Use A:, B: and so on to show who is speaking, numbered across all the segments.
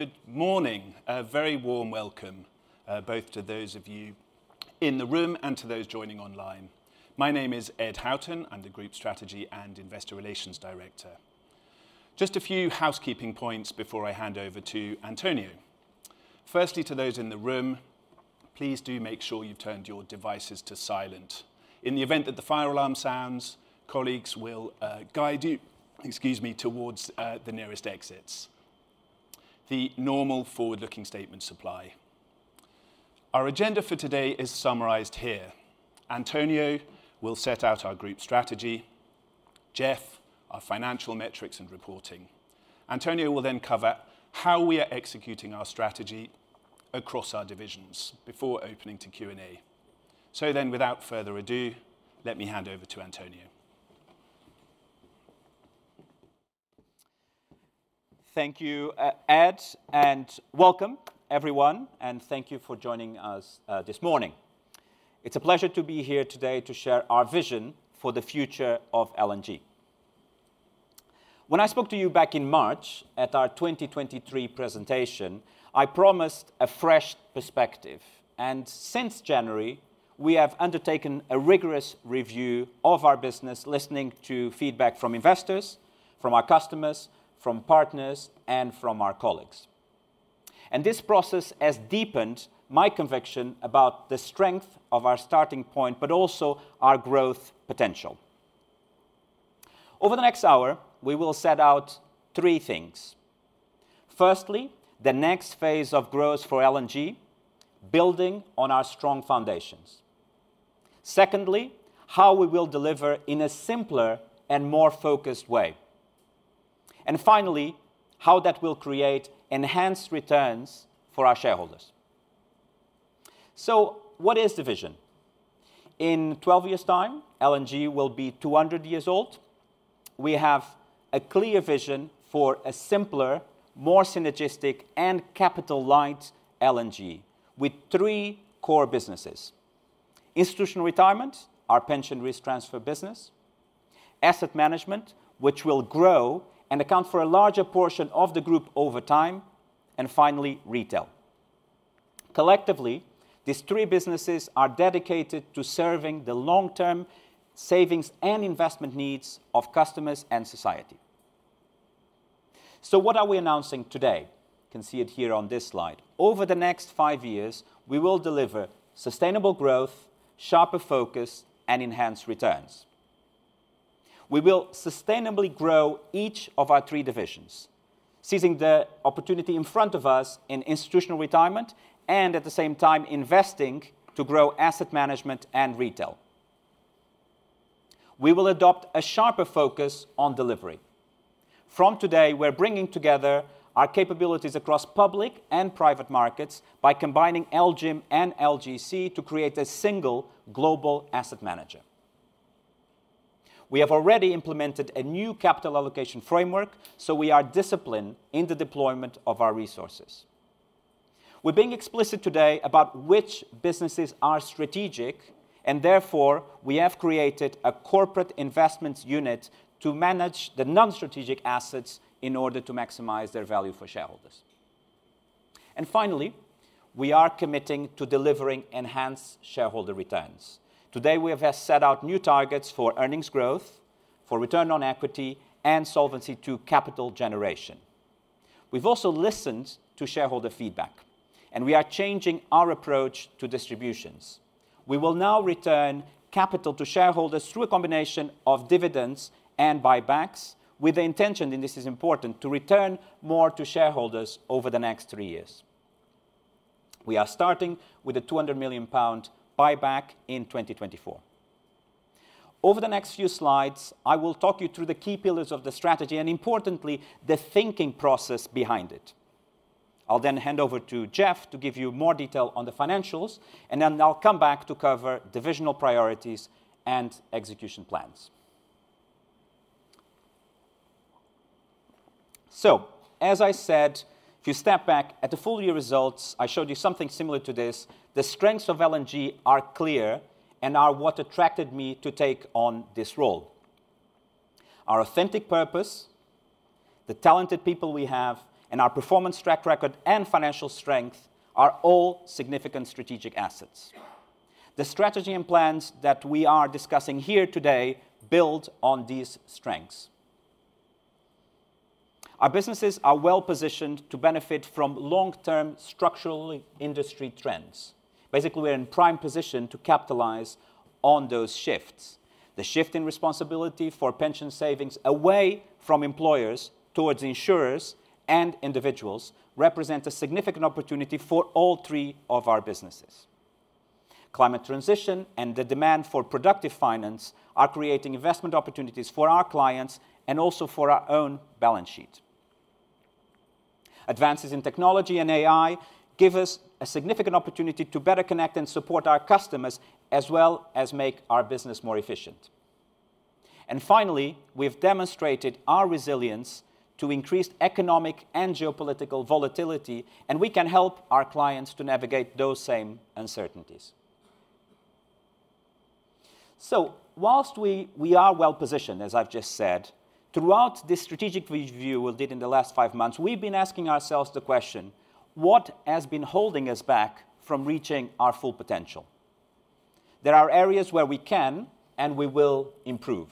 A: Good morning. A very warm welcome, both to those of you in the room and to those joining online. My name is Ed Houghton. I'm the Group Strategy and Investor Relations Director. Just a few housekeeping points before I hand over to António. Firstly, to those in the room, please do make sure you've turned your devices to silent. In the event that the fire alarm sounds, colleagues will guide you, excuse me, towards the nearest exits. The normal forward-looking statements apply. Our agenda for today is summarized here. António will set out our group strategy, Jeff, our financial metrics and reporting. António will then cover how we are executing our strategy across our divisions before opening to Q&A. So then, without further ado, let me hand over to António.
B: Thank you, Ed, and welcome, everyone, and thank you for joining us, this morning. It's a pleasure to be here today to share our vision for the future of L&G. When I spoke to you back in March at our 2023 presentation, I promised a fresh perspective, and since January, we have undertaken a rigorous review of our business, listening to feedback from investors, from our customers, from partners, and from our colleagues. And this process has deepened my conviction about the strength of our starting point, but also our growth potential. Over the next hour, we will set out three things. Firstly, the next phase of growth for L&G, building on our strong foundations. Secondly, how we will deliver in a simpler and more focused way. And finally, how that will create enhanced returns for our shareholders. So what is the vision? In 12 years' time, L&G will be 200 years old. We have a clear vision for a simpler, more synergistic and capital-light L&G, with three core businesses: Institutional Retirement, our pension risk transfer business, Asset Management, which will grow and account for a larger portion of the group over time, and finally, Retail. Collectively, these three businesses are dedicated to serving the long-term savings and investment needs of customers and society. So what are we announcing today? You can see it here on this slide. Over the next five years, we will deliver sustainable growth, sharper focus and enhanced returns. We will sustainably grow each of our three divisions, seizing the opportunity in front of us in Institutional Retirement and, at the same time, investing to grow Asset Management and Retail. We will adopt a sharper focus on delivery. From today, we're bringing together our capabilities across public and private markets by combining LGIM and LGC to create a single global asset manager. We have already implemented a new capital allocation framework, so we are disciplined in the deployment of our resources. We're being explicit today about which businesses are strategic, and therefore, we have created a Corporate Investments unit to manage the non-strategic assets in order to maximize their value for shareholders. And finally, we are committing to delivering enhanced shareholder returns. Today, we have set out new targets for earnings growth, for return on equity, and Solvency II capital generation. We've also listened to shareholder feedback, and we are changing our approach to distributions. We will now return capital to shareholders through a combination of dividends and buybacks, with the intention, and this is important, to return more to shareholders over the next three years. We are starting with a 200 million pound buyback in 2024. Over the next few slides, I will talk you through the key pillars of the strategy and, importantly, the thinking process behind it. I'll then hand over to Jeff to give you more detail on the financials, and then I'll come back to cover divisional priorities and execution plans. So, as I said, if you step back at the full-year results, I showed you something similar to this. The strengths of L&G are clear and are what attracted me to take on this role. Our authentic purpose, the talented people we have, and our performance track record and financial strength are all significant strategic assets. The strategy and plans that we are discussing here today build on these strengths. Our businesses are well-positioned to benefit from long-term structural industry trends. Basically, we're in prime position to capitalize on those shifts. The shift in responsibility for pension savings away from employers towards insurers and individuals represent a significant opportunity for all three of our businesses. Climate transition and the demand for productive finance are creating investment opportunities for our clients and also for our own balance sheet. Advances in technology and AI give us a significant opportunity to better connect and support our customers, as well as make our business more efficient. And finally, we've demonstrated our resilience to increased economic and geopolitical volatility, and we can help our clients to navigate those same uncertainties... So whilst we are well positioned, as I've just said, throughout this strategic review we did in the last five months, we've been asking ourselves the question: What has been holding us back from reaching our full potential? There are areas where we can and we will improve.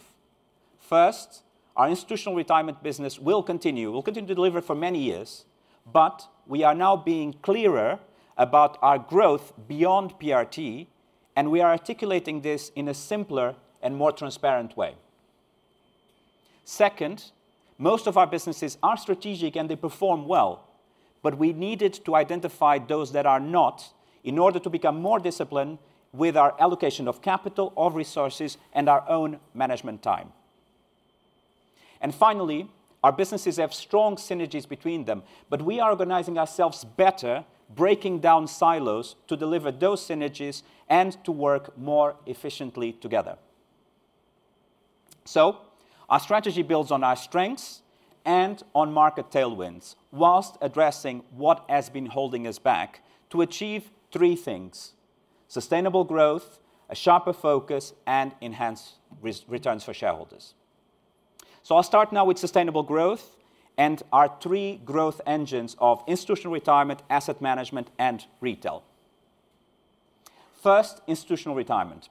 B: First, our Institutional Retirement business will continue to deliver for many years, but we are now being clearer about our growth beyond PRT, and we are articulating this in a simpler and more transparent way. Second, most of our businesses are strategic, and they perform well, but we needed to identify those that are not in order to become more disciplined with our allocation of capital, of resources, and our own management time. And finally, our businesses have strong synergies between them, but we are organizing ourselves better, breaking down silos to deliver those synergies and to work more efficiently together. So our strategy builds on our strengths and on market tailwinds, whilst addressing what has been holding us back to achieve three things: sustainable growth, a sharper focus, and enhanced returns for shareholders. So I'll start now with sustainable growth and our three growth engines of Institutional Retirement, Asset Management and Retail. First, Institutional Retirement.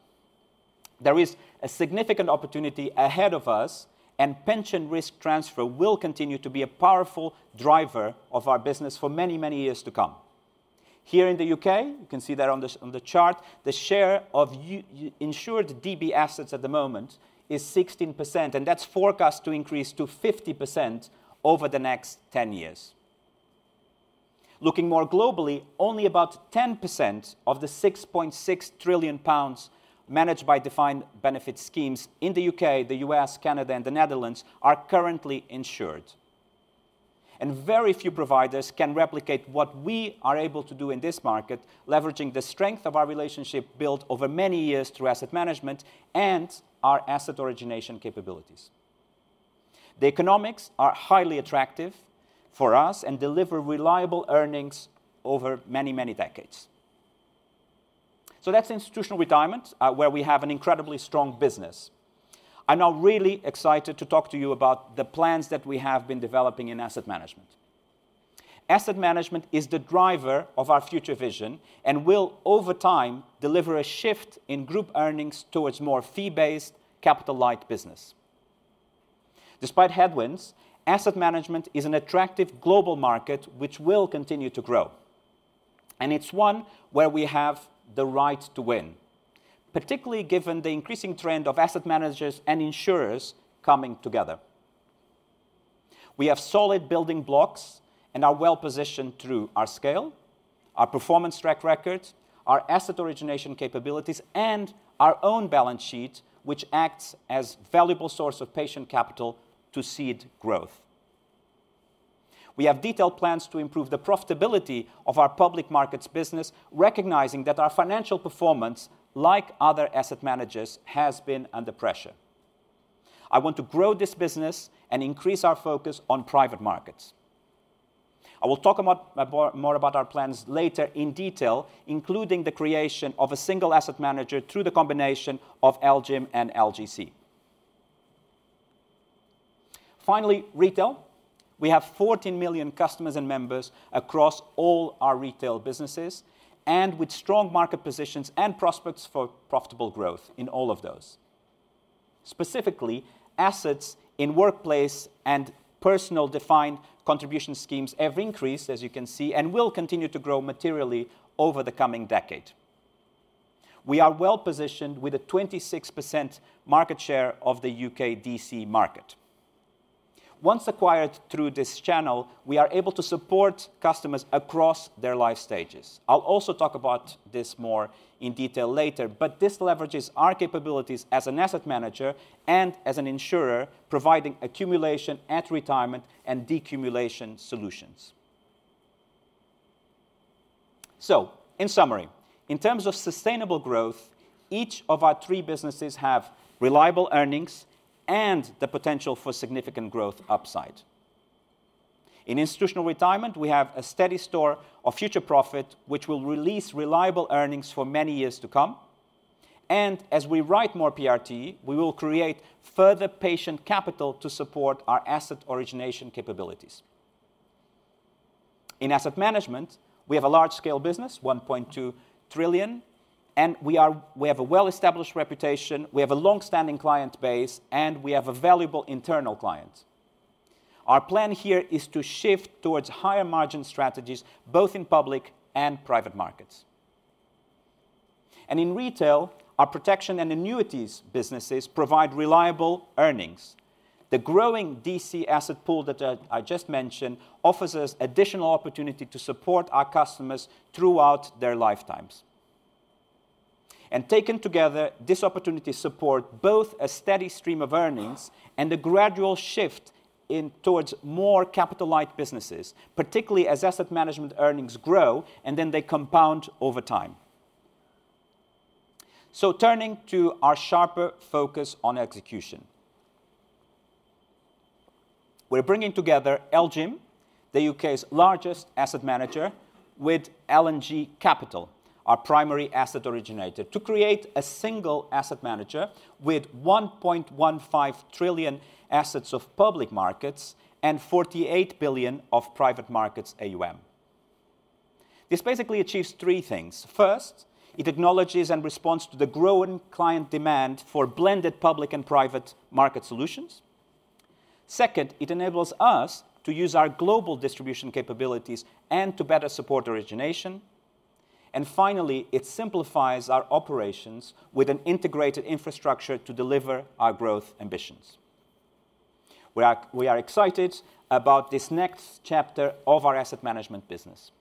B: There is a significant opportunity ahead of us, and pension risk transfer will continue to be a powerful driver of our business for many, many years to come. Here in the U.K., you can see that on the chart, the share of uninsured DB assets at the moment is 16%, and that's forecast to increase to 50% over the next 10 years. Looking more globally, only about 10% of the 6.6 trillion pounds managed by defined benefit schemes in the U.K., the U.S., Canada, and the Netherlands are currently insured, and very few providers can replicate what we are able to do in this market, leveraging the strength of our relationship built over many years through Asset Management and our asset origination capabilities. The economics are highly attractive for us and deliver reliable earnings over many, many decades. So that's Institutional Retirement, where we have an incredibly strong business. I'm now really excited to talk to you about the plans that we have been developing in Asset Management. Asset Management is the driver of our future vision and will, over time, deliver a shift in group earnings towards more fee-based, capital-light business. Despite headwinds, Asset Management is an attractive global market which will continue to grow, and it's one where we have the right to win, particularly given the increasing trend of asset managers and insurers coming together. We have solid building blocks and are well-positioned through our scale, our performance track record, our asset origination capabilities, and our own balance sheet, which acts as valuable source of patient capital to seed growth. We have detailed plans to improve the profitability of our public markets business, recognizing that our financial performance, like other asset managers, has been under pressure. I want to grow this business and increase our focus on private markets. I will talk more about our plans later in detail, including the creation of a single asset manager through the combination of LGIM and LGC. Finally, Retail. We have 14 million customers and members across all our Retail businesses, and with strong market positions and prospects for profitable growth in all of those. Specifically, assets in workplace and personal defined contribution schemes have increased, as you can see, and will continue to grow materially over the coming decade. We are well-positioned with a 26% market share of the U.K. DC market. Once acquired through this channel, we are able to support customers across their life stages. I'll also talk about this more in detail later, but this leverages our capabilities as an asset manager and as an insurer, providing accumulation at retirement and decumulation solutions. So in summary, in terms of sustainable growth, each of our three businesses have reliable earnings and the potential for significant growth upside. In Institutional Retirement, we have a steady store of future profit, which will release reliable earnings for many years to come, and as we write more PRT, we will create further patient capital to support our asset origination capabilities. In Asset Management, we have a large-scale business, 1.2 trillion, and we have a well-established reputation, we have a long-standing client base, and we have a valuable internal client. Our plan here is to shift towards higher-margin strategies, both in public and private markets. In Retail, our protection and annuities businesses provide reliable earnings. The growing DC asset pool that I just mentioned offers us additional opportunity to support our customers throughout their lifetimes. Taken together, this opportunity support both a steady stream of earnings and a gradual shift in towards more capital-light businesses, particularly as Asset Management earnings grow, and then they compound over time. Turning to our sharper focus on execution... We're bringing together LGIM, the UK's largest asset manager, with L&G Capital, our primary asset originator, to create a single asset manager with 1.15 trillion assets of public markets and 48 billion of private markets AUM. This basically achieves three things: first, it acknowledges and responds to the growing client demand for blended public and private market solutions. Second, it enables us to use our global distribution capabilities and to better support origination. And finally, it simplifies our operations with an integrated infrastructure to deliver our growth ambitions. We are, we are excited about this next chapter of our Asset Management business.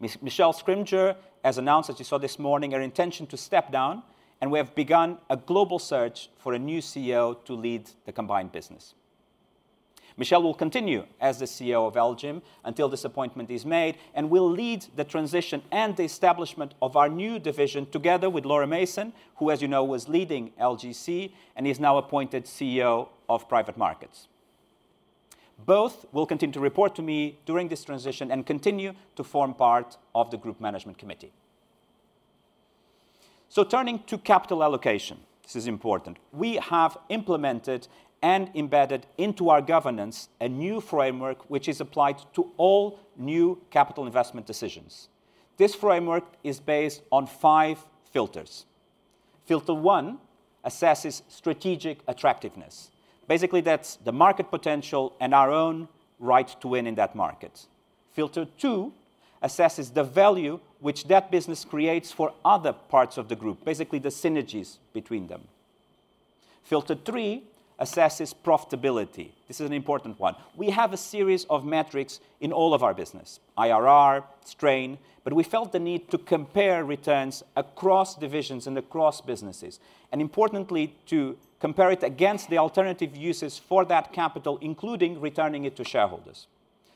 B: Michelle Scrimgeour has announced, as you saw this morning, her intention to step down, and we have begun a global search for a new CEO to lead the combined business. Michelle will continue as the CEO of LGIM until this appointment is made, and will lead the transition and the establishment of our new division, together with Laura Mason, who, as you know, was leading LGC and is now appointed CEO of Private Markets. Both will continue to report to me during this transition and continue to form part of the Group Management Committee. Turning to capital allocation, this is important. We have implemented and embedded into our governance a new framework, which is applied to all new capital investment decisions. This framework is based on five filters. Filter one assesses strategic attractiveness. Basically, that's the market potential and our own right to win in that market. Filter 2 assesses the value which that business creates for other parts of the group, basically the synergies between them. Filter 3 assesses profitability. This is an important one. We have a series of metrics in all of our business, IRR, strain, but we felt the need to compare returns across divisions and across businesses, and importantly, to compare it against the alternative uses for that capital, including returning it to shareholders.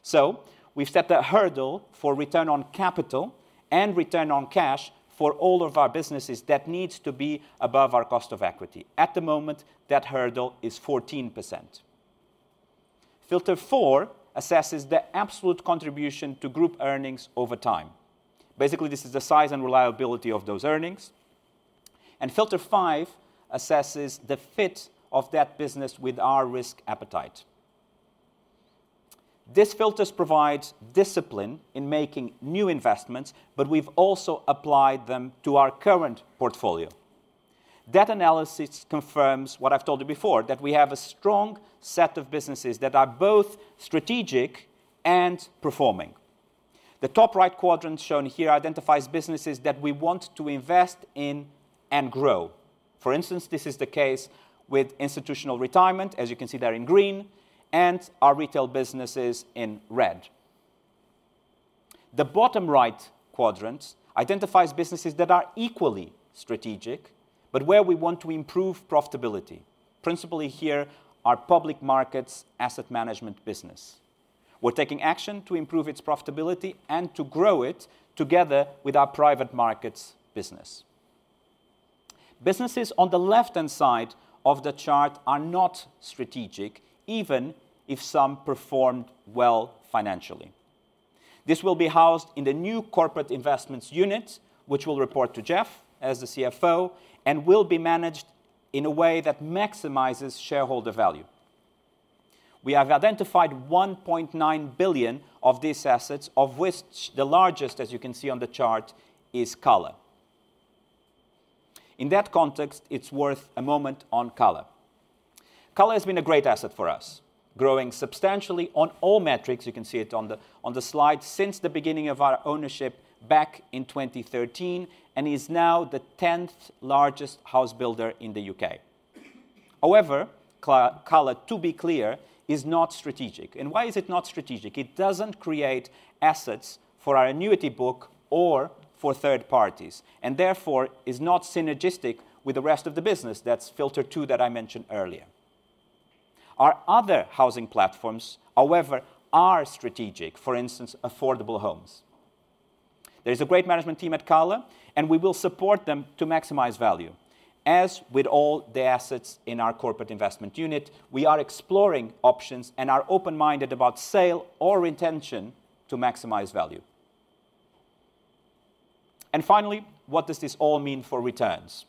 B: So we've set a hurdle for return on capital and return on cash for all of our businesses that needs to be above our cost of equity. At the moment, that hurdle is 14%. Filter 4 assesses the absolute contribution to group earnings over time. Basically, this is the size and reliability of those earnings. And filter 5 assesses the fit of that business with our risk appetite. These filters provide discipline in making new investments, but we've also applied them to our current portfolio. That analysis confirms what I've told you before, that we have a strong set of businesses that are both strategic and performing. The top right quadrant shown here identifies businesses that we want to invest in and grow. For instance, this is the case with Institutional Retirement, as you can see there in green, and our Retail businesses in red. The bottom right quadrant identifies businesses that are equally strategic, but where we want to improve profitability. Principally here, our Public Markets Asset Management business. We're taking action to improve its profitability and to grow it together with our Private Markets business. Businesses on the left-hand side of the chart are not strategic, even if some performed well financially. This will be housed in the new Corporate Investments unit, which will report to Jeff as the CFO and will be managed in a way that maximizes shareholder value. We have identified 1.9 billion of these assets, of which the largest, as you can see on the chart, is Cala. In that context, it's worth a moment on Cala. Cala has been a great asset for us, growing substantially on all metrics, you can see it on the slide, since the beginning of our ownership back in 2013, and is now the tenth largest house builder in the U.K. However, Cala, to be clear, is not strategic. And why is it not strategic? It doesn't create assets for our annuity book or for third parties, and therefore is not synergistic with the rest of the business. That's filter two that I mentioned earlier. Our other housing platforms, however, are strategic, for instance, Affordable Homes. There is a great management team at Cala, and we will support them to maximize value. As with all the assets in our Corporate Investment unit, we are exploring options and are open-minded about sale or retention to maximize value. And finally, what does this all mean for returns?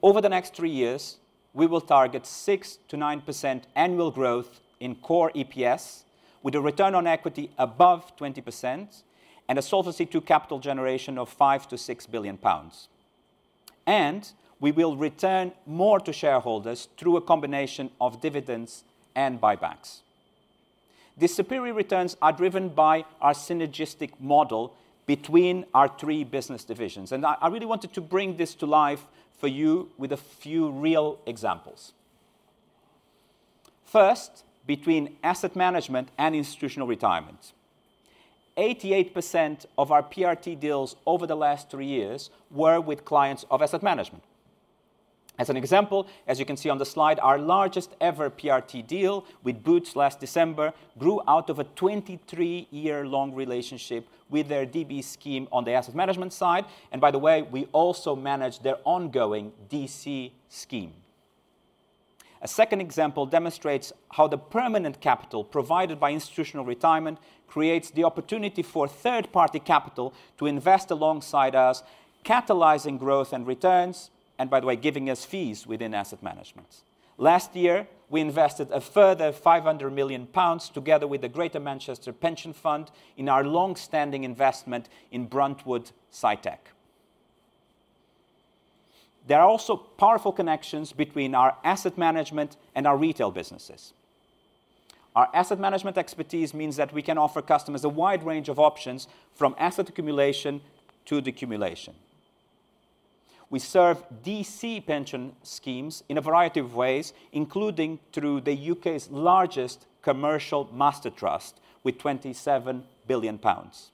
B: Over the next three years, we will target 6%-9% annual growth in core EPS, with a return on equity above 20% and a Solvency II capital generation of 5 billion-6 billion pounds. And we will return more to shareholders through a combination of dividends and buybacks. These superior returns are driven by our synergistic model between our three business divisions, and I really wanted to bring this to life for you with a few real examples. First, between Asset Management and Institutional Retirement. 88% of our PRT deals over the last three years were with clients of Asset Management. As an example, as you can see on the slide, our largest ever PRT deal with Boots last December grew out of a 23-year-long relationship with their DB scheme on the Asset Management side, and by the way, we also manage their ongoing DC scheme. A second example demonstrates how the permanent capital provided by Institutional Retirement creates the opportunity for third-party capital to invest alongside us, catalyzing growth and returns, and by the way, giving us fees within Asset Management. Last year, we invested a further 500 million pounds together with the Greater Manchester Pension Fund in our long-standing investment in Bruntwood SciTech. There are also powerful connections between our Asset Management and our Retail businesses. Our Asset Management expertise means that we can offer customers a wide range of options from asset accumulation to decumulation. We serve DC pension schemes in a variety of ways, including through the U.K.'s largest commercial master trust, with 27 billion pounds.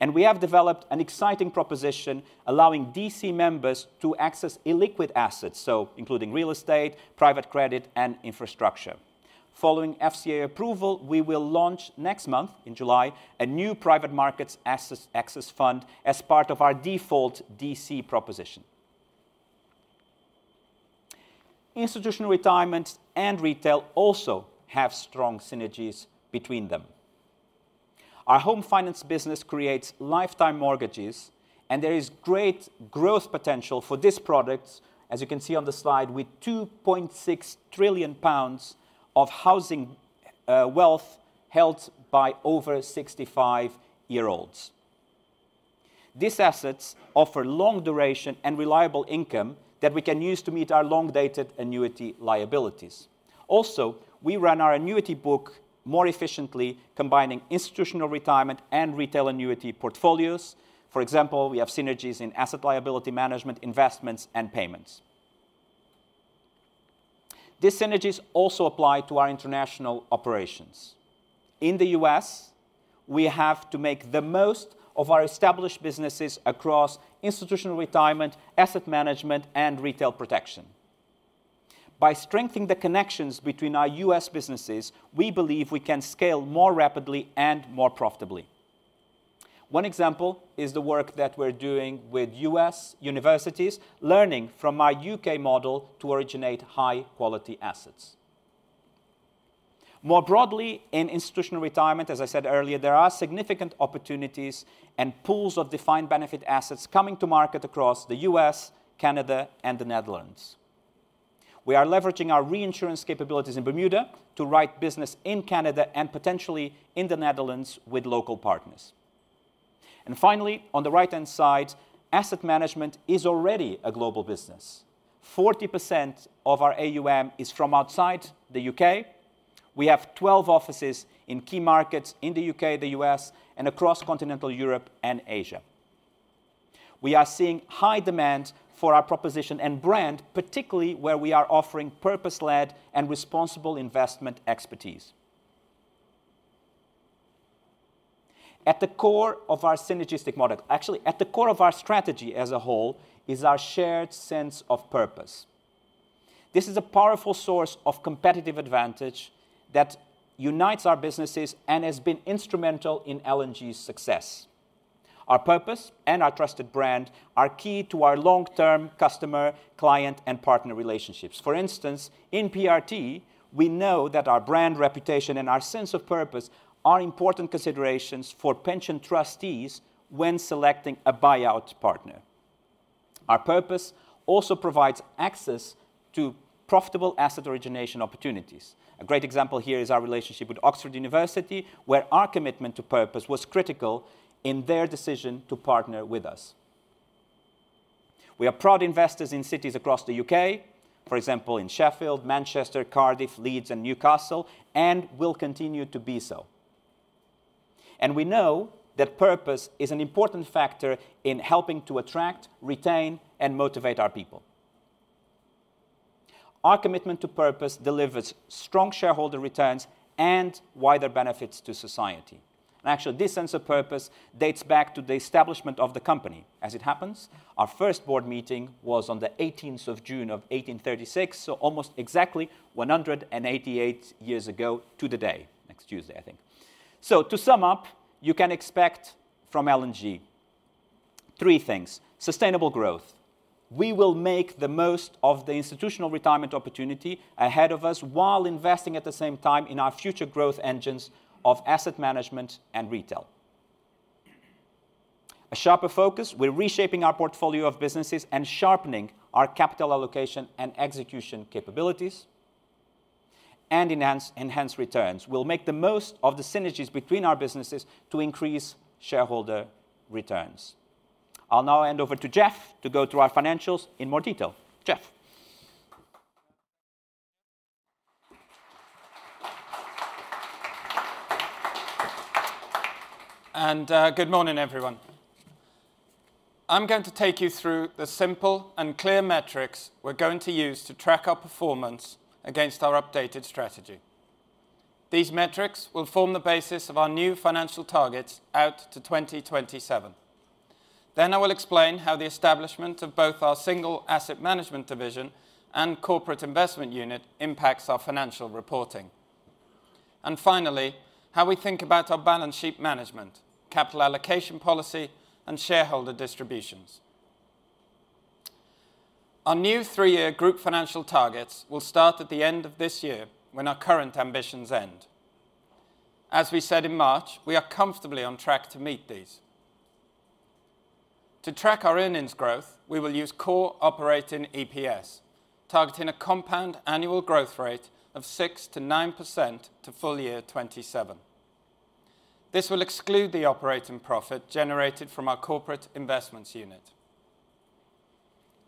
B: And we have developed an exciting proposition allowing DC members to access illiquid assets, so including real estate, private credit, and infrastructure. Following FCA approval, we will launch next month, in July, a new Private Markets Access Fund as part of our default DC proposition. Institutional Retirement and Retail also have strong synergies between them. Our Home Finance business creates lifetime mortgages, and there is great growth potential for this product, as you can see on the slide, with 2.6 trillion pounds of housing wealth held by over 65-year-olds. These assets offer long duration and reliable income that we can use to meet our long-dated annuity liabilities. Also, we run our annuity book more efficiently, combining Institutional Retirement and Retail Annuity portfolios. For example, we have synergies in asset liability management, investments, and payments. These synergies also apply to our international operations. In the U.S., we have to make the most of our established businesses across Institutional Retirement, Asset Management, and Retail Protection. By strengthening the connections between our U.S. businesses, we believe we can scale more rapidly and more profitably. One example is the work that we're doing with U.S. universities, learning from our U.K. model to originate high-quality assets. More broadly, in Institutional Retirement, as I said earlier, there are significant opportunities and pools of defined benefit assets coming to market across the U.S., Canada, and the Netherlands. We are leveraging our reinsurance capabilities in Bermuda to write business in Canada and potentially in the Netherlands with local partners. And finally, on the right-hand side, Asset Management is already a global business. 40% of our AUM is from outside the U.K. We have 12 offices in key markets in the U.K., the U.S., and across continental Europe and Asia. We are seeing high demand for our proposition and brand, particularly where we are offering purpose-led and responsible investment expertise. At the core of our synergistic model... Actually, at the core of our strategy as a whole is our shared sense of purpose. This is a powerful source of competitive advantage that unites our businesses and has been instrumental in L&G's success. Our purpose and our trusted brand are key to our long-term customer, client, and partner relationships. For instance, in PRT, we know that our brand reputation and our sense of purpose are important considerations for pension trustees when selecting a buyout partner. Our purpose also provides access to profitable asset origination opportunities. A great example here is our relationship with Oxford University, where our commitment to purpose was critical in their decision to partner with us. We are proud investors in cities across the U.K., for example, in Sheffield, Manchester, Cardiff, Leeds, and Newcastle, and will continue to be so. And we know that purpose is an important factor in helping to attract, retain, and motivate our people. Our commitment to purpose delivers strong shareholder returns and wider benefits to society. And actually, this sense of purpose dates back to the establishment of the company. As it happens, our first board meeting was on the 18th of June of 1836, so almost exactly 188 years ago to the day. Next Tuesday, I think. So to sum up, you can expect from L&G 3 things. Sustainable growth: we will make the most of the Institutional Retirement opportunity ahead of us, while investing at the same time in our future growth engines of Asset Management and Retail. A sharper focus: we're reshaping our portfolio of businesses and sharpening our capital allocation and execution capabilities. And enhance, enhance returns: we'll make the most of the synergies between our businesses to increase shareholder returns. I'll now hand over to Jeff to go through our financials in more detail. Jeff? And, good morning, everyone. I'm going to take you through the simple and clear metrics we're going to use to track our performance against our updated strategy. These metrics will form the basis of our new financial targets out to 2027. Then I will explain how the establishment of both our single Asset Management division and Corporate Investment unit impacts our financial reporting. And finally, how we think about our balance sheet management, capital allocation policy, and shareholder distributions. Our new three-year group financial targets will start at the end of this year when our current ambitions end. As we said in March, we are comfortably on track to meet these. To track our earnings growth, we will use core operating EPS, targeting a compound annual growth rate of 6%-9% to full year 2027. This will exclude the operating profit generated from our Corporate Investments unit.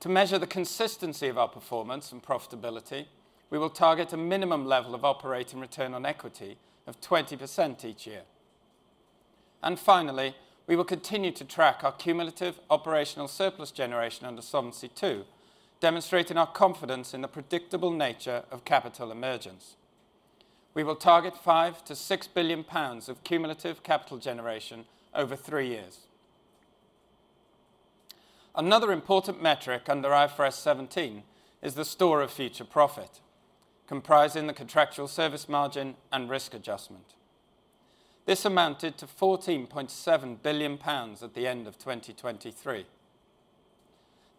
B: To measure the consistency of our performance and profitability, we will target a minimum level of operating return on equity of 20% each year. Finally, we will continue to track our cumulative operational surplus generation under Solvency II, demonstrating our confidence in the predictable nature of capital emergence. We will target 5 billion-6 billion pounds of cumulative capital generation over three years. Another important metric under IFRS 17 is the store of future profit, comprising the contractual service margin and risk adjustment. This amounted to 14.7 billion pounds at the end of 2023.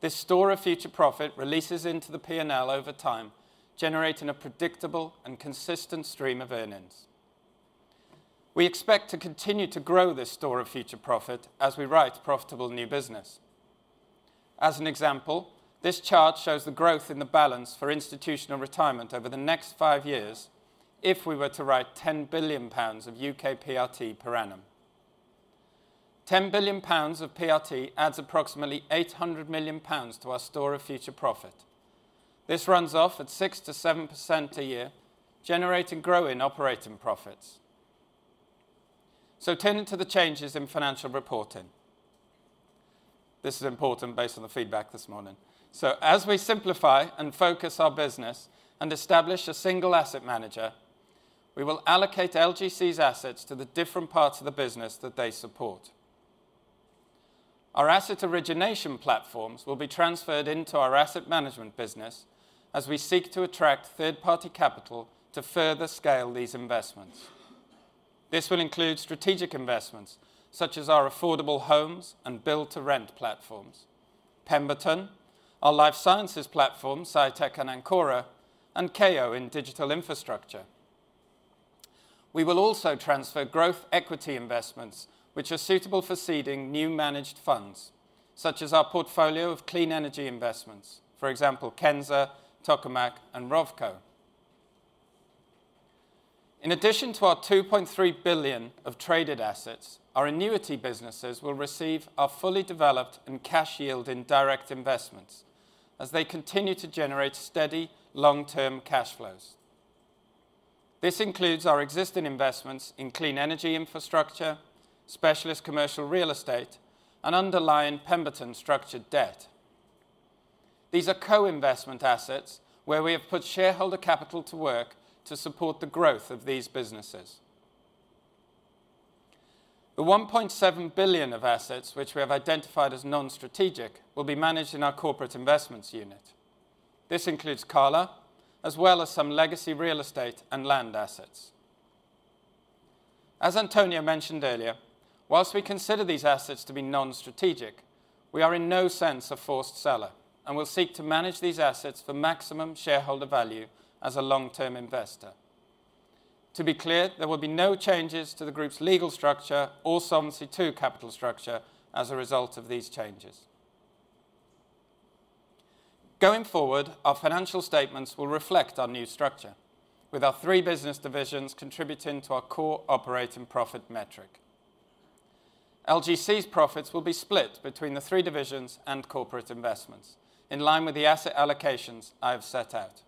B: This store of future profit releases into the P&L over time, generating a predictable and consistent stream of earnings. We expect to continue to grow this store of future profit as we write profitable new business. As an example, this chart shows the growth in the balance for Institutional Retirement over the next five years if we were to write 10 billion pounds of U.K. PRT per annum. 10 billion pounds of PRT adds approximately 800 million pounds to our Store of Future Profit. This runs off at 6%-7% a year, generating growing operating profits. So turning to the changes in financial reporting. This is important based on the feedback this morning. So as we simplify and focus our business and establish a single asset manager, we will allocate LGC's assets to the different parts of the business that they support. Our asset origination platforms will be transferred into our Asset Management business as we seek to attract third-party capital to further scale these investments. This will include strategic investments such as our Affordable Homes and Build to Rent platforms, Pemberton, our life sciences platform, SciTech and Ancora, and Kao in digital infrastructure. We will also transfer growth equity investments which are suitable for seeding new managed funds, such as our portfolio of clean energy investments, for example, Kensa, Tokamak, and Rovco. In addition to our 2.3 billion of traded assets, our annuity businesses will receive our fully developed and cash-yielding direct investments as they continue to generate steady, long-term cash flows. This includes our existing investments in clean energy infrastructure, specialist commercial real estate, and underlying Pemberton structured debt. These are co-investment assets where we have put shareholder capital to work to support the growth of these businesses. The 1.7 billion of assets which we have identified as non-strategic will be managed in our Corporate Investments unit. This includes Cala, as well as some legacy real estate and land assets. As António mentioned earlier, while we consider these assets to be non-strategic, we are in no sense a forced seller and will seek to manage these assets for maximum shareholder value as a long-term investor. To be clear, there will be no changes to the group's legal structure or Solvency II capital structure as a result of these changes. Going forward, our financial statements will reflect our new structure, with our three business divisions contributing to our core operating profit metric. LGC's profits will be split between the three divisions and Corporate Investments, in line with the asset allocations I have set out.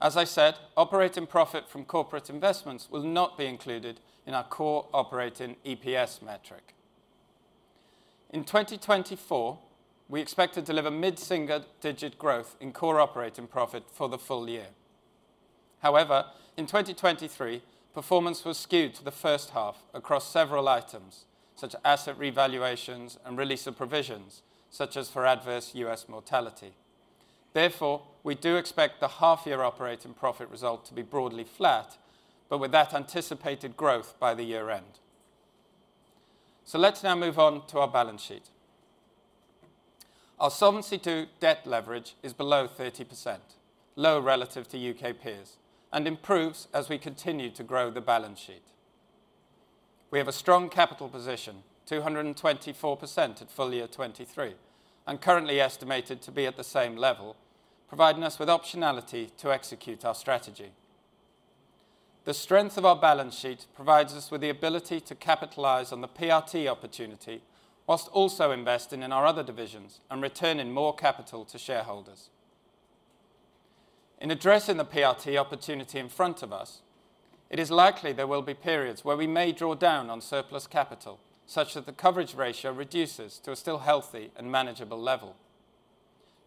B: As I said, operating profit from Corporate Investments will not be included in our core operating EPS metric. In 2024, we expect to deliver mid-single-digit growth in core operating profit for the full year. However, in 2023, performance was skewed to the first half across several items, such as asset revaluations and release of provisions, such as for adverse U.S. mortality. Therefore, we do expect the half-year operating profit result to be broadly flat, but with that anticipated growth by the year end. So let's now move on to our balance sheet. Our Solvency II debt leverage is below 30%, low relative to U.K. peers, and improves as we continue to grow the balance sheet. We have a strong capital position, 224% at full year 2023, and currently estimated to be at the same level, providing us with optionality to execute our strategy. The strength of our balance sheet provides us with the ability to capitalize on the PRT opportunity while also investing in our other divisions and returning more capital to shareholders. In addressing the PRT opportunity in front of us, it is likely there will be periods where we may draw down on surplus capital, such that the coverage ratio reduces to a still healthy and manageable level.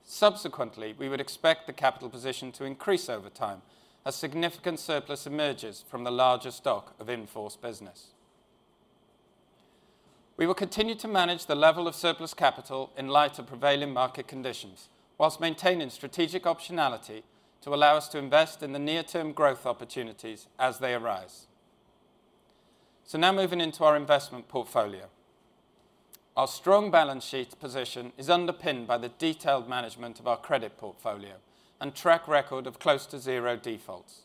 B: Subsequently, we would expect the capital position to increase over time as significant surplus emerges from the larger stock of in-force business... We will continue to manage the level of surplus capital in light of prevailing market conditions, while maintaining strategic optionality to allow us to invest in the near-term growth opportunities as they arise. So now moving into our investment portfolio. Our strong balance sheet position is underpinned by the detailed management of our credit portfolio and track record of close to zero defaults.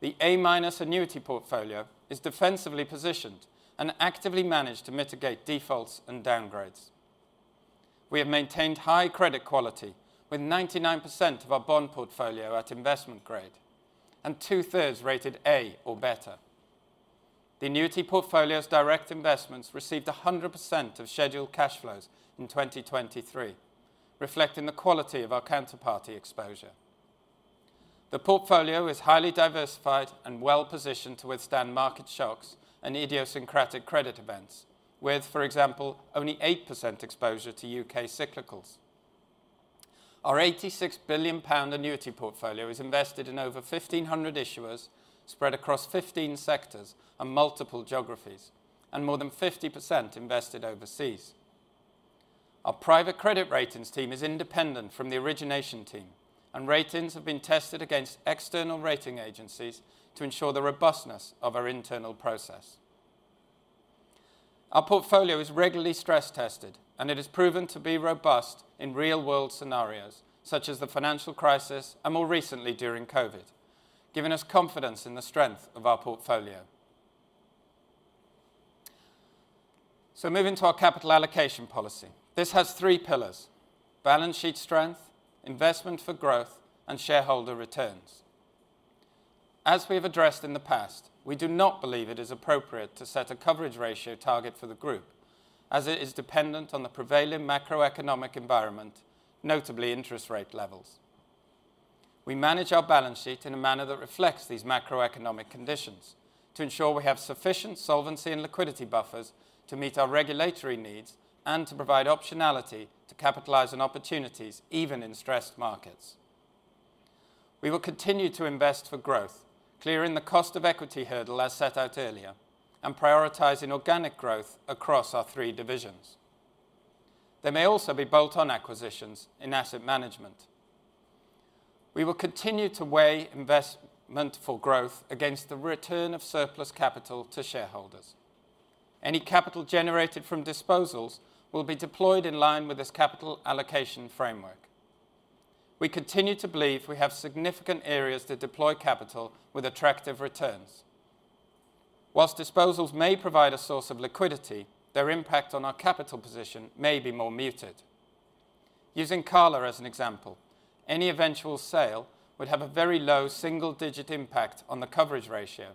B: The A-minus annuity portfolio is defensively positioned and actively managed to mitigate defaults and downgrades. We have maintained high credit quality, with 99% of our bond portfolio at investment grade and two-thirds rated A or better. The annuity portfolio's direct investments received 100% of scheduled cash flows in 2023, reflecting the quality of our counterparty exposure. The portfolio is highly diversified and well-positioned to withstand market shocks and idiosyncratic credit events, with, for example, only 8% exposure to U.K. cyclicals. Our 86 billion pound annuity portfolio is invested in over 1,500 issuers, spread across 15 sectors and multiple geographies, and more than 50% invested overseas. Our private credit ratings team is independent from the origination team, and ratings have been tested against external rating agencies to ensure the robustness of our internal process. Our portfolio is regularly stress-tested, and it has proven to be robust in real-world scenarios, such as the financial crisis and more recently during COVID, giving us confidence in the strength of our portfolio. Moving to our capital allocation policy. This has three pillars: balance sheet strength, investment for growth, and shareholder returns. As we've addressed in the past, we do not believe it is appropriate to set a coverage ratio target for the group, as it is dependent on the prevailing macroeconomic environment, notably interest rate levels. We manage our balance sheet in a manner that reflects these macroeconomic conditions to ensure we have sufficient solvency and liquidity buffers to meet our regulatory needs and to provide optionality to capitalize on opportunities, even in stressed markets. We will continue to invest for growth, clearing the cost of equity hurdle as set out earlier, and prioritizing organic growth across our three divisions. There may also be bolt-on acquisitions in Asset Management. We will continue to weigh investment for growth against the return of surplus capital to shareholders. Any capital generated from disposals will be deployed in line with this capital allocation framework. We continue to believe we have significant areas to deploy capital with attractive returns. Whilst disposals may provide a source of liquidity, their impact on our capital position may be more muted. Using Cala as an example, any eventual sale would have a very low single-digit impact on the coverage ratio,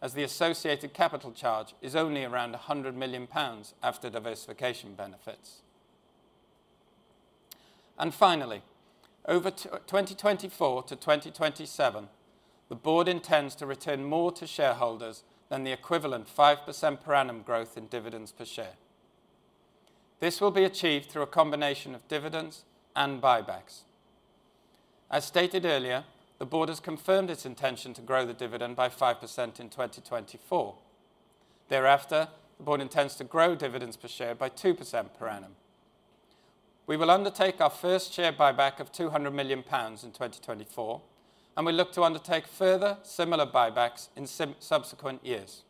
B: as the associated capital charge is only around 100 million pounds after diversification benefits. Finally, over 2024-2027, the board intends to return more to shareholders than the equivalent 5% per annum growth in dividends per share. This will be achieved through a combination of dividends and buybacks. As stated earlier, the board has confirmed its intention to grow the dividend by 5% in 2024. Thereafter, the board intends to grow dividends per share by 2% per annum. We will undertake our first share buyback of 200 million pounds in 2024, and we look to undertake further similar buybacks in subsequent years.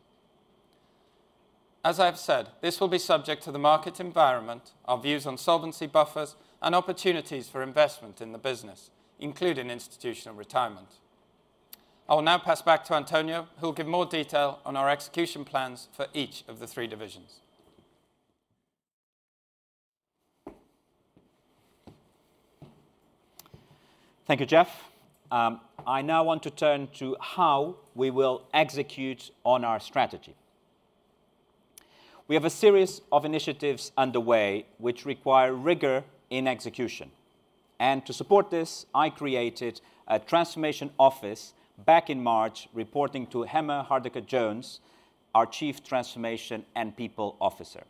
B: As I've said, this will be subject to the market environment, our views on solvency buffers, and opportunities for investment in the business, including Institutional Retirement. I will now pass back to António, who will give more detail on our execution plans for each of the three divisions. Thank you, Jeff. I now want to turn to how we will execute on our strategy. We have a series of initiatives underway which require rigor in execution, and to support this, I created a transformation office back in March, reporting to Emma Hardaker-Jones, our Chief Transformation and People Officer.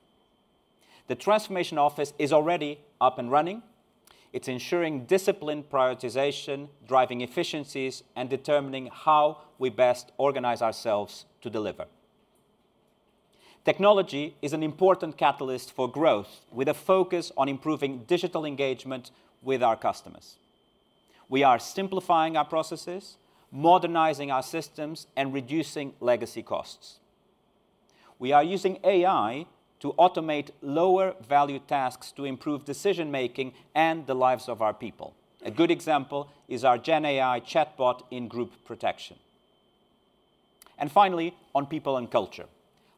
B: The transformation office is already up and running. It's ensuring disciplined prioritization, driving efficiencies, and determining how we best organize ourselves to deliver. Technology is an important catalyst for growth, with a focus on improving digital engagement with our customers. We are simplifying our processes, modernizing our systems, and reducing legacy costs. We are using AI to automate lower-value tasks to improve decision-making and the lives of our people. A good example is our GenAI chatbot in Group Protection. Finally, on people and culture.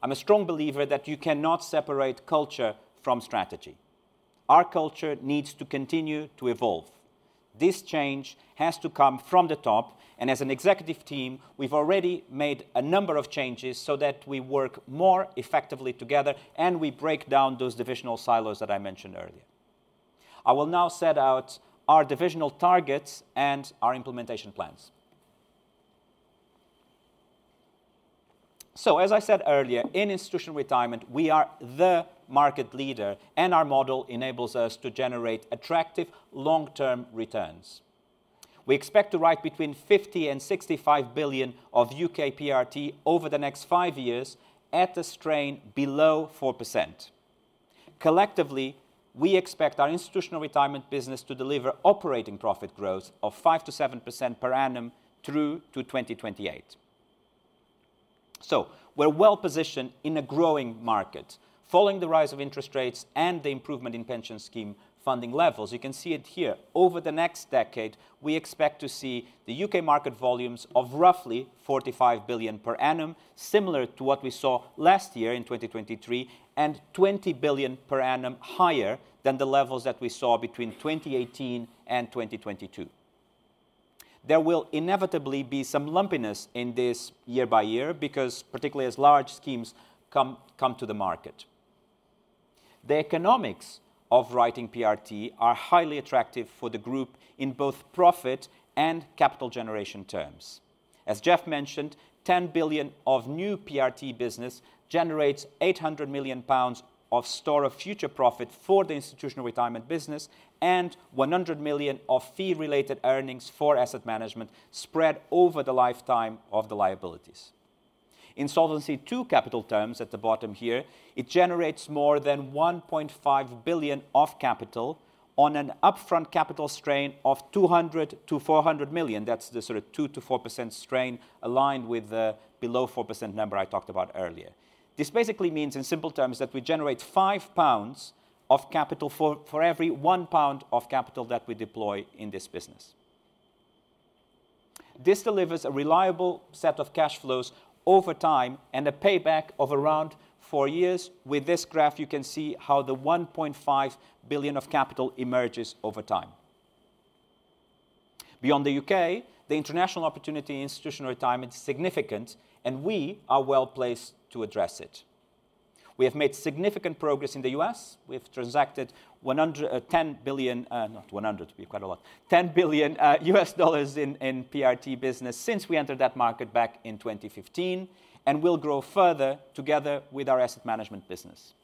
B: I'm a strong believer that you cannot separate culture from strategy. Our culture needs to continue to evolve. This change has to come from the top, and as an executive team, we've already made a number of changes so that we work more effectively together, and we break down those divisional silos that I mentioned earlier. I will now set out our divisional targets and our implementation plans. So as I said earlier, in Institutional Retirement, we are the market leader, and our model enables us to generate attractive long-term returns. We expect to write between 50 billion and 65 billion of U.K. PRT over the next 5 years at a strain below 4%. Collectively, we expect our Institutional Retirement business to deliver operating profit growth of 5%-7% per annum through to 2028. So we're well-positioned in a growing market, following the rise of interest rates and the improvement in pension scheme funding levels. You can see it here. Over the next decade, we expect to see the U.K. market volumes of roughly 45 billion per annum, similar to what we saw last year in 2023, and 20 billion per annum higher than the levels that we saw between 2018 and 2022. There will inevitably be some lumpiness in this year by year because particularly as large schemes come to the market. The economics of writing PRT are highly attractive for the group in both profit and capital generation terms. As Jeff mentioned, 10 billion of new PRT business generates 800 million pounds of store of future profit for the Institutional Retirement business, and 100 million of fee-related earnings for Asset Management spread over the lifetime of the liabilities. In Solvency II capital terms, at the bottom here, it generates more than 1.5 billion of capital on an upfront capital strain of 200-400 million. That's the sort of 2%-4% strain aligned with the below 4% number I talked about earlier. This basically means, in simple terms, that we generate 5 pounds of capital for every one pound of capital that we deploy in this business. This delivers a reliable set of cash flows over time and a payback of around 4 years. With this graph, you can see how the 1.5 billion of capital emerges over time. Beyond the U.K., the international opportunity in Institutional Retirement is significant, and we are well placed to address it. We have made significant progress in the U.S. We have transacted $10 billion, not $100 billion, would be quite a lot, $10 billion in PRT business since we entered that market back in 2015, and we'll grow further together with our Asset Management business.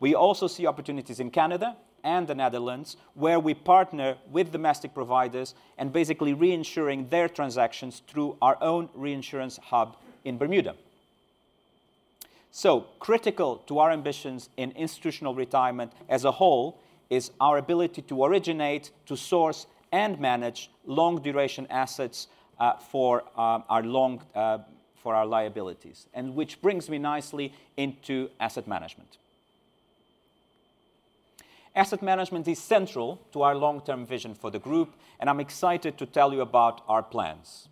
B: We also see opportunities in Canada and the Netherlands, where we partner with domestic providers and basically reinsuring their transactions through our own reinsurance hub in Bermuda. So critical to our ambitions in Institutional Retirement as a whole, is our ability to originate, to source, and manage long-duration assets for our liabilities, and which brings me nicely into Asset Management. Asset Management is central to our long-term vision for the group, and I'm excited to tell you about our plans.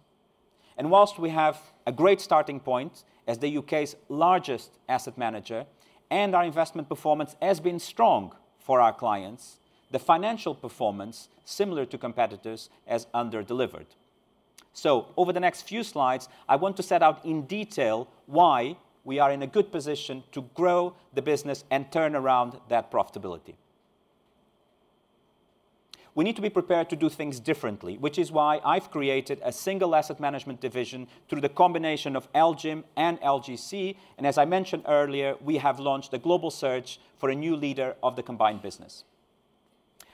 B: While we have a great starting point as the UK's largest asset manager, and our investment performance has been strong for our clients, the financial performance, similar to competitors, has underdelivered. So over the next few slides, I want to set out in detail why we are in a good position to grow the business and turn around that profitability. We need to be prepared to do things differently, which is why I've created a single Asset management division through the combination of LGIM and LGC, and as I mentioned earlier, we have launched a global search for a new leader of the combined business.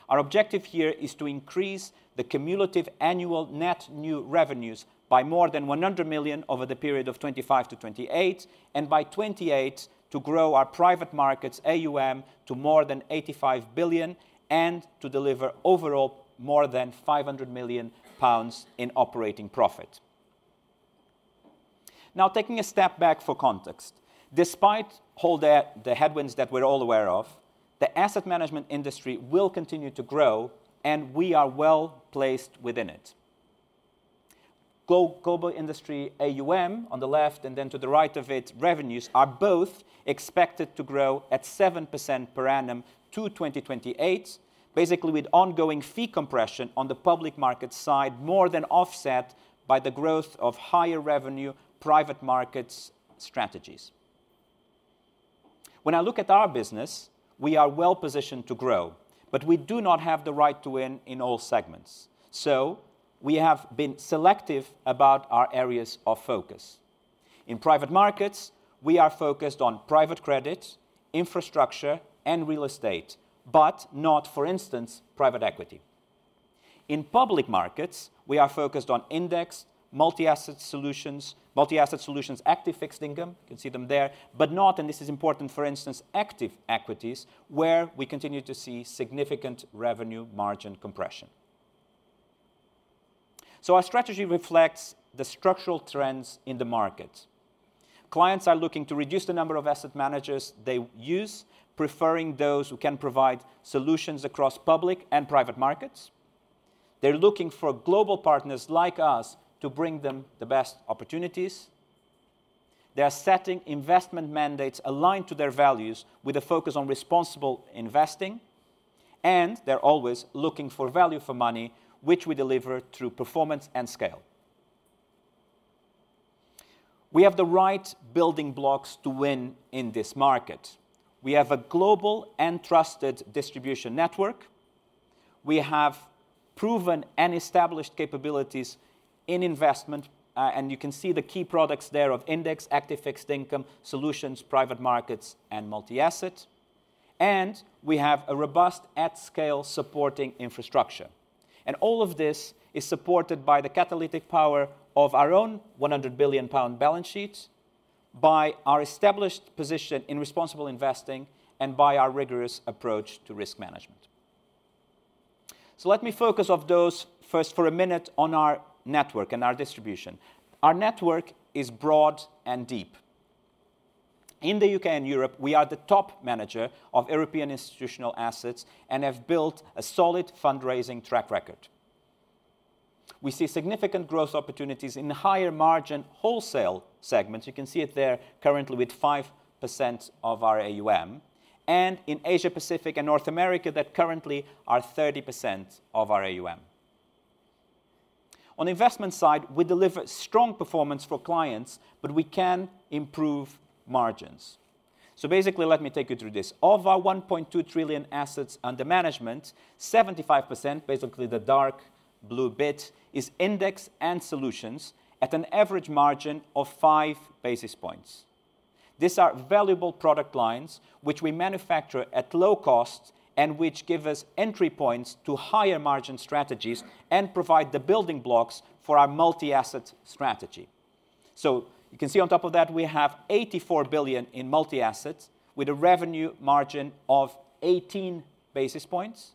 B: Our objective here is to increase the cumulative annual net new revenues by more than 100 million over the period of 2025 to 2028, and by 2028, to grow our private markets AUM to more than 85 billion, and to deliver overall more than 500 million pounds in operating profit. Now, taking a step back for context, despite all the, the headwinds that we're all aware of, the Asset Management industry will continue to grow, and we are well placed within it. Global industry AUM on the left, and then to the right of it, revenues, are both expected to grow at 7% per annum to 2028, basically with ongoing fee compression on the public market side, more than offset by the growth of higher revenue private markets strategies. When I look at our business, we are well positioned to grow, but we do not have the right to win in all segments, so we have been selective about our areas of focus. In private markets, we are focused on private credit, infrastructure, and real estate, but not, for instance, private equity. In public markets, we are focused on index, multi-asset solutions, multi-asset solutions, active fixed income, you can see them there, but not, and this is important, for instance, active equities, where we continue to see significant revenue margin compression. So our strategy reflects the structural trends in the market. Clients are looking to reduce the number of asset managers they use, preferring those who can provide solutions across public and private markets. They're looking for global partners like us to bring them the best opportunities. They are setting investment mandates aligned to their values with a focus on responsible investing, and they're always looking for value for money, which we deliver through performance and scale. We have the right building blocks to win in this market. We have a global and trusted distribution network. We have proven and established capabilities in investment, and you can see the key products there of index, Active Fixed Income, solutions, Private Markets, and multi-asset.... and we have a robust, at-scale supporting infrastructure. And all of this is supported by the catalytic power of our own 100 billion pound balance sheet, by our established position in responsible investing, and by our rigorous approach to risk management. So let me focus on those first for a minute on our network and our distribution. Our network is broad and deep. In the U.K. and Europe, we are the top manager of European institutional assets and have built a solid fundraising track record. We see significant growth opportunities in the higher margin wholesale segments, you can see it there currently with 5% of our AUM, and in Asia Pacific and North America, that currently are 30% of our AUM. On the investment side, we deliver strong performance for clients, but we can improve margins. So basically, let me take you through this. Of our 1.2 trillion assets under management, 75%, basically the dark blue bit, is index and solutions at an average margin of 5 basis points. These are valuable product lines, which we manufacture at low cost and which give us entry points to higher margin strategies and provide the building blocks for our multi-asset strategy. So you can see on top of that, we have 84 billion in multi-assets, with a revenue margin of 18 basis points,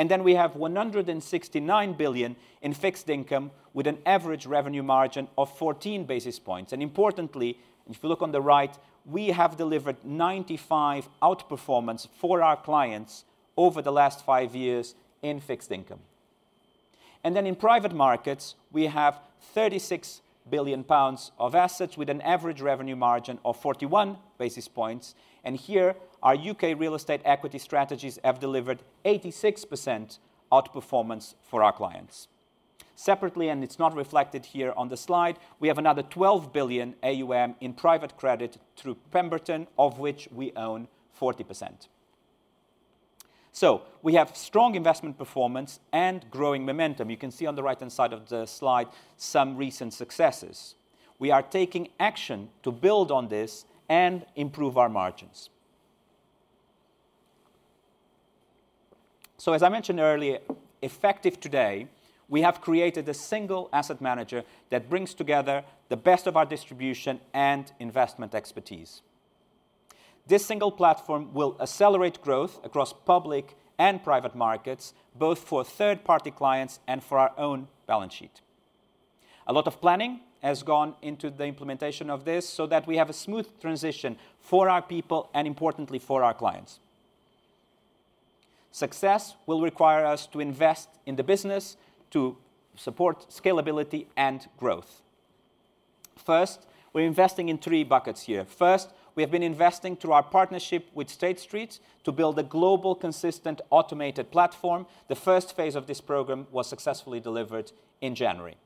B: and then we have 169 billion in fixed income, with an average revenue margin of 14 basis points. Importantly, if you look on the right, we have delivered 95 outperformance for our clients over the last 5 years in fixed income. Then in private markets, we have 36 billion pounds of assets, with an average revenue margin of 41 basis points, and here, our U.K. real estate equity strategies have delivered 86% outperformance for our clients. Separately, and it's not reflected here on the slide, we have another 12 billion AUM in private credit through Pemberton, of which we own 40%. So we have strong investment performance and growing momentum. You can see on the right-hand side of the slide some recent successes. We are taking action to build on this and improve our margins. So as I mentioned earlier, effective today, we have created a single asset manager that brings together the best of our distribution and investment expertise. This single platform will accelerate growth across public and private markets, both for third-party clients and for our own balance sheet. A lot of planning has gone into the implementation of this so that we have a smooth transition for our people, and importantly, for our clients. Success will require us to invest in the business to support scalability and growth. First, we're investing in three buckets here. First, we have been investing through our partnership with State Street to build a global, consistent, automated platform. The first phase of this program was successfully delivered in January.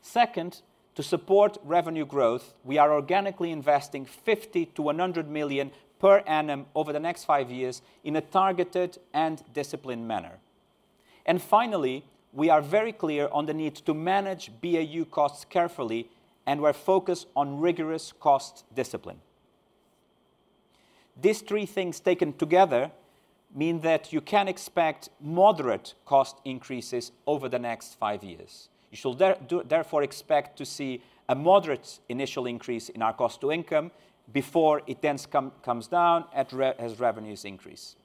B: Second, to support revenue growth, we are organically investing 50-100 million per annum over the next 5 years in a targeted and disciplined manner. And finally, we are very clear on the need to manage BAU costs carefully, and we're focused on rigorous cost discipline. These three things taken together mean that you can expect moderate cost increases over the next 5 years. You should therefore expect to see a moderate initial increase in our cost to income before it then comes down as revenues increase.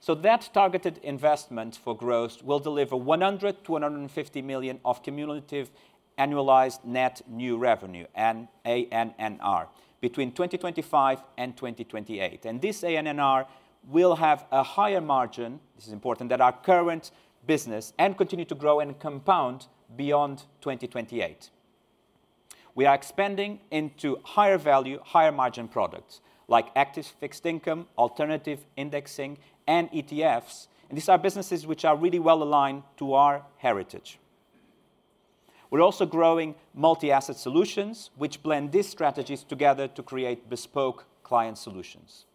B: So that targeted investment for growth will deliver 100-150 million of cumulative annualized net new revenue, ANNR, between 2025 and 2028. And this ANNR will have a higher margin, this is important, than our current business and continue to grow and compound beyond 2028. We are expanding into higher value, higher margin products like Active Fixed Income, alternative indexing, and ETFs, and these are businesses which are really well-aligned to our heritage. We're also growing multi-asset solutions, which blend these strategies together to create bespoke client solutions.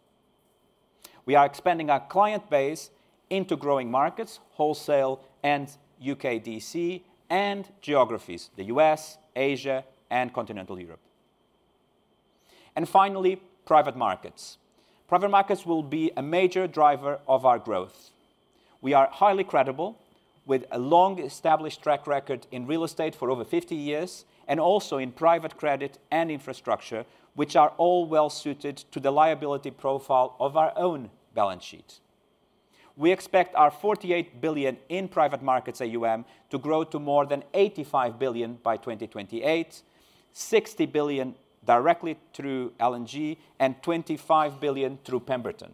B: We are expanding our client base into growing markets, wholesale and U.K. DC, and geographies, the U.S., Asia, and Continental Europe. And finally, Private Markets. Private Markets will be a major driver of our growth. We are highly credible, with a long-established track record in real estate for over 50 years, and also in private credit and infrastructure, which are all well-suited to the liability profile of our own balance sheet. We expect our 48 billion in private markets AUM to grow to more than 85 billion by 2028, 60 billion directly through L&G and 25 billion through Pemberton,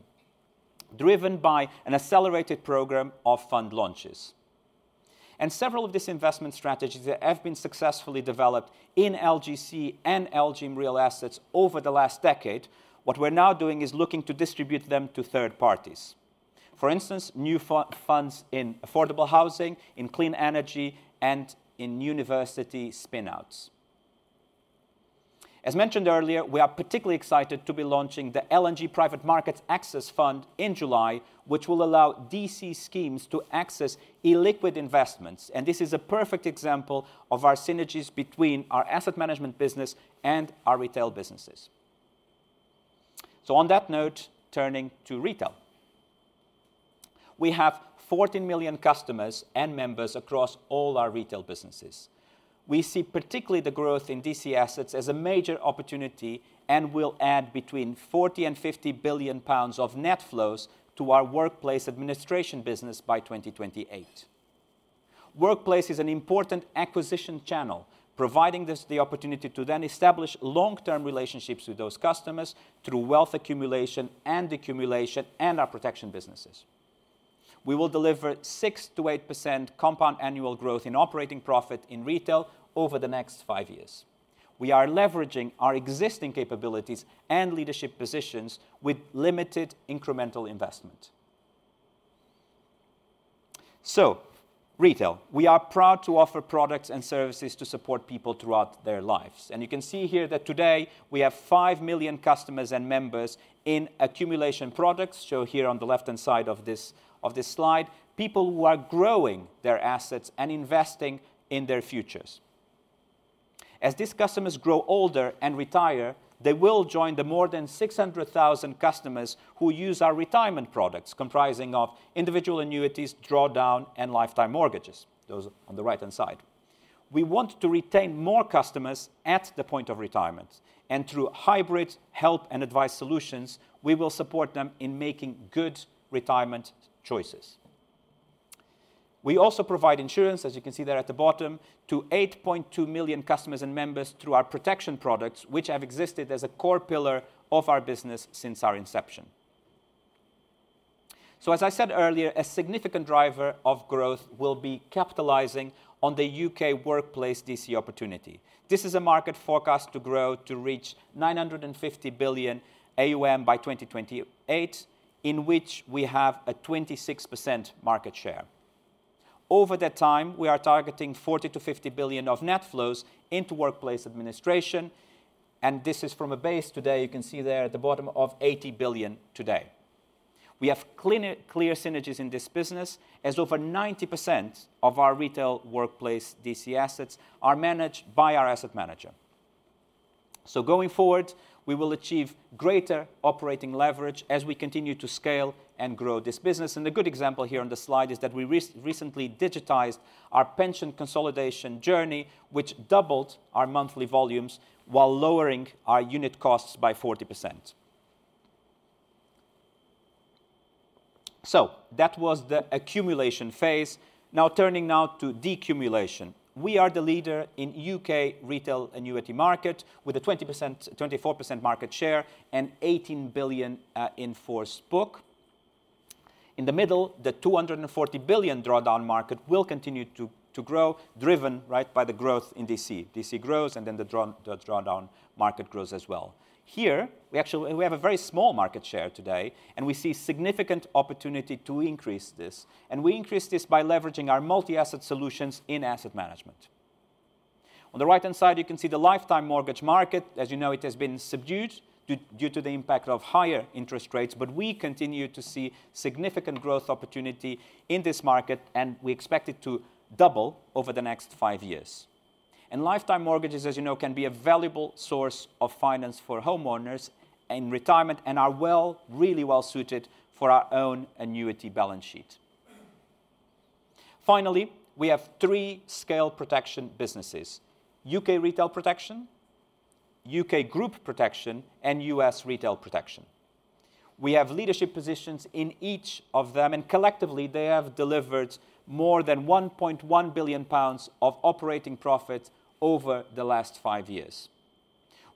B: driven by an accelerated program of fund launches. Several of these investment strategies have been successfully developed in LGC and LG Real Assets over the last decade. What we're now doing is looking to distribute them to third parties. For instance, new funds in affordable housing, in clean energy, and in university spin-outs. As mentioned earlier, we are particularly excited to be launching the L&G Private Markets Access Fund in July, which will allow DC schemes to access illiquid investments, and this is a perfect example of our synergies between our Asset Management business and our Retail businesses. On that note, turning to Retail.... We have 14 million customers and members across all our Retail businesses. We see particularly the growth in DC assets as a major opportunity, and we'll add between 40 billion and 50 billion pounds of net flows to our workplace administration business by 2028. Workplace is an important acquisition channel, providing the opportunity to then establish long-term relationships with those customers through wealth accumulation and decumulation, and our protection businesses. We will deliver 6%-8% compound annual growth in operating profit in Retail over the next 5 years. We are leveraging our existing capabilities and leadership positions with limited incremental investment. So Retail, we are proud to offer products and services to support people throughout their lives, and you can see here that today we have 5 million customers and members in accumulation products. Show here on the left-hand side of this slide, people who are growing their assets and investing in their futures. As these customers grow older and retire, they will join the more than 600,000 customers who use our retirement products, comprising of individual annuities, drawdown, and lifetime mortgages. Those are on the right-hand side. We want to retain more customers at the point of retirement, and through hybrid help and advice solutions, we will support them in making good retirement choices. We also provide insurance, as you can see there at the bottom, to 8.2 million customers and members through our protection products, which have existed as a core pillar of our business since our inception. So, as I said earlier, a significant driver of growth will be capitalizing on the U.K. workplace DC opportunity. This is a market forecast to grow to reach 950 billion AUM by 2028, in which we have a 26% market share. Over that time, we are targeting 40 billion-50 billion of net flows into workplace administration, and this is from a base today, you can see there at the bottom, of 80 billion today. We have clear synergies in this business, as over 90% of our Retail workplace DC assets are managed by our asset manager. So going forward, we will achieve greater operating leverage as we continue to scale and grow this business. A good example here on the slide is that we recently digitized our pension consolidation journey, which doubled our monthly volumes while lowering our unit costs by 40%. So that was the accumulation phase. Now turning now to decumulation. We are the leader in U.K. Retail annuity market, with a 20%-24% market share and 18 billion in force book. In the middle, the 240 billion drawdown market will continue to grow, driven by the growth in DC. DC grows, and then the drawdown market grows as well. Here, we actually... We have a very small market share today, and we see significant opportunity to increase this, and we increase this by leveraging our multi-asset solutions in Asset Management. On the right-hand side, you can see the lifetime mortgage market. As you know, it has been subdued due to the impact of higher interest rates, but we continue to see significant growth opportunity in this market, and we expect it to double over the next five years. And lifetime mortgages, as you know, can be a valuable source of finance for homeowners in retirement and are really well-suited for our own annuity balance sheet. Finally, we have three scale protection businesses: U.K. Retail Protection, U.K. Group Protection, and U.S. Retail Protection. We have leadership positions in each of them, and collectively, they have delivered more than 1.1 billion pounds of operating profit over the last 5 years.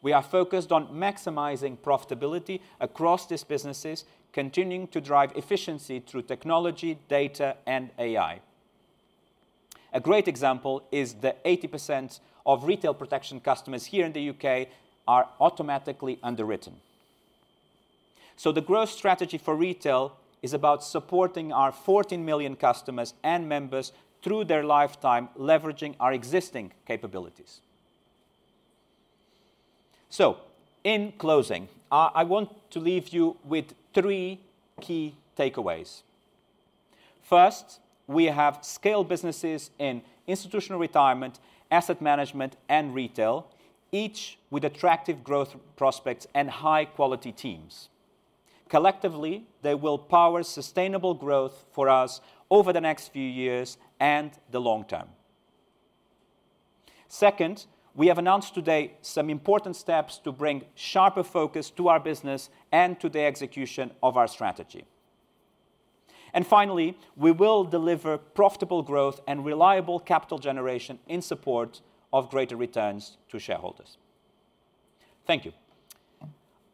B: We are focused on maximizing profitability across these businesses, continuing to drive efficiency through technology, data, and AI. A great example is that 80% of Retail Protection customers here in the U.K. are automatically underwritten. So the growth strategy for Retail is about supporting our 14 million customers and members through their lifetime, leveraging our existing capabilities. So in closing, I want to leave you with three key takeaways. First, we have scale businesses in Institutional Retirement, Asset Management, and Retail, each with attractive growth prospects and high-quality teams. Collectively, they will power sustainable growth for us over the next few years and the long term. Second, we have announced today some important steps to bring sharper focus to our business and to the execution of our strategy. And finally, we will deliver profitable growth and reliable capital generation in support of greater returns to shareholders. Thank you.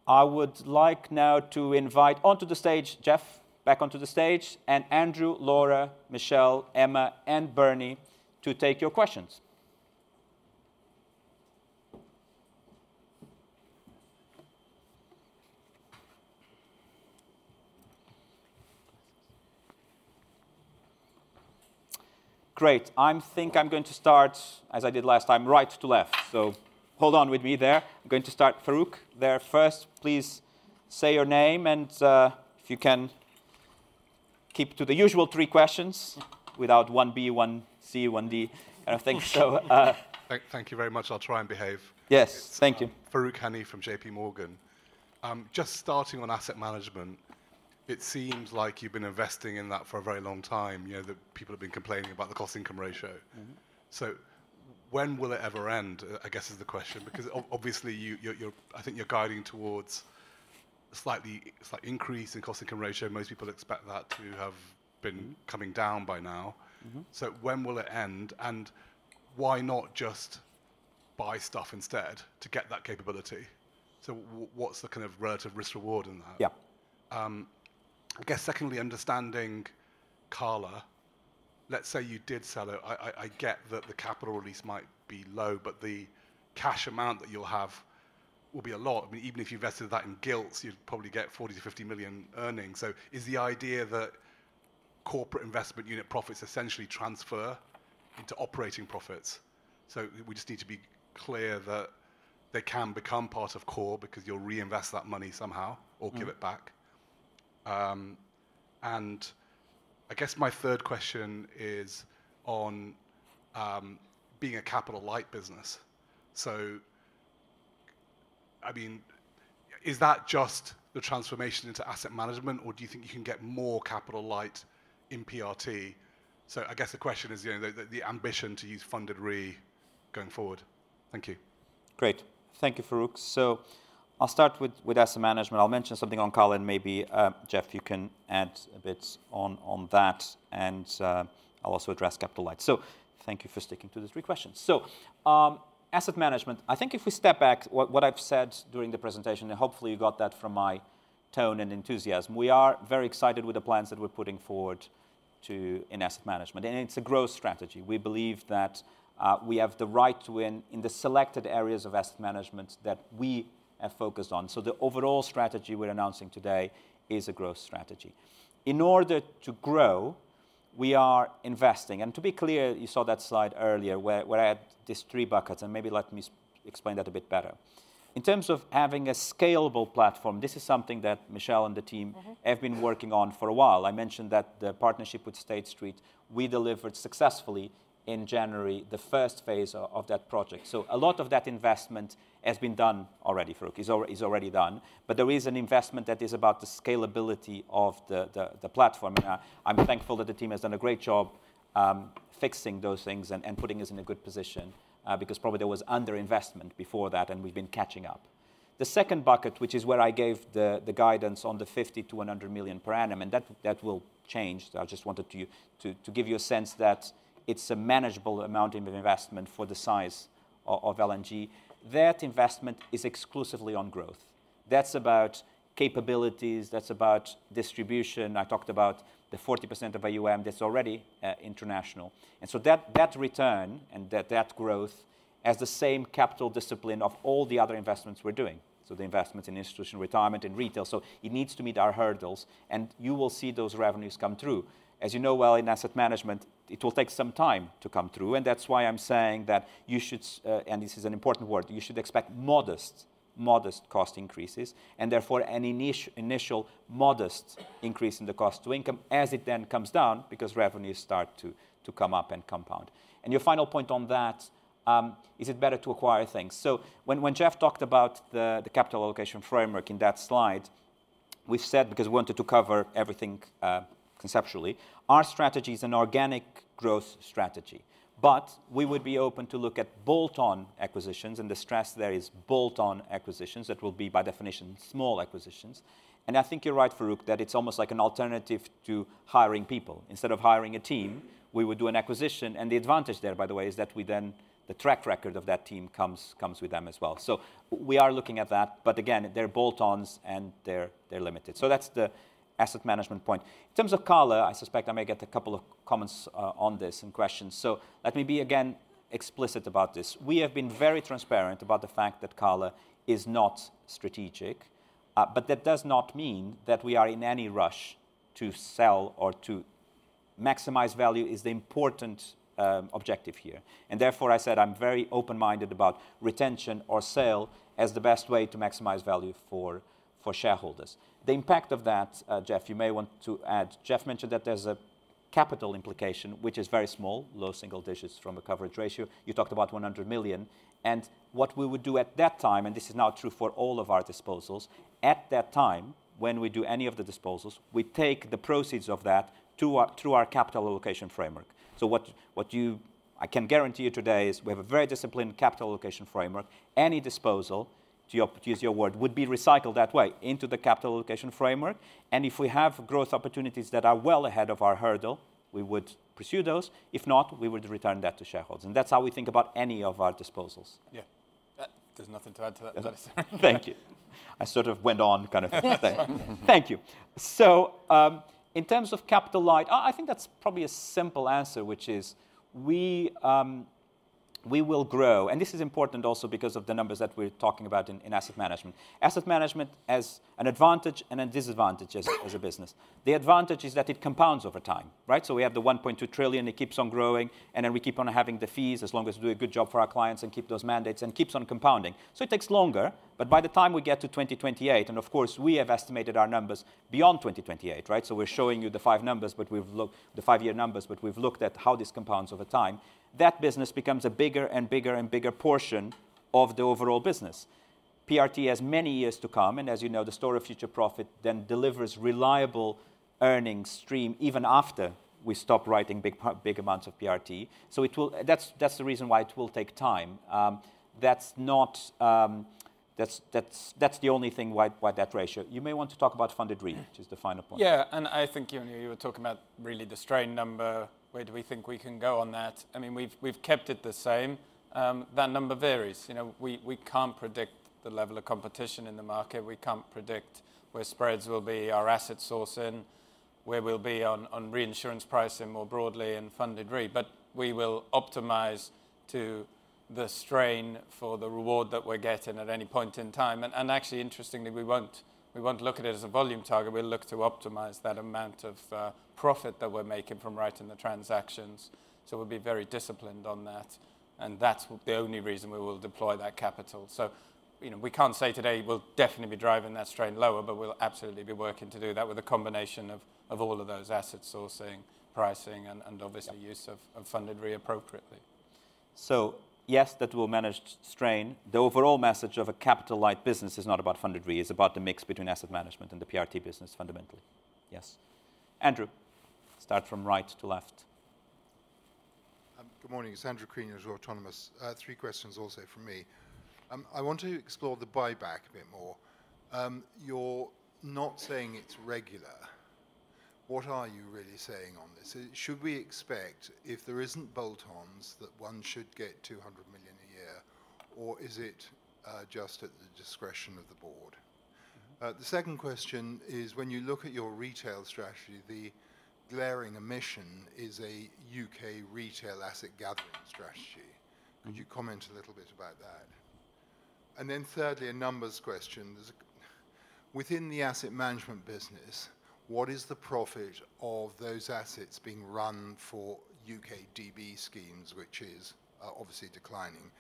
B: I would like now to invite onto the stage, Jeff, back onto the stage, and Andrew, Laura, Michelle, Emma, and Bernie, to take your questions. Great. I think I'm going to start, as I did last time, right to left. So hold on with me there. I'm going to start Farooq there first. Please say your name and, if you can, keep to the usual three questions without 1B, 1C, 1D, kind of thing. So,
C: Thank you very much. I'll try and behave.
B: Yes. Thank you.
C: Farooq Hanif from J.P. Morgan. Just starting on Asset Management, it seems like you've been investing in that for a very long time. You know, the people have been complaining about the cost-income ratio.
B: Mm-hmm.
C: So when will it ever end? I guess is the question, because obviously, you're—I think you're guiding towards a slight increase in cost-income ratio. Most people expect that to have been-
B: Mm...
C: coming down by now.
B: Mm-hmm.
C: So when will it end, and why not just buy stuff instead to get that capability? So what's the kind of relative risk reward in that?
B: Yeah.
C: I guess secondly, understanding Cala. Let's say you did sell it. I get that the capital release might be low, but the cash amount that you'll have will be a lot. I mean, even if you invested that in gilts, you'd probably get 40 million-50 million earnings. So is the idea that corporate investment unit profits essentially transfer into operating profits? So we just need to be clear that they can become part of core, because you'll reinvest that money somehow-
B: Mm...
C: or give it back. And I guess my third question is on being a capital-light business. So, I mean, is that just the transformation into Asset Management, or do you think you can get more capital-light in PRT? So I guess the question is, you know, the ambition to use Funded Re going forward. Thank you.
B: Great. Thank you, Farooq. So I'll start with Asset Management. I'll mention something on Cala, and maybe, Jeff, you can add a bit on that, and I'll also address capital light. So thank you for sticking to the three questions. So, Asset Management, I think if we step back, what I've said during the presentation, and hopefully you got that from my tone and enthusiasm, we are very excited with the plans that we're putting forward to... in Asset Management, and it's a growth strategy. We believe that we have the right to win in the selected areas of Asset Management that we have focused on. So the overall strategy we're announcing today is a growth strategy. In order to grow, we are investing, and to be clear, you saw that slide earlier, where I had these three buckets, and maybe let me explain that a bit better. In terms of having a scalable platform, this is something that Michelle and the team-
D: Mm-hmm...
B: have been working on for a while. I mentioned that the partnership with State Street, we delivered successfully in January, the first phase of that project. So a lot of that investment has been done already, Farooq. It's already done. But there is an investment that is about the scalability of the platform, and I'm thankful that the team has done a great job fixing those things and putting us in a good position, because probably there was underinvestment before that, and we've been catching up. The second bucket, which is where I gave the guidance on the 50 million-100 million per annum, and that will change. I just wanted to give you a sense that it's a manageable amount of investment for the size of L&G. That investment is exclusively on growth. That's about capabilities, that's about distribution. I talked about the 40% of AUM that's already international, and so that return and that growth has the same capital discipline of all the other investments we're doing, so the investments in Institutional Retirement and Retail. So it needs to meet our hurdles, and you will see those revenues come through. As you know well, in Asset Management, it will take some time to come through, and that's why I'm saying that you should, and this is an important word, you should expect modest, modest cost increases, and therefore, an initial modest increase in the cost to income as it then comes down, because revenues start to come up and compound. And your final point on that, is it better to acquire things? So when Jeff talked about the capital allocation framework in that slide, we've said... because we wanted to cover everything, conceptually, our strategy is an organic growth strategy, but we would be open to look at bolt-on acquisitions, and the stress there is bolt-on acquisitions. That will be, by definition, small acquisitions. And I think you're right, Farooq, that it's almost like an alternative to hiring people. Instead of hiring a team, we would do an acquisition, and the advantage there, by the way, is that we then, the track record of that team comes with them as well. So we are looking at that, but again, they're bolt-ons, and they're limited. So that's the Asset Management point. In terms of Cala, I suspect I may get a couple of comments on this and questions, so let me be again explicit about this. We have been very transparent about the fact that Cala is not strategic, but that does not mean that we are in any rush to sell or to... Maximize value is the important objective here, and therefore, I said I'm very open-minded about retention or sale as the best way to maximize value for shareholders. The impact of that, Jeff, you may want to add. Jeff mentioned that there's a capital implication, which is very small, low single digits from a coverage ratio. You talked about 100 million, and what we would do at that time, and this is now true for all of our disposals, at that time, when we do any of the disposals, we take the proceeds of that through our capital allocation framework. So, what I can guarantee you today is we have a very disciplined capital allocation framework. Any disposal, to use your word, would be recycled that way, into the capital allocation framework, and if we have growth opportunities that are well ahead of our hurdle, we would pursue those. If not, we would return that to shareholders, and that's how we think about any of our disposals.
C: Yeah. There's nothing to add to that.
B: Thank you. So, in terms of capital light, I think that's probably a simple answer, which is, we, we will grow, and this is important also because of the numbers that we're talking about in, in Asset Management. Asset Management has an advantage and a disadvantage as, as a business. The advantage is that it compounds over time, right? So we have 1.2 trillion. It keeps on growing, and then we keep on having the fees, as long as we do a good job for our clients and keep those mandates, and keeps on compounding. So it takes longer, but by the time we get to 2028, and of course, we have estimated our numbers beyond 2028, right? So we're showing you the 5 numbers, but we've looked... the five-year numbers, but we've looked at how this compounds over time. That business becomes a bigger and bigger and bigger portion of the overall business. PRT has many years to come, and as you know, the Store of Future Profit then delivers reliable earning stream even after we stop writing big part, big amounts of PRT. So it will, that's the reason why it will take time. That's not, that's the only thing why that ratio. You may want to talk about Funded Re, which is the final point.
E: Yeah, and I think, you know, you were talking about really the strain number. Where do we think we can go on that? I mean, we've kept it the same. That number varies. You know, we can't predict the level of competition in the market. We can't predict where spreads will be, our asset sourcing, where we'll be on reinsurance pricing more broadly and Funded Re. But we will optimize to the strain for the reward that we're getting at any point in time. And actually, interestingly, we won't look at it as a volume target. We'll look to optimize that amount of profit that we're making from writing the transactions, so we'll be very disciplined on that, and that's the only reason we will deploy that capital. So, you know, we can't say today we'll definitely be driving that strain lower, but we'll absolutely be working to do that with a combination of all of those asset sourcing, pricing, and-
B: Yeah...
E: and obviously use of, of Funded Re appropriately.
B: So yes, that will manage strain. The overall message of a capital light business is not about Funded Re, it's about the mix between Asset Management and the PRT business, fundamentally. Yes. Andrew, start from right to left.
F: Good morning. It's Andrew Crean at Autonomous. Three questions also from me. I want to explore the buyback a bit more. You're not saying it's regular. What are you really saying on this? Should we expect, if there isn't bolt-ons, that one should get 200 million a year, or is it just at the discretion of the board? The second question is, when you look at your Retail strategy, the glaring omission is a U.K. Retail asset gathering strategy. Could you comment a little bit about that? And then thirdly, a numbers question. There's a... Within the Asset Management business, what is the profit of those assets being run for U.K. DB schemes, which is obviously declining?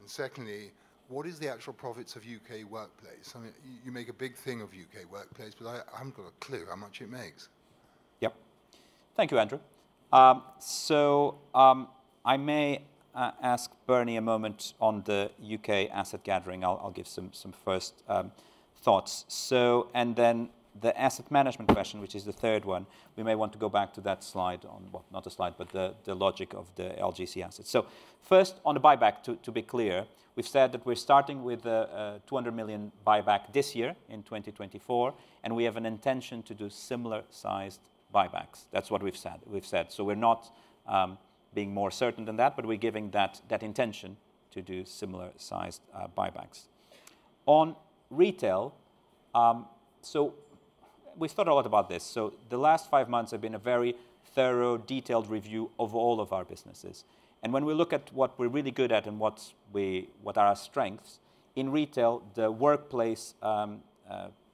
F: And secondly, what is the actual profits of U.K. workplace? I mean, you, you make a big thing of U.K. workplace, but I, I haven't got a clue how much it makes.
B: Yep. Thank you, Andrew. So, I may ask Bernie a moment on the U.K. asset gathering. I'll give some first thoughts. So... And then the Asset Management question, which is the. third one, we may want to go back to that slide on... Well, not a slide, but the logic of the LGC assets. So first on the buyback, to be clear, we've said that we're starting with a 200 million buyback this year in 2024, and we have an intention to do similar sized buybacks. That's what we've said, we've said. So we're not being more certain than that, but we're giving that intention to do similar sized buybacks. On Retail, so we've thought a lot about this. So the last five months have been a very thorough, detailed review of all of our businesses, and when we look at what we're really good at and what are our strengths, in Retail, the workplace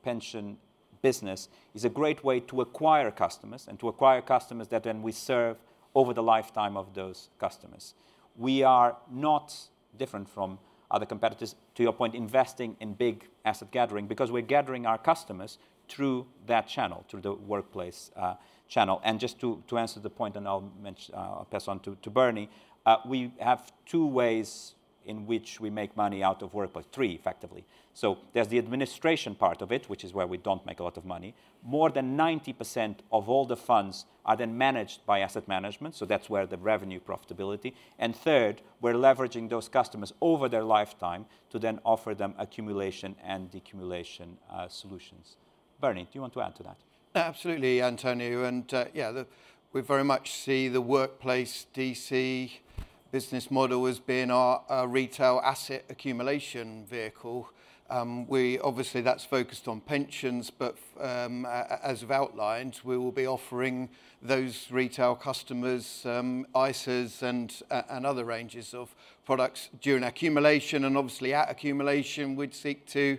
B: pension business is a great way to acquire customers, and to acquire customers that then we serve over the lifetime of those customers. We are not different from other competitors, to your point, investing in big asset gathering, because we're gathering our customers through that channel, through the workplace channel. And just to answer the point, and I'll mention, pass on to Bernie, we have two ways in which we make money out of workplace. Three, effectively. So there's the administration part of it, which is where we don't make a lot of money. More than 90% of all the funds are then managed by Asset Management, so that's where the revenue profitability. And third, we're leveraging those customers over their lifetime to then offer them accumulation and decumulation solutions. Bernie, do you want to add to that?
G: Absolutely, António, and, yeah, the... We very much see the workplace DC business model as being our, our Retail asset accumulation vehicle. We obviously, that's focused on pensions, but, as I've outlined, we will be offering those Retail customers, ISAs and and other ranges of products during accumulation. And obviously, at accumulation, we'd seek to,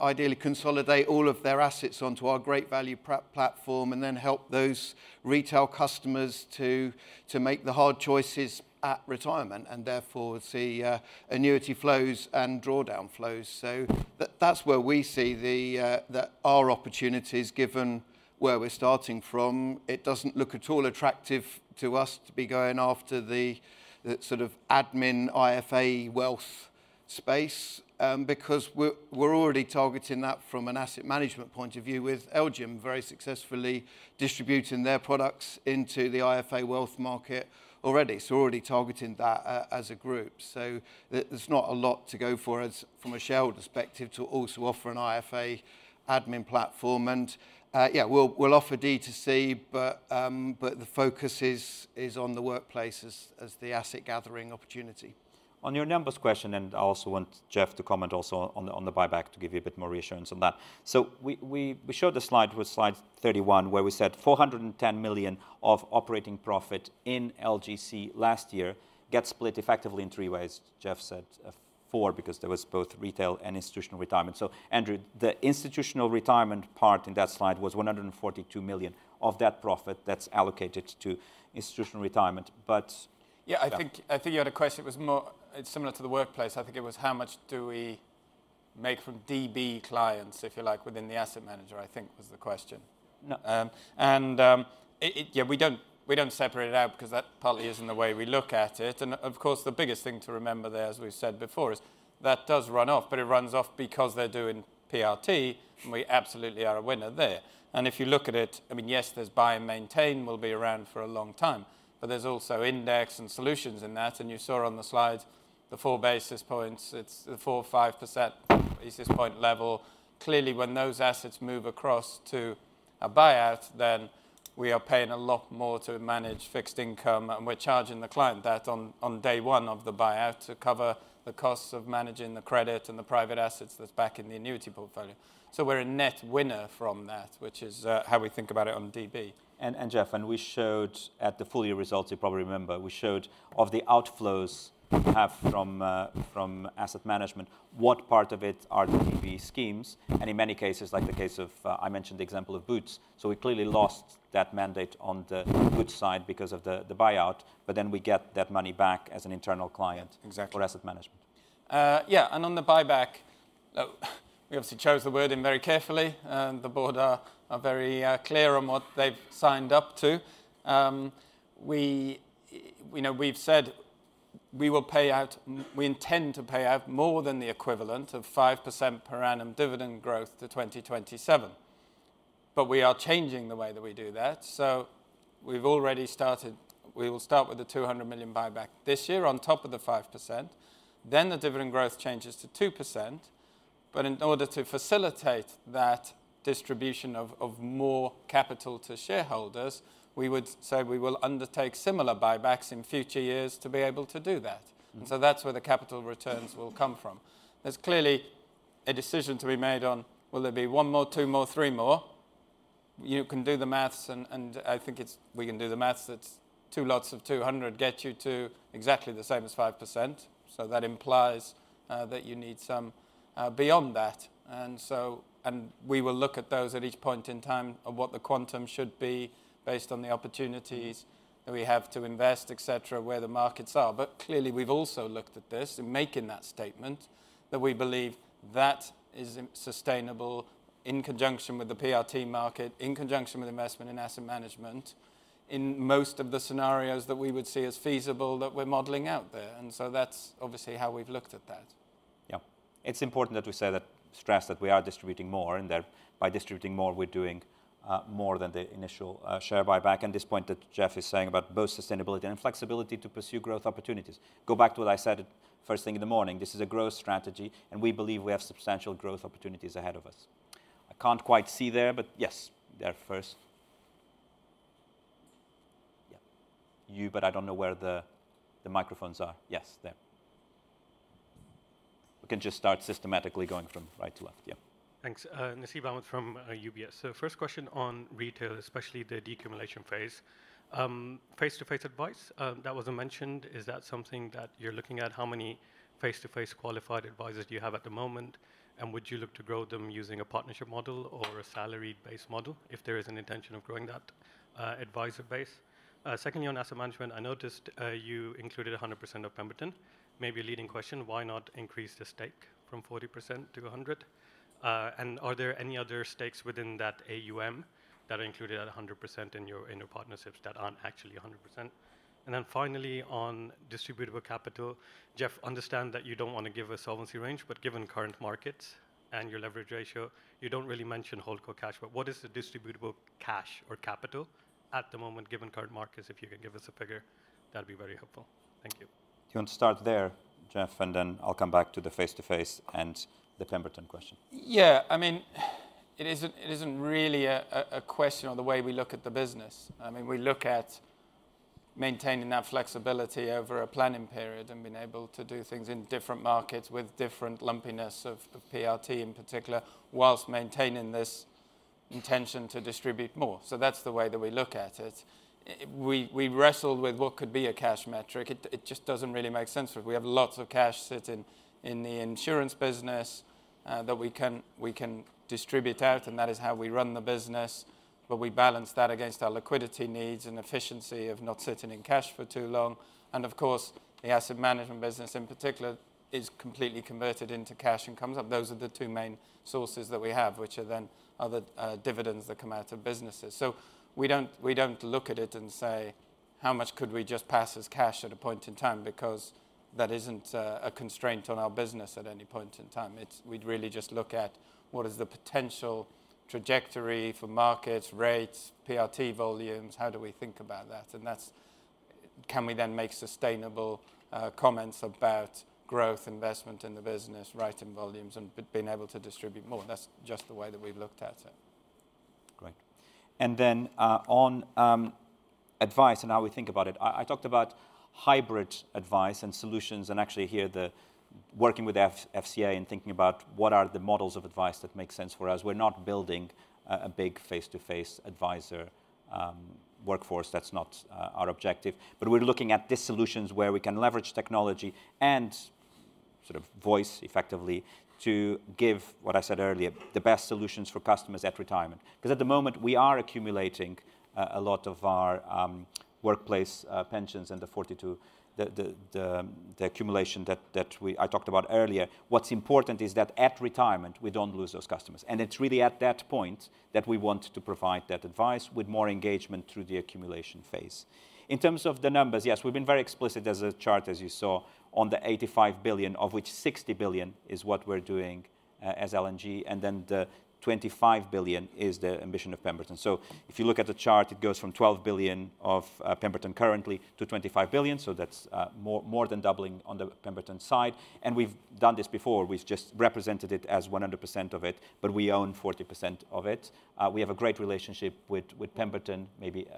G: ideally consolidate all of their assets onto our great value prep platform, and then help those Retail customers to, to make the hard choices at retirement, and therefore, see, annuity flows and drawdown flows. So that's where we see the, the, our opportunities, given where we're starting from. It doesn't look at all attractive to us to be going after the sort of admin IFA wealth space, because we're already targeting that from an Asset Management point of view, with LGIM very successfully distributing their products into the IFA wealth market already. So we're already targeting that as a group. So there's not a lot to go for us from a Shell perspective to also offer an IFA admin platform. And yeah, we'll offer D2C, but the focus is on the workplace as the asset gathering opportunity.
B: On your numbers question, and I also want Jeff to comment also on the buyback to give you a bit more reassurance on that. So we showed the slide with slide 31, where we said 410 million of operating profit in LGC last year gets split effectively in three ways. Jeff said four, because there was both Retail and Institutional Retirement. So Andrew, the Institutional Retirement part in that slide was 142 million of that profit that's allocated to Institutional Retirement, but-
E: Yeah, I think-
B: Yeah...
E: I think you had a question. It was more, it's similar to the workplace. I think it was, how much do we make from DB clients, if you like, within the asset manager, I think was the question. No, and it, yeah, we don't separate it out because that partly isn't the way we look at it. And, of course, the biggest thing to remember there, as we've said before, is that does run off, but it runs off because they're doing PRT, and we absolutely are a winner there. And if you look at it, I mean, yes, there's buy and maintain will be around for a long time, but there's also index and solutions in that, and you saw on the slides the 4 basis points. It's the 45 basis point level. Clearly, when those assets move across to a buyout, then we are paying a lot more to manage fixed income, and we're charging the client that on day one of the buyout to cover the costs of managing the credit and the private assets that's back in the annuity portfolio. So we're a net winner from that, which is how we think about it on DB.
B: Jeff, we showed at the full year results, you probably remember, we showed of the outflows we have from Asset Management, what part of it are the DB schemes? And in many cases, like the case of, I mentioned the example of Boots, so we clearly lost that mandate on the Boots side because of the buyout, but then we get that money back as an internal client-
E: Exactly...
B: for Asset Management.
E: Yeah, and on the buyback, we obviously chose the wording very carefully, and the board are very clear on what they've signed up to. We know we've said we intend to pay out more than the equivalent of 5% per annum dividend growth to 2027, but we are changing the way that we do that. So we've already started. We will start with the 200 million buyback this year on top of the 5%, then the dividend growth changes to 2%. But in order to facilitate that distribution of more capital to shareholders, we would say we will undertake similar buybacks in future years to be able to do that.
B: Mm.
E: And so that's where the capital returns will come from. There's clearly a decision to be made on will there be one more, two more, three more? You can do the maths, and I think it's we can do the maths. It's two lots of 200 get you to exactly the same as 5%, so that implies that you need some beyond that. And so... And we will look at those at each point in time of what the quantum should be based on the opportunities that we have to invest, etc., where the markets are. But clearly, we've also looked at this in making that statement, that we believe that is sustainable in conjunction with the PRT market, in conjunction with investment in Asset Management, in most of the scenarios that we would see as feasible that we're modeling out there, and so that's obviously how we've looked at that.
B: Yeah. It's important that we say that, stress that we are distributing more, and that by distributing more, we're doing more than the initial share buyback, and this point that Jeff is saying about both sustainability and flexibility to pursue growth opportunities. Go back to what I said at first thing in the morning, this is a growth strategy, and we believe we have substantial growth opportunities ahead of us. I can't quite see there, but yes, there first. Yeah, you, but I don't know where the microphones are. Yes, there. We can just start systematically going from right to left. Yeah.
H: Thanks, Nasib Ahmed from UBS. So first question on Retail, especially the decumulation phase. Face-to-face advice, that wasn't mentioned, is that something that you're looking at? How many face-to-face qualified advisors do you have at the moment, and would you look to grow them using a partnership model or a salary-based model if there is an intention of growing that advisor base? Secondly, on Asset Management, I noticed you included 100% of Pemberton. Maybe a leading question, why not increase the stake from 40% to 100%? And are there any other stakes within that AUM that are included at 100% in your partnerships that aren't actually 100%? Then finally, on distributable capital, Jeff, understand that you don't want to give a solvency range, but given current markets and your leverage ratio, you don't really mention holdco cash. But what is the distributable cash or capital at the moment, given current markets? If you could give us a figure, that'd be very helpful. Thank you.
B: Do you want to start there, Jeff? Then I'll come back to the face-to-face and the Pemberton question.
E: Yeah, I mean, it isn't really a question on the way we look at the business. I mean, we look at maintaining that flexibility over a planning period and being able to do things in different markets with different lumpiness of PRT in particular, whilst maintaining this intention to distribute more. So that's the way that we look at it. We wrestled with what could be a cash metric. It just doesn't really make sense, though. We have lots of cash sitting in the insurance business that we can distribute out, and that is how we run the business, but we balance that against our liquidity needs and efficiency of not sitting in cash for too long. And of course, the Asset Management business, in particular, is completely converted into cash and comes up. Those are the two main sources that we have, which are then other, dividends that come out of businesses. So we don't, we don't look at it and say: How much could we just pass as cash at a point in time? Because that isn't, a constraint on our business at any point in time. It's. We'd really just look at what is the potential trajectory for markets, rates, PRT volumes, how do we think about that? And that's. Can we then make sustainable, comments about growth, investment in the business, writing volumes, and being able to distribute more? That's just the way that we've looked at it.
B: Great. And then on advice and how we think about it, I talked about hybrid advice and solutions, and actually here, working with the FCA and thinking about what are the models of advice that make sense for us. We're not building a big face-to-face advisor workforce. That's not our objective. But we're looking at the solutions where we can leverage technology and sort of voice effectively to give, what I said earlier, the best solutions for customers at retirement. 'Cause at the moment, we are accumulating a lot of our workplace pensions and the accumulation that I talked about earlier. What's important is that at retirement, we don't lose those customers, and it's really at that point that we want to provide that advice with more engagement through the accumulation phase. In terms of the numbers, yes, we've been very explicit. There's a chart, as you saw, on the 85 billion, of which 60 billion is what we're doing, as L&G, and then the 25 billion is the ambition of Pemberton. So if you look at the chart, it goes from 12 billion of, Pemberton currently to 25 billion, so that's, more, more than doubling on the Pemberton side, and we've done this before. We've just represented it as 100% of it, but we own 40% of it. We have a great relationship with, with Pemberton. Maybe,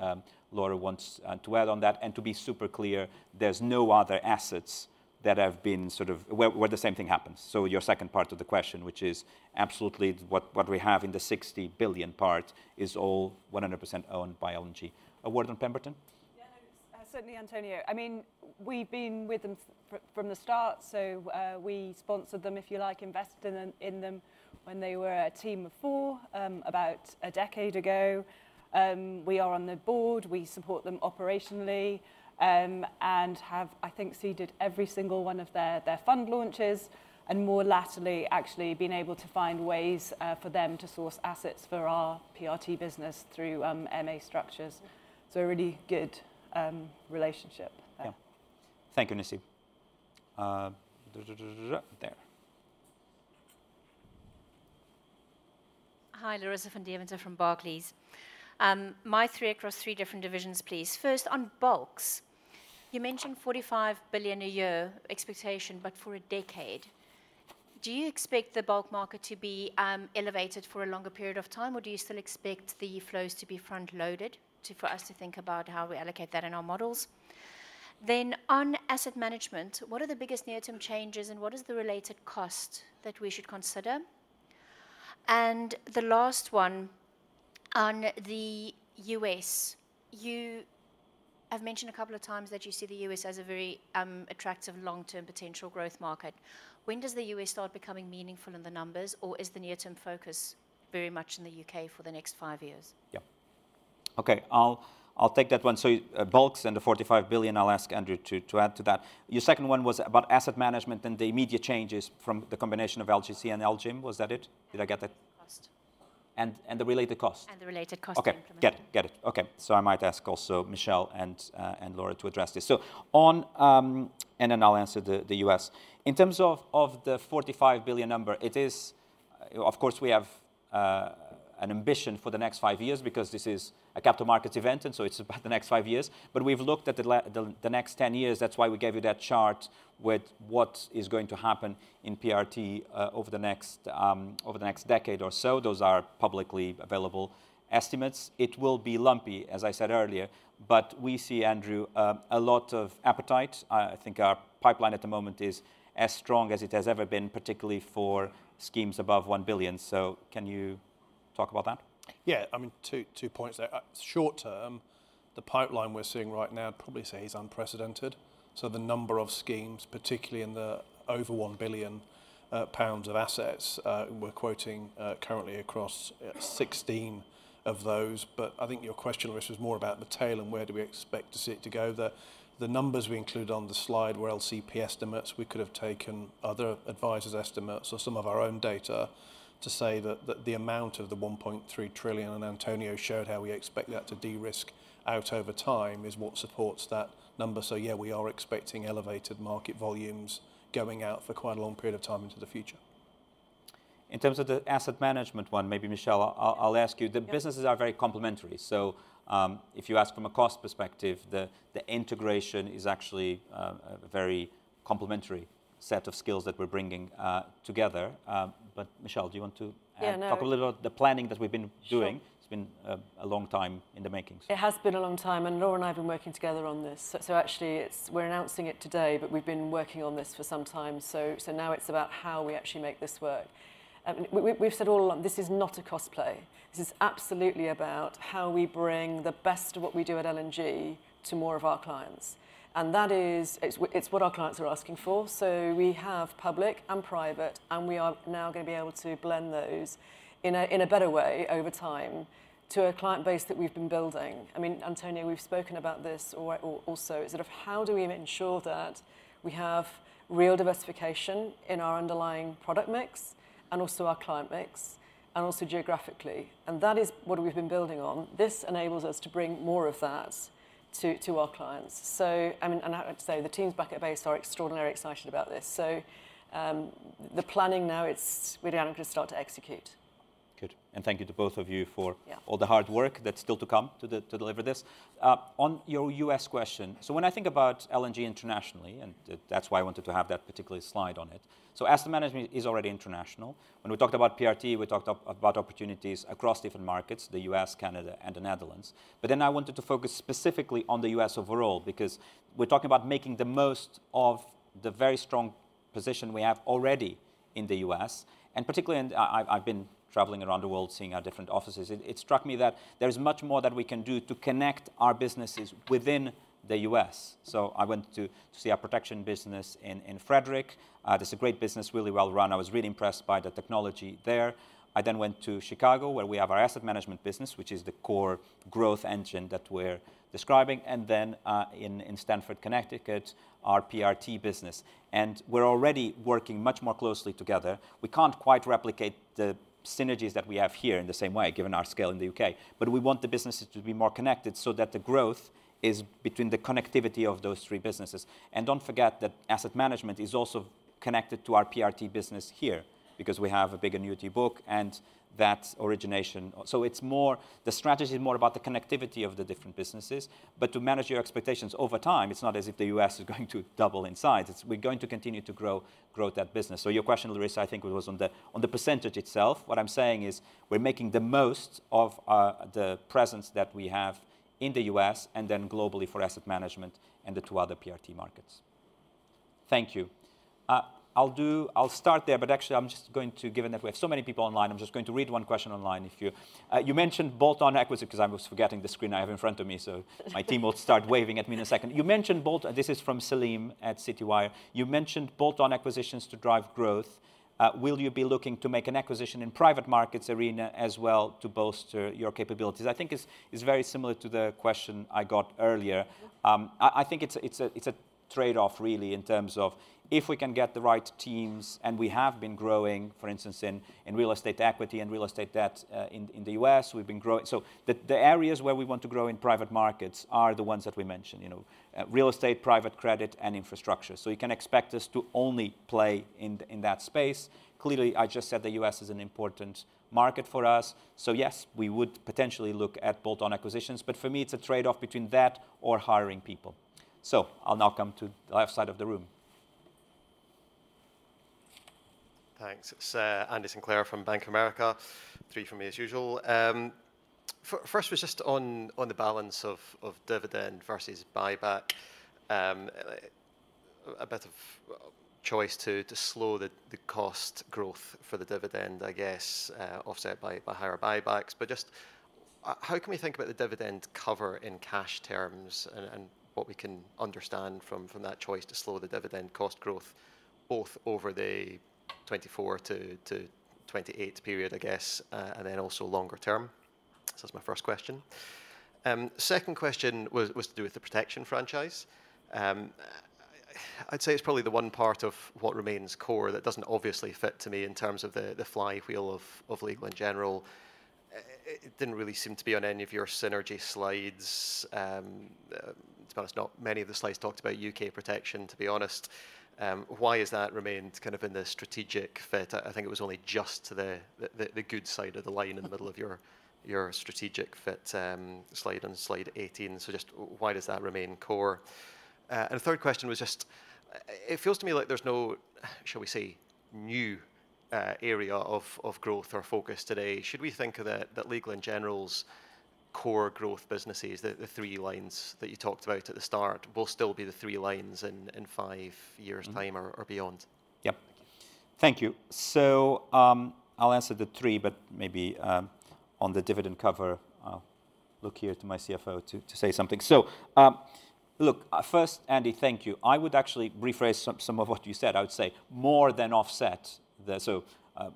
B: Laura wants, to add on that. And to be super clear, there's no other assets that have been sort of... Where, where the same thing happens. So your second part of the question, which is absolutely what we have in the 60 billion part, is all 100% owned by L&G. A word on Pemberton?
I: Yeah. No, certainly, António. I mean, we've been with them from the start, so we sponsored them, if you like, invested in them, in them when they were a team of four, about a decade ago. We are on the board, we support them operationally, and have, I think, seeded every single one of their, their fund launches, and more latterly, actually been able to find ways for them to source assets for our PRT business through MA structures, so a really good relationship.
B: Yeah. Thank you, Nasib, there.
J: Hi, Larissa van Deventer from Barclays. My three are across three different divisions, please. First, on bulks, you mentioned 45 billion a year expectation, but for a decade. Do you expect the bulk market to be elevated for a longer period of time, or do you still expect the flows to be front-loaded to, for us to think about how we allocate that in our models? Then, on Asset Management, what are the biggest near-term changes, and what is the related cost that we should consider? And the last one, on the U.S., you have mentioned a couple of times that you see the U.S. as a very attractive long-term potential growth market. When does the U.S. start becoming meaningful in the numbers, or is the near-term focus very much in the U.K. for the next five years?
B: Yeah. Okay, I'll take that one. So, bulks and the 45 billion, I'll ask Andrew to add to that. Your second one was about Asset Management and the immediate changes from the combination of LGC and LGIM. Was that it? Did I get that?
J: Cost.
B: and the related cost.
J: And the related cost implemented.
B: Okay. Get it. Get it. Okay, so I might ask also Michelle and Laura to address this. So on... And then I'll answer the U.S. In terms of the 45 billion number, it is, of course, we have an ambition for the next five years because this is a capital markets event, and so it's about the next five years. But we've looked at the the next 10 years, that's why we gave you that chart with what is going to happen in PRT over the next decade or so. Those are publicly available estimates. It will be lumpy, as I said earlier, but we see, Andrew, a lot of appetite. I think our pipeline at the moment is as strong as it has ever been, particularly for schemes above 1 billion. Can you talk about that?
K: Yeah, I mean, 2 points there. Short term, the pipeline we're seeing right now I'd probably say is unprecedented, so the number of schemes, particularly in the over 1 billion pounds of assets, we're quoting currently across 16 of those. But I think your question, Larissa, was more about the tail and where do we expect to see it to go. The numbers we included on the slide were LCP estimates. We could have taken other advisors' estimates or some of our own data to say that the amount of the 1.3 trillion, and António showed how we expect that to de-risk out over time, is what supports that number. So yeah, we are expecting elevated market volumes going out for quite a long period of time into the future.
B: In terms of the Asset Management one, maybe Michelle, I'll ask you.
D: Yeah.
B: The businesses are very complementary, so, if you ask from a cost perspective, the integration is actually a very complementary set of skills that we're bringing together. But, Michelle, do you want to-
D: Yeah, no-...
B: talk a little about the planning that we've been doing?
D: Sure.
B: It's been a long time in the making, so.
D: It has been a long time, and Laura and I have been working together on this. So actually, it's—we're announcing it today, but we've been working on this for some time. So now it's about how we actually make this work. We've said all along, this is not a cost play. This is absolutely about how we bring the best of what we do at L&G to more of our clients, and that is, it's what our clients are asking for. So we have public and private, and we are now going to be able to blend those in a better way over time to a client base that we've been building. I mean, António, we've spoken about this also, is sort of how do we ensure that we have real diversification in our underlying product mix, and also our client mix, and also geographically? And that is what we've been building on. This enables us to bring more of that to our clients. So... I mean, and I have to say, the teams back at base are extraordinarily excited about this. So, the planning now, it's really down to start to execute.
B: Good, and thank you to both of you for-
D: Yeah...
B: all the hard work that's still to come to to deliver this. On your U.S. question, so when I think about L&G internationally, and that's why I wanted to have that particular slide on it, so Asset Management is already international. When we talked about PRT, we talked about opportunities across different markets: the U.S., Canada, and the Netherlands. But then I wanted to focus specifically on the U.S. overall, because we're talking about making the most of the very strong position we have already in the U.S., and particularly, and I've been traveling around the world, seeing our different offices. It struck me that there is much more that we can do to connect our businesses within the U.S.. So I went to see our protection business in Frederick. It's a great business, really well run. I was really impressed by the technology there. I then went to Chicago, where we have our Asset Management business, which is the core growth engine that we're describing, and then in Stamford, Connecticut, our PRT business. And we're already working much more closely together. We can't quite replicate the synergies that we have here in the same way, given our scale in the U.K., but we want the businesses to be more connected so that the growth is between the connectivity of those three businesses. And don't forget that Asset Management is also connected to our PRT business here because we have a big annuity book, and that's origination. So it's more, the strategy is more about the connectivity of the different businesses, but to manage your expectations over time, it's not as if the U.S. is going to double in size. It's... We're going to continue to grow, grow that business. So your question here is, I think it was on the, on the percentage itself. What I'm saying is, we're making the most of the presence that we have in the U.S. and then globally for Asset Management and the two other PRT markets. Thank you. I'll start there, but actually, I'm just going to... Given that we have so many people online, I'm just going to read one question online, if you mentioned bolt-on acquisition, because I was forgetting the screen I have in front of me, so my team will start waving at me in a second. You mentioned bolt-on—this is from Saleem at Citywire. "You mentioned bolt-on acquisitions to drive growth. Will you be looking to make an acquisition in private markets arena as well to bolster your capabilities?" I think it's very similar to the question I got earlier. I think it's a trade-off really, in terms of if we can get the right teams, and we have been growing, for instance, in real estate equity and real estate debt, in the U.S., we've been growing. So the areas where we want to grow in private markets are the ones that we mentioned, you know, real estate, private credit, and infrastructure. So you can expect us to only play in that space. Clearly, I just said the U.S. is an important market for us, so yes, we would potentially look at bolt-on acquisitions, but for me, it's a trade-off between that or hiring people. I'll now come to the left side of the room.
L: Thanks. It's Andy Sinclair from Bank of America. Three from me, as usual. First was just on the balance of dividend versus buyback. A bit of choice to slow the cost growth for the dividend, I guess, offset by higher buybacks. But just how can we think about the dividend cover in cash terms, and what we can understand from that choice to slow the dividend cost growth, both over the 2024 to 2028 period, I guess, and then also longer term? So that's my first question. Second question was to do with the protection franchise. I'd say it's probably the one part of what remains core that doesn't obviously fit to me in terms of the flywheel of Legal & General. It didn't really seem to be on any of your synergy slides. Suppose not many of the slides talked about U.K. protection, to be honest. Why has that remained kind of in the strategic fit? I think it was only just to the good side of the line in the middle of your strategic fit slide, on slide 18. So just why does that remain core? And the third question was just, it feels to me like there's no, shall we say, new area of growth or focus today. Should we think that Legal & General's core growth businesses, the three lines that you talked about at the start, will still be the three lines in five years' time or beyond?
B: Yep.
L: Thank you.
B: Thank you. So, I'll answer the three, but maybe, on the dividend cover, I'll look here to my CFO to say something. So, look, first, Andy, thank you. I would actually rephrase some of what you said. I would say more than offset the... So,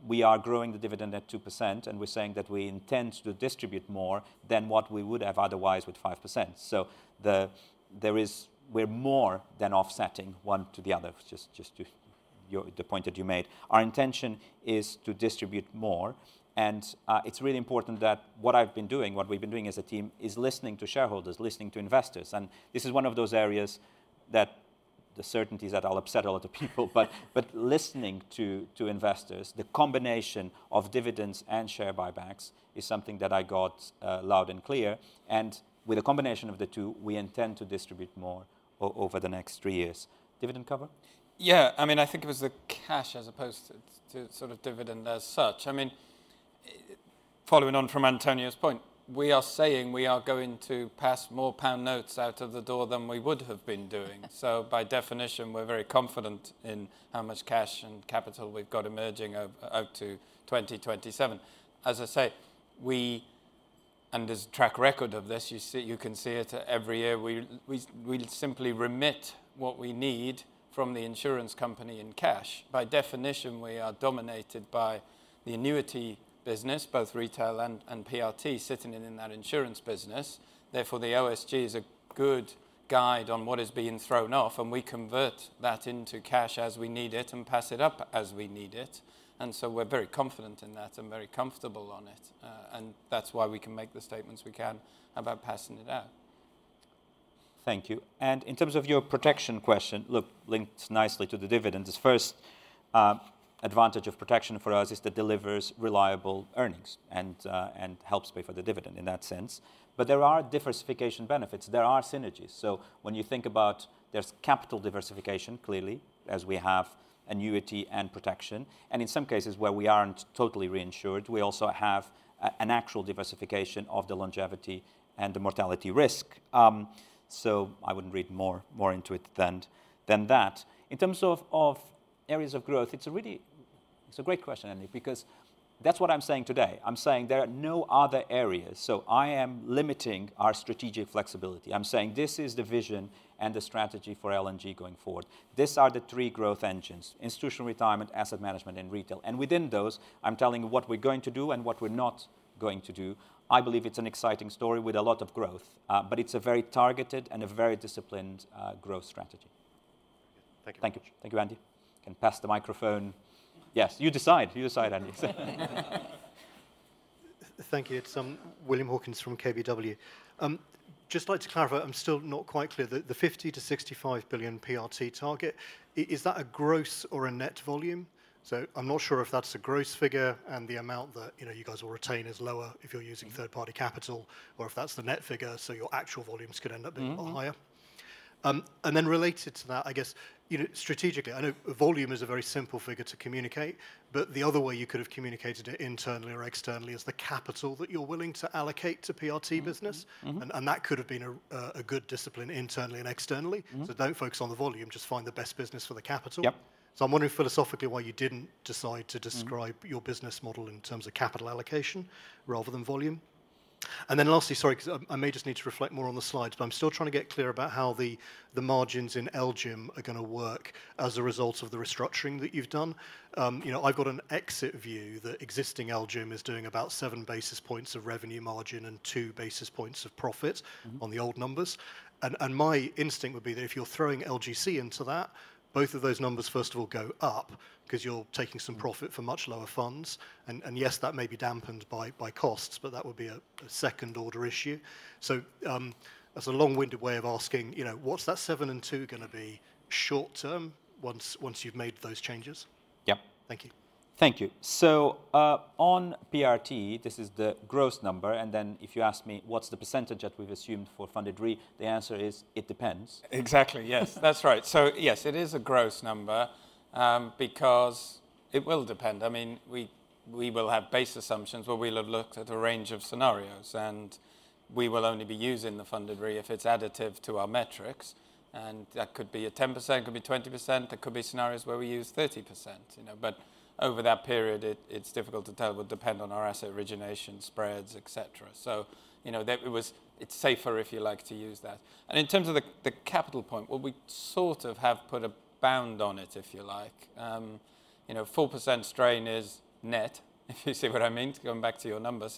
B: we are growing the dividend at 2%, and we're saying that we intend to distribute more than what we would have otherwise with 5%. So there is-- we're more than offsetting one to the other, just to your-- the point that you made. Our intention is to distribute more, and it's really important that what I've been doing, what we've been doing as a team, is listening to shareholders, listening to investors, and this is one of those areas that the certainty is that I'll upset a lot of people but listening to investors, the combination of dividends and share buybacks is something that I got loud and clear, and with a combination of the two, we intend to distribute more over the next three years. Dividend cover?
E: Yeah, I mean, I think it was the cash as opposed to, to sort of dividend as such. I mean, following on from António's point, we are saying we are going to pass more pound notes out of the door than we would have been doing. So by definition, we're very confident in how much cash and capital we've got emerging out to 2027. As I say, and there's a track record of this. You see, you can see it every year. We simply remit what we need from the insurance company in cash. By definition, we are dominated by the annuity business, both Retail and PRT, sitting in that insurance business. Therefore, the OSG is a good guide on what is being thrown off, and we convert that into cash as we need it and pass it up as we need it, and so we're very confident in that and very comfortable on it. And that's why we can make the statements we can about passing it out.
B: Thank you. And in terms of your protection question, look, links nicely to the dividends. First, advantage of protection for us is it delivers reliable earnings and helps pay for the dividend in that sense. But there are diversification benefits. There are synergies. So when you think about, there's capital diversification, clearly, as we have annuity and protection, and in some cases, where we aren't totally reinsured, we also have an actual diversification of the longevity and the mortality risk. So I wouldn't read more into it than that. In terms of areas of growth, it's a great question, Andy, because that's what I'm saying today. I'm saying there are no other areas, so I am limiting our strategic flexibility. I'm saying this is the vision and the strategy for L&G going forward. These are the three growth engines: Institutional Retirement, Asset Management, and Retail. And within those, I'm telling you what we're going to do and what we're not going to do. I believe it's an exciting story with a lot of growth, but it's a very targeted and a very disciplined, growth strategy.
L: Thank you.
B: Thank you. Thank you, Andy. You can pass the microphone... Yes, you decide. You decide, Andy.
M: Thank you. It's William Hawkins from KBW. Just like to clarify, I'm still not quite clear, the 50-65 billion PRT target, is that a gross or a net volume? So I'm not sure if that's a gross figure and the amount that, you know, you guys will retain is lower if you're using third-party capital, or if that's the net figure, so your actual volumes could end up being a lot higher.
B: Mm-hmm.
M: And then related to that, I guess, you know, strategically, I know volume is a very simple figure to communicate, but the other way you could have communicated it internally or externally is the capital that you're willing to allocate to PRT business.
B: Mm-hmm, mm-hmm.
M: That could have been a good discipline internally and externally.
B: Mm.
M: Don't focus on the volume, just find the best business for the capital.
B: Yep.
M: I'm wondering philosophically why you didn't decide to describe-
B: Mm...
M: your business model in terms of capital allocation rather than volume? And then lastly, sorry, because I may just need to reflect more on the slides, but I'm still trying to get clear about how the margins in LGIM are going to work as a result of the restructuring that you've done. You know, I've got an exit view that existing LGIM is doing about seven basis points of revenue margin and two basis points of profit-
B: Mm...
M: on the old numbers. And my instinct would be that if you're throwing LGC into that, both of those numbers, first of all, go up, because you're taking some profit from much lower funds. And yes, that may be dampened by costs, but that would be a second-order issue. So, that's a long-winded way of asking, you know, what's that 7 and 2 going to be short term, once you've made those changes?
B: Yeah.
M: Thank you.
B: Thank you. So, on PRT, this is the gross number, and then if you ask me what's the percentage that we've assumed for Funded Re, the answer is: it depends.
E: Exactly, yes. That's right. So yes, it is a gross number, because it will depend. I mean, we, we will have base assumptions, but we'll have looked at a range of scenarios, and we will only be using the Funded Re if it's additive to our metrics, and that could be a 10%, could be 20%, it could be scenarios where we use 30%, you know. But over that period, it, it's difficult to tell, it would depend on our asset origination spreads, et cetera. So, you know, that. It was, it's safer, if you like, to use that. And in terms of the, the capital point, well, we sort of have put a bound on it, if you like. You know, 4% strain is net, if you see what I mean, to going back to your number.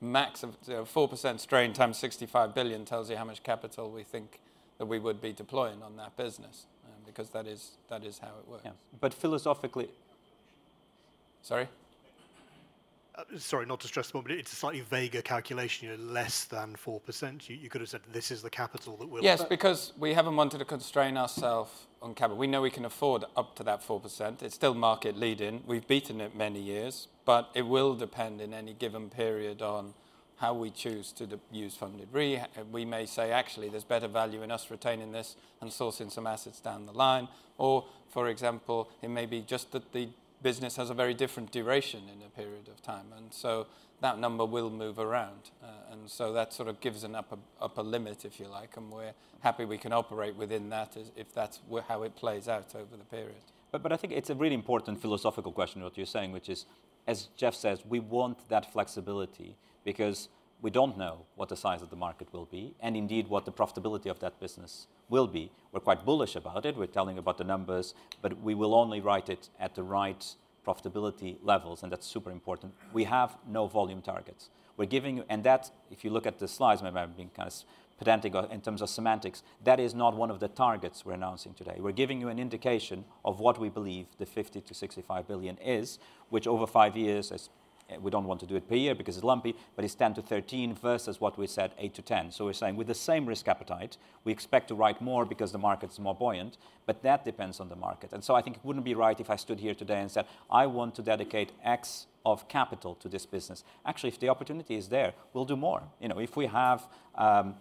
E: Max of, you know, 4% strain times 65 billion tells you how much capital we think that we would be deploying on that business, because that is how it works.
B: Yeah, but philosophically... Sorry?
M: Sorry, not to stress the point, but it's a slightly vaguer calculation, you know, less than 4%. You could have said, "This is the capital that we'll have-
E: Yes, because we haven't wanted to constrain ourself on capital. We know we can afford up to that 4%. It's still market leading. We've beaten it many years, but it will depend in any given period on how we choose to use Funded Re. We may say, "Actually, there's better value in us retaining this and sourcing some assets down the line." Or for example, it may be just that the business has a very different duration in a period of time, and so that number will move around. And so that sort of gives an upper, upper limit, if you like, and we're happy we can operate within that, if that's how it plays out over the period.
B: But, but I think it's a really important philosophical question, what you're saying, which is, as Jeff says, we want that flexibility because we don't know what the size of the market will be, and indeed, what the profitability of that business will be. We're quite bullish about it. We're telling you about the numbers, but we will only write it at the right profitability levels, and that's super important. We have no volume targets. We're giving you-- and that, if you look at the slides, maybe I'm being kind of pedantic in terms of semantics, that is not one of the targets we're announcing today. We're giving you an indication of what we believe the 50-65 billion is, which over five years is... We don't want to do it per year because it's lumpy, but it's 10-13 versus what we said, 8-10. So we're saying with the same risk appetite, we expect to write more because the market's more buoyant, but that depends on the market. And so I think it wouldn't be right if I stood here today and said, "I want to dedicate X of capital to this business." Actually, if the opportunity is there, we'll do more. You know, if we have mega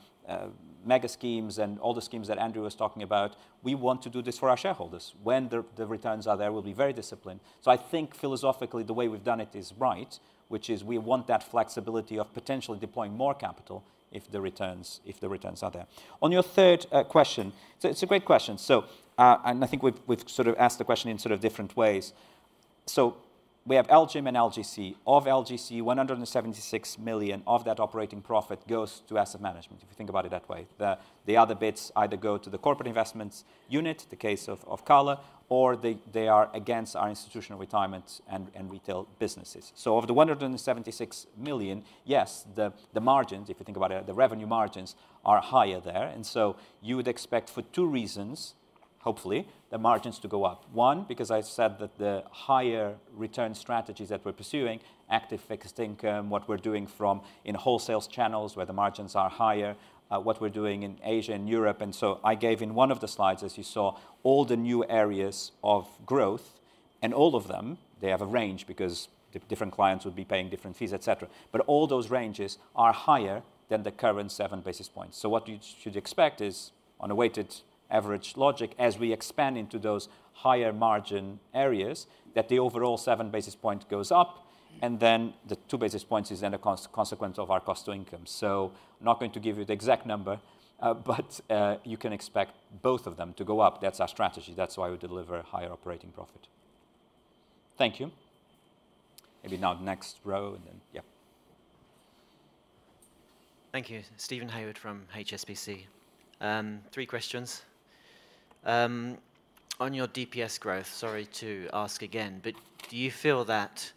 B: schemes and all the schemes that Andrew was talking about, we want to do this for our shareholders. When the returns are there, we'll be very disciplined. So I think philosophically, the way we've done it is right, which is we want that flexibility of potentially deploying more capital if the returns, if the returns are there. On your third question, so it's a great question. So, and I think we've sort of asked the question in sort of different ways. So we have LGIM and LGC. Of LGC, 176 million of that operating profit goes to Asset Management, if you think about it that way. The other bits either go to the Corporate Investments unit, the case of Cala, or they are against our Institutional Retirement and Retail businesses. So of the 176 million, yes, the margins, if you think about it, the revenue margins are higher there, and so you would expect for two reasons, hopefully, the margins to go up. One, because I said that the higher return strategies that we're pursuing, active fixed income, what we're doing in wholesale channels where the margins are higher, what we're doing in Asia and Europe. I gave in one of the slides, as you saw, all the new areas of growth, and all of them, they have a range because different clients would be paying different fees, et cetera, but all those ranges are higher than the current seven basis points. So what you should expect is, on a weighted average logic, as we expand into those higher margin areas, that the overall seven basis point goes up. Then the two basis points is then a consequence of our cost to income. So I'm not going to give you the exact number, but you can expect both of them to go up. That's our strategy. That's why we deliver a higher operating profit. Thank you. Maybe now the next row, and then, yeah.
N: Thank you. Steven Haywood from HSBC. Three questions. On your DPS growth, sorry to ask again, but do you feel that,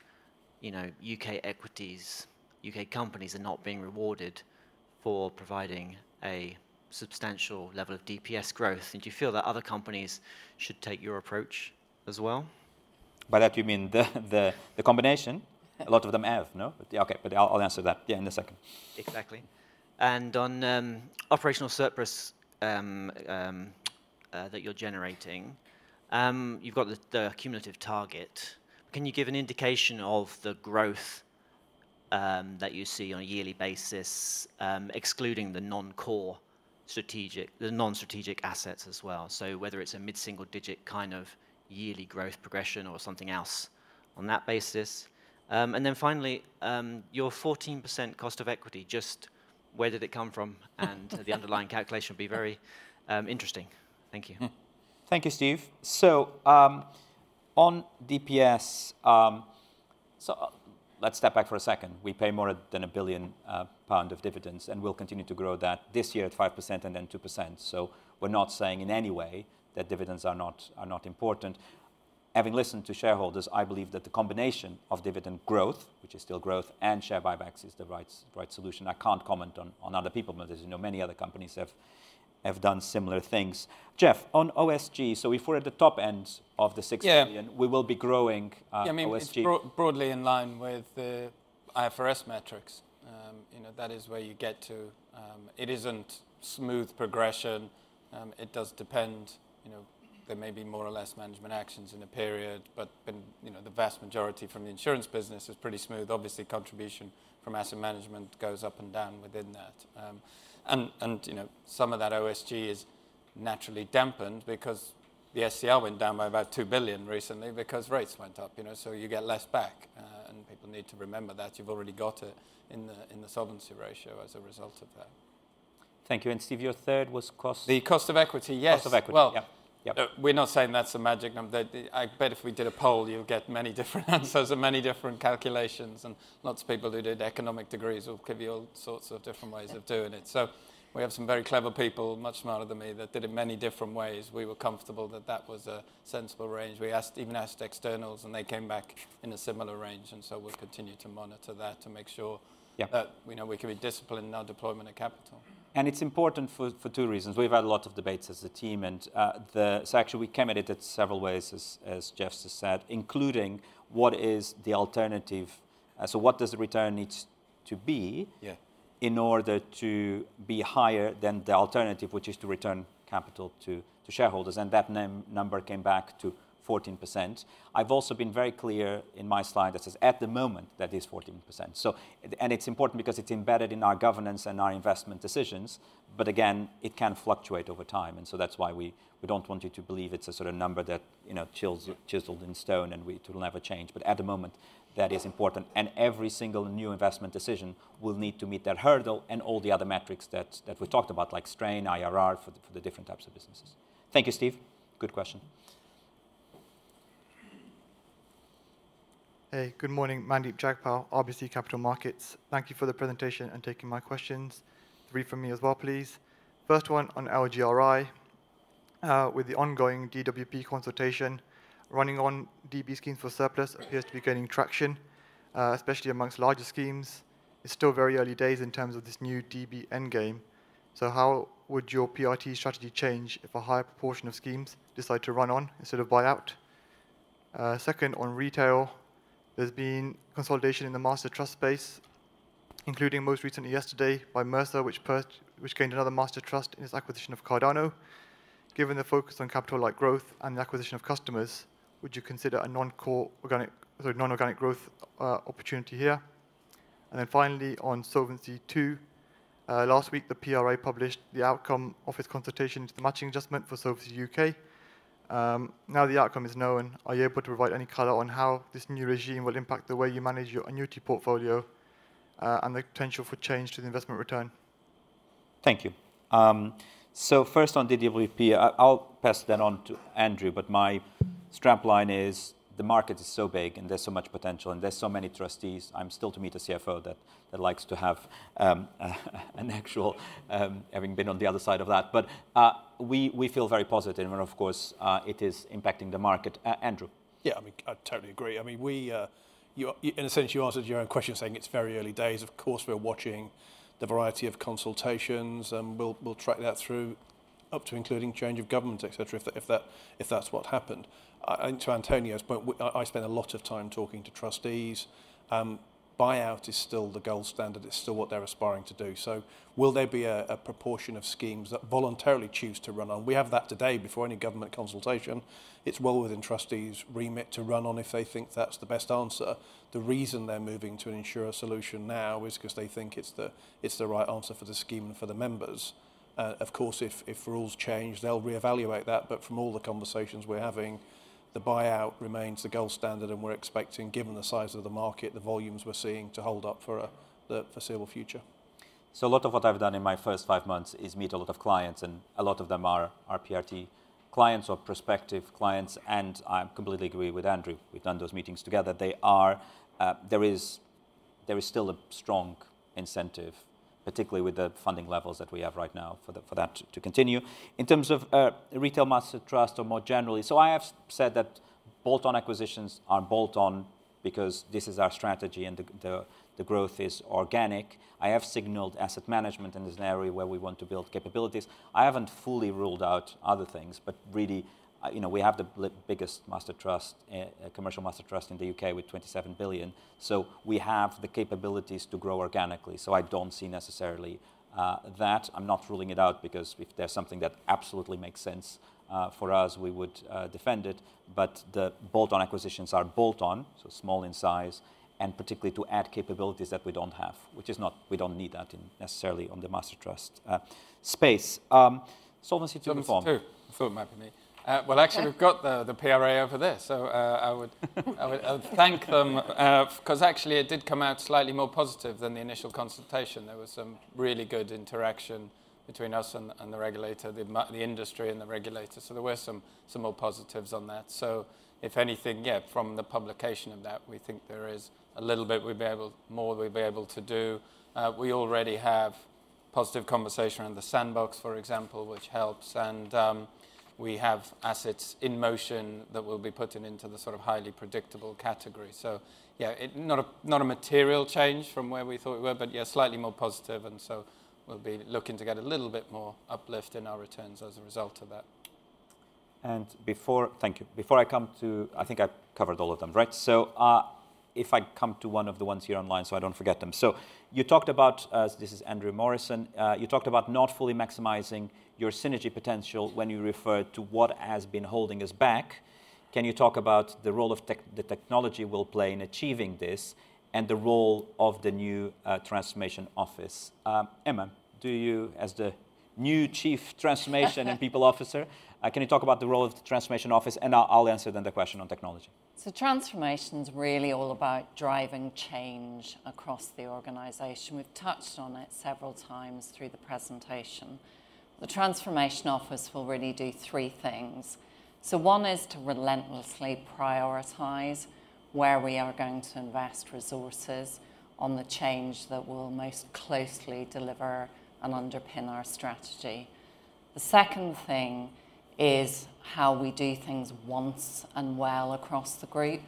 N: you know, U.K. equities, U.K. companies are not being rewarded for providing a substantial level of DPS growth? And do you feel that other companies should take your approach as well?
B: By that you mean the combination?
N: Yeah.
B: A lot of them have, no? But yeah, okay, but I'll, I'll answer that, yeah, in a second.
N: Exactly. And on operational surplus that you're generating, you've got the, the cumulative target. Can you give an indication of the growth that you see on a yearly basis, excluding the non-core strategic-- the non-strategic assets as well? So whether it's a mid-single-digit kind of yearly growth progression or something else on that basis. And then finally, your 14% cost of equity, just where did it come from? And the underlying calculation would be very interesting. Thank you.
B: Thank you, Steve. So, on DPS, so, let's step back for a second. We pay more than 1 billion pound of dividends, and we'll continue to grow that this year at 5% and then 2%. So we're not saying in any way that dividends are not important. Having listened to shareholders, I believe that the combination of dividend growth, which is still growth, and share buybacks is the right solution. I can't comment on other people, but as you know, many other companies have done similar things. Jeff, on OSG, so if we're at the top end of the 6 billion-
E: Yeah...
B: we will be growing OSG.
E: Yeah, I mean, it's broadly in line with the IFRS metrics. You know, that is where you get to. It isn't smooth progression. It does depend. You know, there may be more or less management actions in a period, but, then, you know, the vast majority from the insurance business is pretty smooth. Obviously, contribution from Asset Management goes up and down within that. And, you know, some of that OSG is naturally dampened because the SCR went down by about 2 billion recently because rates went up, you know, so you get less back. And people need to remember that. You've already got it in the solvency ratio as a result of that.
B: Thank you. And Steve, your third was cost?
E: The cost of equity, yes.
B: Cost of equity.
E: Well-
B: Yeah. Yeah...
E: we're not saying that's a magic number. That, I bet if we did a poll, you'd get many different answers and many different calculations, and lots of people who did economics degrees will give you all sorts of different ways of doing it. So we have some very clever people, much smarter than me, that did it many different ways. We were comfortable that that was a sensible range. We asked, even asked externals, and they came back in a similar range, and so we'll continue to monitor that to make sure-
B: Yeah...
E: that, you know, we can be disciplined in our deployment of capital.
B: And it's important for two reasons. We've had a lot of debates as a team, and so actually, we came at it several ways, as Jeff just said, including what is the alternative? So what does the return need to be-
E: Yeah...
B: in order to be higher than the alternative, which is to return capital to, to shareholders, and that number came back to 14%. I've also been very clear in my slide that says, at the moment, that is 14%. So, and it's important because it's embedded in our governance and our investment decisions. But again, it can fluctuate over time, and so that's why we, we don't want you to believe it's a sort of number that, you know, chills-
E: Yeah...
B: chiseled in stone, and we, it will never change. But at the moment, that is important, and every single new investment decision will need to meet that hurdle and all the other metrics that, that we talked about, like strain, IRR, for the, for the different types of businesses. Thank you, Steve. Good question.
O: Hey, good morning. Mandeep Jagpal, RBC Capital Markets. Thank you for the presentation and taking my questions. Three from me as well, please. First one on LGRI. With the ongoing DWP consultation, running on DB schemes for surplus appears to be gaining traction, especially among larger schemes. It's still very early days in terms of this new DB endgame. So how would your PRT strategy change if a higher proportion of schemes decide to run on instead of buy out? Second, on Retail, there's been consolidation in the master trust space, including most recently yesterday by Mercer, which gained another master trust in its acquisition of Cardano. Given the focus on capital-light growth and the acquisition of customers, would you consider a non-core organic... Sorry, non-organic growth, opportunity here? And then finally, on Solvency II, last week, the PRA published the outcome of its consultation into th matching adjustment for Solvency UK. Now the outcome is known, are you able to provide any color on how this new regime will impact the way you manage your annuity portfolio, and the potential for change to the investment return?
B: Thank you. So first on DWP, I'll pass that on to Andrew, but my strap line is, the market is so big, and there's so much potential, and there's so many trustees. I'm still to meet a CFO that likes to have an actual... Having been on the other side of that. But we feel very positive, and of course, it is impacting the market. Andrew?
K: Yeah, I mean, I totally agree. I mean, we, in a sense, you answered your own question, saying it's very early days. Of course, we're watching the variety of consultations, and we'll track that through up to including change of government, et cetera, if that's what happened. And to António's point, I spend a lot of time talking to trustees. Buyout is still the gold standard. It's still what they're aspiring to do. So will there be a proportion of schemes that voluntarily choose to run on? We have that today before any government consultation. It's well within trustees' remit to run on if they think that's the best answer. The reason they're moving to an insurer solution now is 'cause they think it's the right answer for the scheme and for the members. Of course, if rules change, they'll reevaluate that. But from all the conversations we're having, the buyout remains the gold standard, and we're expecting, given the size of the market, the volumes we're seeing to hold up for the foreseeable future....
B: So a lot of what I've done in my first five months is meet a lot of clients, and a lot of them are PRT clients or prospective clients, and I completely agree with Andrew. We've done those meetings together. They are... There is still a strong incentive, particularly with the funding levels that we have right now, for that to continue. In terms of Retail Master Trust or more generally, so I have said that bolt-on acquisitions are bolt-on because this is our strategy and the growth is organic. I have signaled Asset Management, and is an area where we want to build capabilities. I haven't fully ruled out other things, but really, you know, we have the biggest master trust, commercial master trust in the U.K with 27 billion, so we have the capabilities to grow organically, so I don't see necessarily that. I'm not ruling it out because if there's something that absolutely makes sense, for us, we would defend it. But the bolt-on acquisitions are bolt-on, so small in size, and particularly to add capabilities that we don't have, which is not—we don't need that in, necessarily on the master trust space. Solvency II reform.
E: Solvency II. I thought it might be me. Well, actually, we've got the PRA over there, so I would thank them, 'cause actually it did come out slightly more positive than the initial consultation. There was some really good interaction between us and the regulator, the industry and the regulator, so there were some more positives on that. So if anything, yeah, from the publication of that, we think there is a little bit we'd be able, more we'd be able to do. We already have positive conversation around the sandbox, for example, which helps, and we have assets in motion that we'll be putting into the sort of highly predictable category. So, yeah, it... Not a material change from where we thought we were, but yeah, slightly more positive, and so we'll be looking to get a little bit more uplift in our returns as a result of that.
B: Before—thank you. Before I come to... I think I've covered all of them, right? So, if I come to one of the ones here online, so I don't forget them. So you talked about, this is Andrew Morrison. "You talked about not fully maximizing your synergy potential when you referred to what has been holding us back. Can you talk about the role of tech- the technology will play in achieving this, and the role of the new, transformation office?" Emma, do you, as the new Chief Transformation and People Officer, can you talk about the role of the transformation office? And I'll, I'll answer then the question on technology.
P: So transformation's really all about driving change across the organization. We've touched on it several times through the presentation. The transformation office will really do three things. So one is to relentlessly prioritise where we are going to invest resources on the change that will most closely deliver and underpin our strategy. The second thing is how we do things once and well across the group.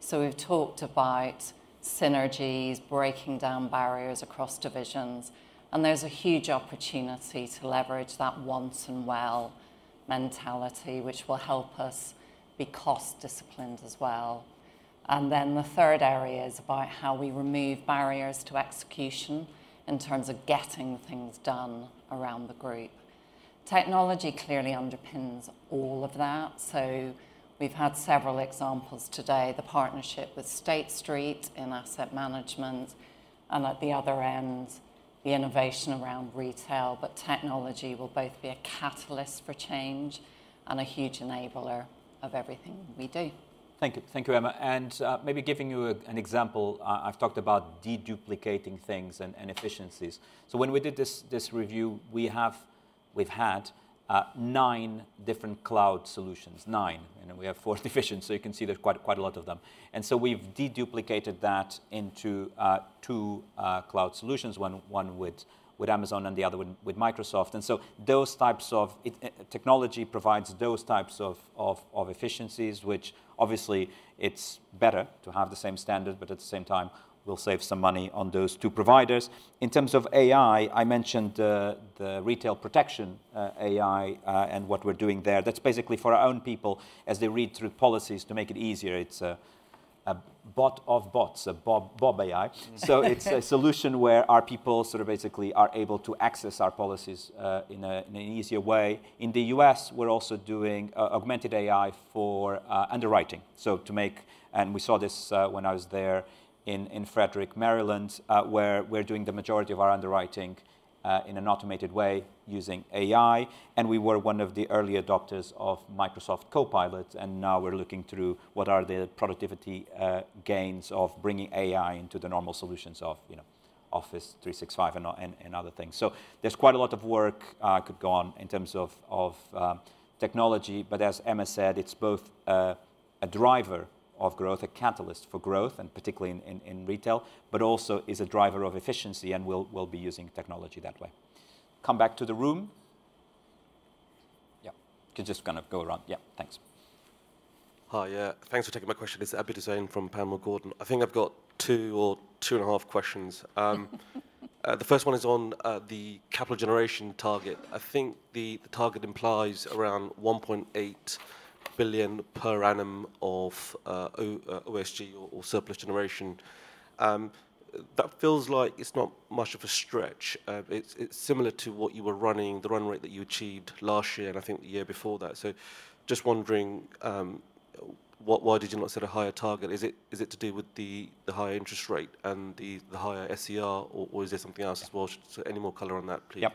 P: So we've talked about synergies, breaking down barriers across divisions, and there's a huge opportunity to leverage that once and well mentality, which will help us be cost-disciplined as well. And then the third area is about how we remove barriers to execution in terms of getting things done around the group. Technology clearly underpins all of that, so we've had several examples today, the partnership with State Street in Asset Management and, at the other end, the innovation around Retail. But technology will both be a catalyst for change and a huge enabler of everything we do.
B: Thank you. Thank you, Emma. Maybe giving you an example, I've talked about de-duplicating things and efficiencies. So when we did this review, we've had nine different cloud solutions. Nine, and then we have four different so you can see there's quite a lot of them. And so we've de-duplicated that into two cloud solutions, one with Amazon and the other one with Microsoft. And so those types of technology provides those types of efficiencies, which obviously it's better to have the same standard, but at the same time, we'll save some money on those two providers. In terms of AI, I mentioned the Retail Protection AI and what we're doing there. That's basically for our own people, as they read through policies, to make it easier. It's a bot of bots, a BoB, BoB AI. So it's a solution where our people sort of basically are able to access our policies in an easier way. In the U.S., we're also doing augmented AI for underwriting. So to make... And we saw this when I was there in Frederick, Maryland, where we're doing the majority of our underwriting in an automated way using AI, and we were one of the early adopters of Microsoft Copilot, and now we're looking through what are the productivity gains of bringing AI into the normal solutions of, you know, Office 365 and other things. So there's quite a lot of work could go on in terms of technology, but as Emma said, it's both a driver of growth, a catalyst for growth, and particularly in Retail, but also is a driver of efficiency, and we'll be using technology that way. Come back to the room. Yeah, you can just kind of go around. Yeah, thanks.
Q: Hi, yeah. Thanks for taking my question. It's Abid Hussain from Panmure Gordon. I think I've got two or two and a half questions. The first one is on the capital generation target. I think the target implies around 1.8 billion per annum of OSG or surplus generation. That feels like it's not much of a stretch. It's similar to what you were running, the run rate that you achieved last year, and I think the year before that. So just wondering, why did you not set a higher target? Is it to do with the higher interest rate and the higher SCR, or is there something else as well? So any more color on that, please?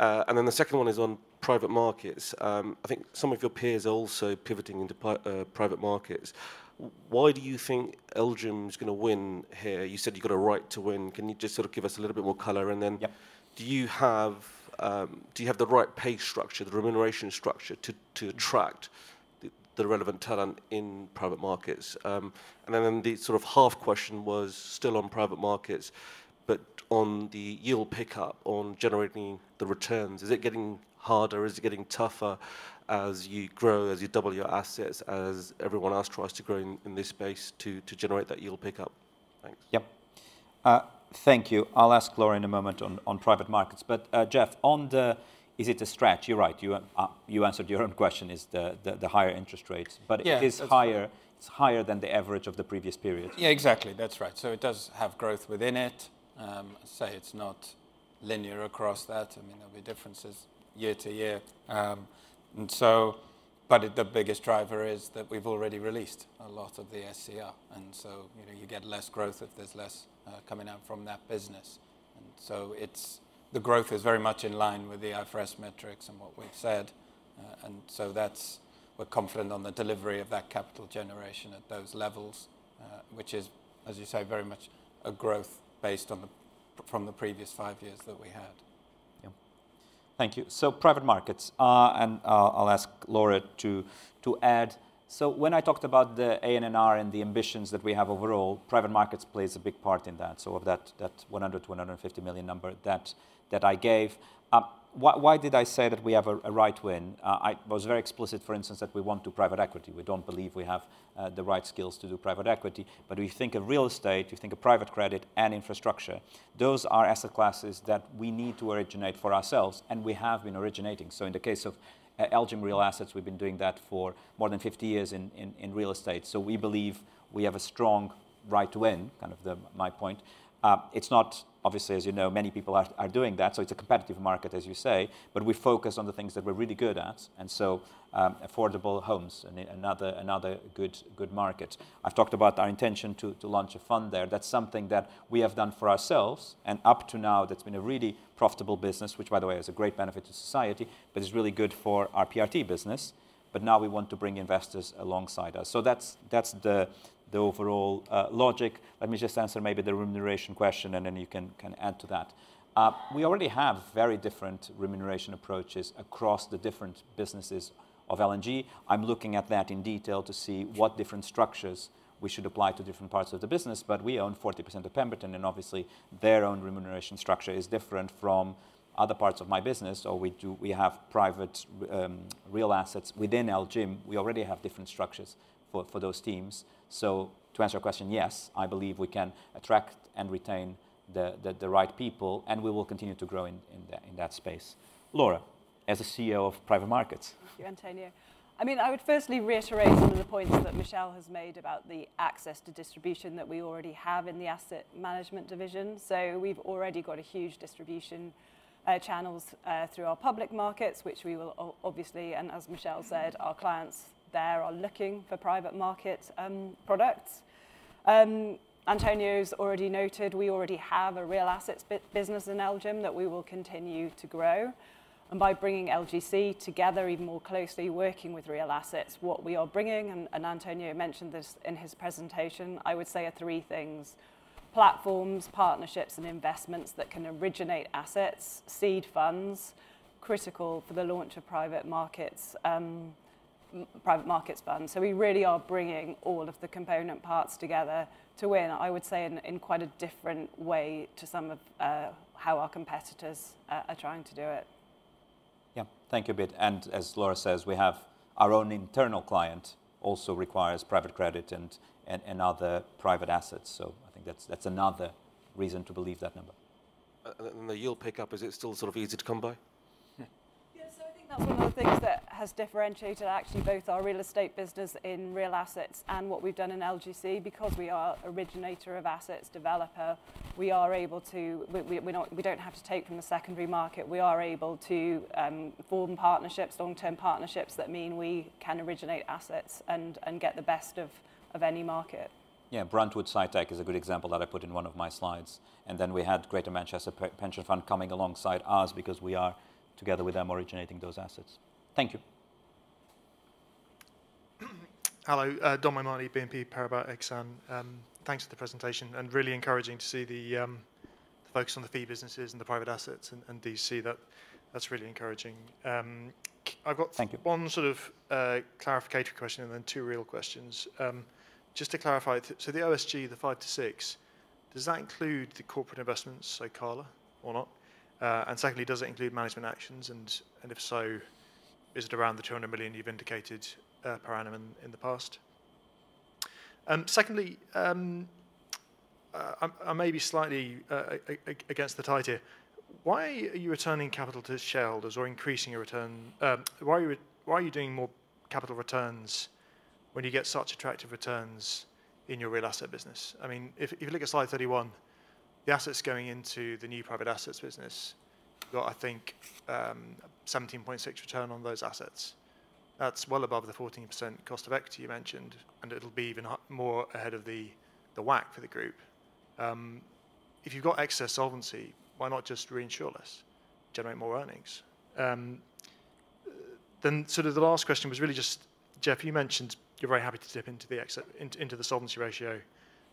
Q: And then the second one is on private markets. I think some of your peers are also pivoting into private markets. Why do you think LGIM is going to win here? You said you've got a right to win. Can you just sort of give us a little bit more color? And then-
B: Yeah.
Q: Do you have the right pay structure, the remuneration structure, to attract the relevant talent in private markets? And then the sort of half question was still on private markets, but on the yield pickup on generating the returns, is it getting harder, is it getting tougher as you grow, as you double your assets, as everyone else tries to grow in this space to generate that yield pickup? Thanks.
B: Yep. Thank you. I'll ask Laura in a moment on, on private markets, but, Jeff, on the... Is it a stretch? You're right. You, you answered your own question, is the higher interest rates.
E: Yeah.
B: But it is higher, it's higher than the average of the previous period.
E: Yeah, exactly. That's right. So it does have growth within it. Say it's not linear across that. I mean, there'll be differences year to year. And so but the biggest driver is that we've already released a lot of the SCR, and so, you know, you get less growth if there's less coming out from that business. And so it's the growth is very much in line with the IFRS metrics and what we've said, and so that's... We're confident on the delivery of that capital generation at those levels, which is, as you say, very much a growth based on the, from the previous five years that we had.
B: Yeah. Thank you. So private markets, and I'll, I'll ask Laura to, to add. So when I talked about the ANNR and the ambitions that we have overall, private markets plays a big part in that. So of that, that 100-150 million number that, that I gave, why, why did I say that we have a, a right to win? I was very explicit, for instance, that we want to private equity. We don't believe we have, the right skills to do private equity, but we think of real estate, we think of private credit and infrastructure. Those are asset classes that we need to originate for ourselves, and we have been originating. So in the case of, LGIM Real Assets, we've been doing that for more than 50 years in, in, in real estate. So we believe we have a strong right to win, kind of the my point. It's not, obviously, as you know, many people are doing that, so it's a competitive market, as you say, but we focus on the things that we're really good at. And so, Affordable Homes, another good market. I've talked about our intention to launch a fund there. That's something that we have done for ourselves, and up to now, that's been a really profitable business, which, by the way, is a great benefit to society, but is really good for our PRT business. But now we want to bring investors alongside us. So that's the overall logic. Let me just answer maybe the remuneration question, and then you can add to that. We already have very different remuneration approaches across the different businesses of L&G. I'm looking at that in detail to see what different structures we should apply to different parts of the business, but we own 40% of Pemberton, and obviously, their own remuneration structure is different from other parts of my business, or we do—we have private, real assets within LGIM. We already have different structures for, for those teams. So to answer your question, yes, I believe we can attract and retain the, the, the right people, and we will continue to grow in, in that, in that space. Laura, as the CEO of Private Markets.
I: Thank you, António. I mean, I would firstly reiterate some of the points that Michelle has made about the access to distribution that we already have in the Asset Management division. So we've already got a huge distribution channels through our public markets, which we will obviously, and as Michelle said, our clients there are looking for private market products. António's already noted we already have a real assets business in LGIM that we will continue to grow. And by bringing LGC together even more closely, working with real assets, what we are bringing, and, and António mentioned this in his presentation, I would say are three things: platforms, partnerships, and investments that can originate assets, seed funds, critical for the launch of private markets private markets funds. So we really are bringing all of the component parts together to win, I would say, in quite a different way to some of how our competitors are trying to do it.
B: Yeah. Thank you a bit, and as Laura says, we have our own internal client, also requires private credit and other private assets. So I think that's another reason to believe that number.
Q: The yield pickup, is it still sort of easy to come by?
I: Yeah, so I think that's one of the things that has differentiated actually both our real estate business in real assets and what we've done in LGC. Because we are originator of assets, developer, we are able to... We're not, we don't have to take from the secondary market. We are able to form partnerships, long-term partnerships, that mean we can originate assets and get the best of any market.
B: Yeah, Bruntwood SciTech is a good example that I put in one of my slides, and then we had Greater Manchester Pension Fund coming alongside ours because we are, together with them, originating those assets. Thank you.
R: Hello, Dom O'Mahony, BNP Paribas Exane. Thanks for the presentation, and really encouraging to see the focus on the fee businesses and the private assets and DC, that's really encouraging. I've got-
B: Thank you...
R: one sort of clarification question and then two real questions. Just to clarify, so the OSG, the 5-6, does that include the Corporate Investments, say, Cala or not? And secondly, does it include management actions, and if so, is it around the 200 million you've indicated per annum in the past? Secondly, I may be slightly against the tide here. Why are you returning capital to shareholders or increasing your return? Why are you doing more capital returns when you get such attractive returns in your real asset business? I mean, if you look at slide 31, the assets going into the new private assets business got, I think, 17.6% return on those assets.... That's well above the 14% cost of equity you mentioned, and it'll be even more ahead of the WACC for the group. If you've got excess solvency, why not just reinsure less, generate more earnings? Then the last question was really just, Jeff, you mentioned you're very happy to dip into the excess, into the solvency ratio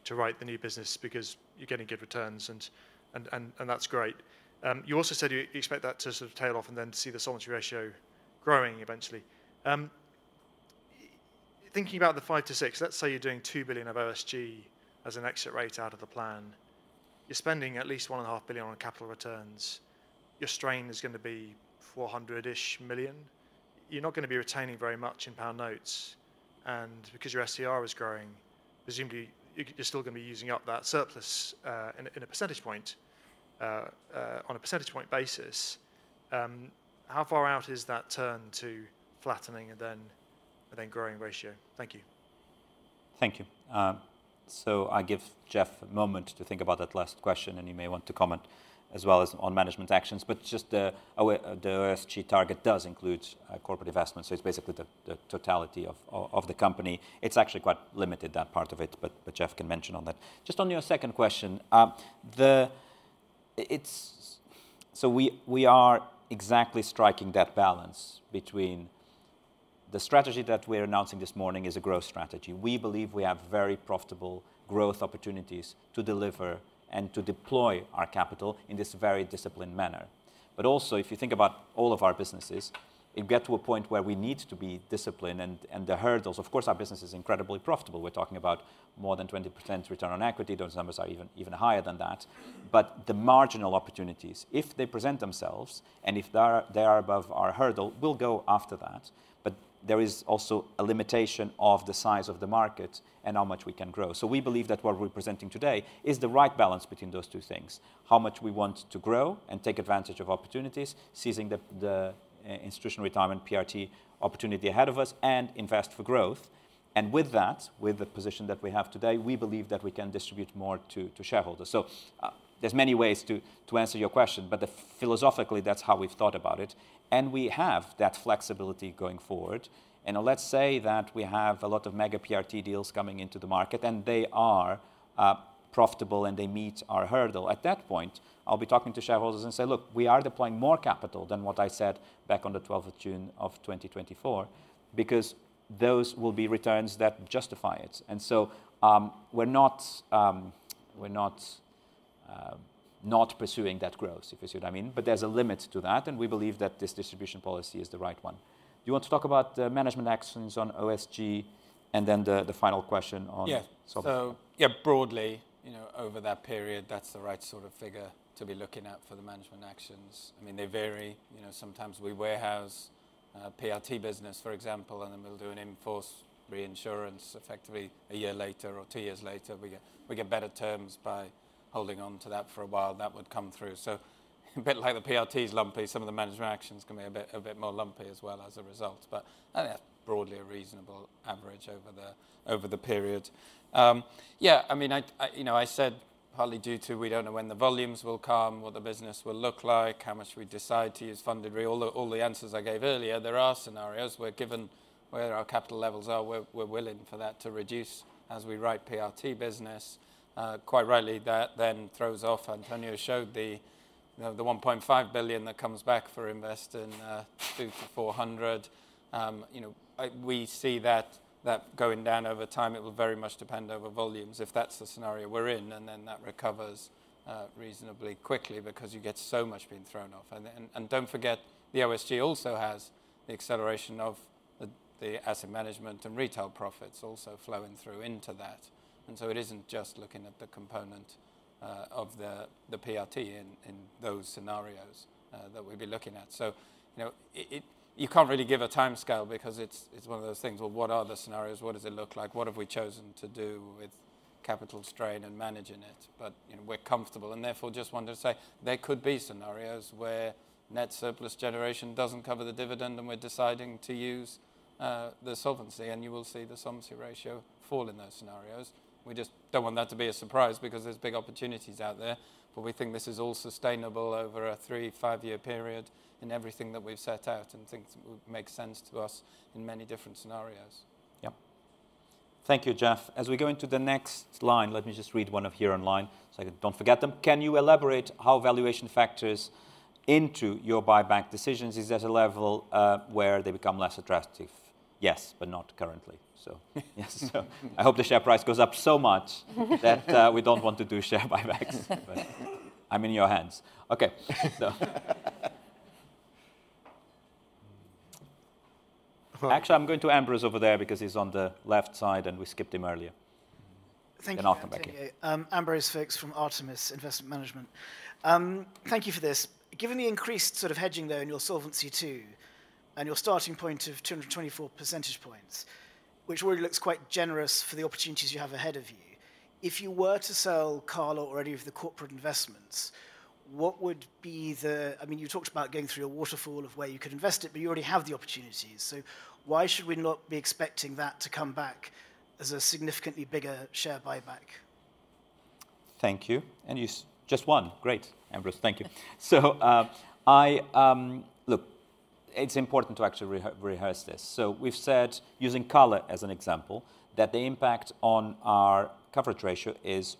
R: to write the new business because you're getting good returns, and that's great. You also said you expect that to sort of tail off and then see the solvency ratio growing eventually. Thinking about the 5-6, let's say you're doing 2 billion of OSG as an exit rate out of the plan. You're spending at least 1.5 billion on capital returns. Your strain is going to be 400-ish million. You're not going to be retaining very much in pound notes, and because your SCR is growing, presumably, you're still going to be using up that surplus in a percentage point. On a percentage point basis, how far out is that turn to flattening and then growing ratio? Thank you.
B: Thank you. So I give Jeff a moment to think about that last question, and he may want to comment as well as on management actions. But just the OSG target does include corporate investment, so it's basically the totality of the company. It's actually quite limited, that part of it, but Jeff can mention on that. Just on your second question, so we are exactly striking that balance between the strategy that we're announcing this morning is a growth strategy. We believe we have very profitable growth opportunities to deliver and to deploy our capital in this very disciplined manner. But also, if you think about all of our businesses, you get to a point where we need to be disciplined, and the hurdles, of course, our business is incredibly profitable. We're talking about more than 20% return on equity. Those numbers are even higher than that. But the marginal opportunities, if they present themselves, and if they are above our hurdle, we'll go after that. But there is also a limitation of the size of the market and how much we can grow. So we believe that what we're presenting today is the right balance between those two things: how much we want to grow and take advantage of opportunities, seizing the Institutional Retirement PRT opportunity ahead of us, and invest for growth. And with that, with the position that we have today, we believe that we can distribute more to shareholders. So, there's many ways to answer your question, but philosophically, that's how we've thought about it, and we have that flexibility going forward. And let's say that we have a lot of mega PRT deals coming into the market, and they are profitable, and they meet our hurdle. At that point, I'll be talking to shareholders and say: Look, we are deploying more capital than what I said back on the twelfth of June of 2024, because those will be returns that justify it. And so, we're not, we're not, not pursuing that growth, if you see what I mean. But there's a limit to that, and we believe that this distribution policy is the right one. Do you want to talk about the management actions on OSG and then the, the final question on-
E: Yeah...
B: solvency?
E: So, yeah, broadly, you know, over that period, that's the right sort of figure to be looking at for the management actions. I mean, they vary. You know, sometimes we warehouse PRT business, for example, and then we'll do an in-force reinsurance effectively a year later or two years later. We get better terms by holding on to that for a while. That would come through. So a bit like the PRT's lumpy, some of the management action's going to be a bit more lumpy as well as a result. But broadly, a reasonable average over the period. Yeah, I mean, you know, I said partly due to we don't know when the volumes will come, what the business will look like, how much we decide to use Funded Re... All the answers I gave earlier, there are scenarios where, given where our capital levels are, we're willing for that to reduce as we write PRT business. Quite rightly, that then throws off. António showed the, you know, the 1.5 billion that comes back for investment in 200-400. We see that going down over time. It will very much depend on volumes, if that's the scenario we're in, and then that recovers reasonably quickly because you get so much being thrown off. And don't forget, the OSG also has the acceleration of the Asset Management and Retail profits also flowing through into that. And so it isn't just looking at the component of the PRT in those scenarios that we'd be looking at. So, you know... You can't really give a timescale because it's one of those things where what are the scenarios? What does it look like? What have we chosen to do with capital strain and managing it? But, you know, we're comfortable, and therefore just wanted to say there could be scenarios where net surplus generation doesn't cover the dividend, and we're deciding to use the solvency, and you will see the solvency ratio fall in those scenarios. We just don't want that to be a surprise because there's big opportunities out there, but we think this is all sustainable over a three, five-year period in everything that we've set out, and things would make sense to us in many different scenarios.
B: Yeah. Thank you, Jeff. As we go into the next line, let me just read one of here online, so I don't forget them. Can you elaborate how valuation factors into your buyback decisions? Is there a level where they become less attractive? Yes, but not currently. So yes. So I hope the share price goes up so much that we don't want to do share buybacks. But I'm in your hands. Okay, so actually, I'm going to Ambrose over there because he's on the left side, and we skipped him earlier.
S: Thank you.
B: Then I'll come back here.
S: Ambrose Faulks from Artemis Investment Management. Thank you for this. Given the increased sort of hedging, though, in your Solvency II, and your starting point of 224 percentage points, which already looks quite generous for the opportunities you have ahead of you, if you were to sell Cala or any of the Corporate Investments, what would be the... I mean, you talked about going through a waterfall of where you could invest it, but you already have the opportunities. So why should we not be expecting that to come back as a significantly bigger share buyback?...
B: Thank you. And you just one. Great, Ambrose, thank you. So, look, it's important to actually rehearse this. So we've said, using color as an example, that the impact on our coverage ratio is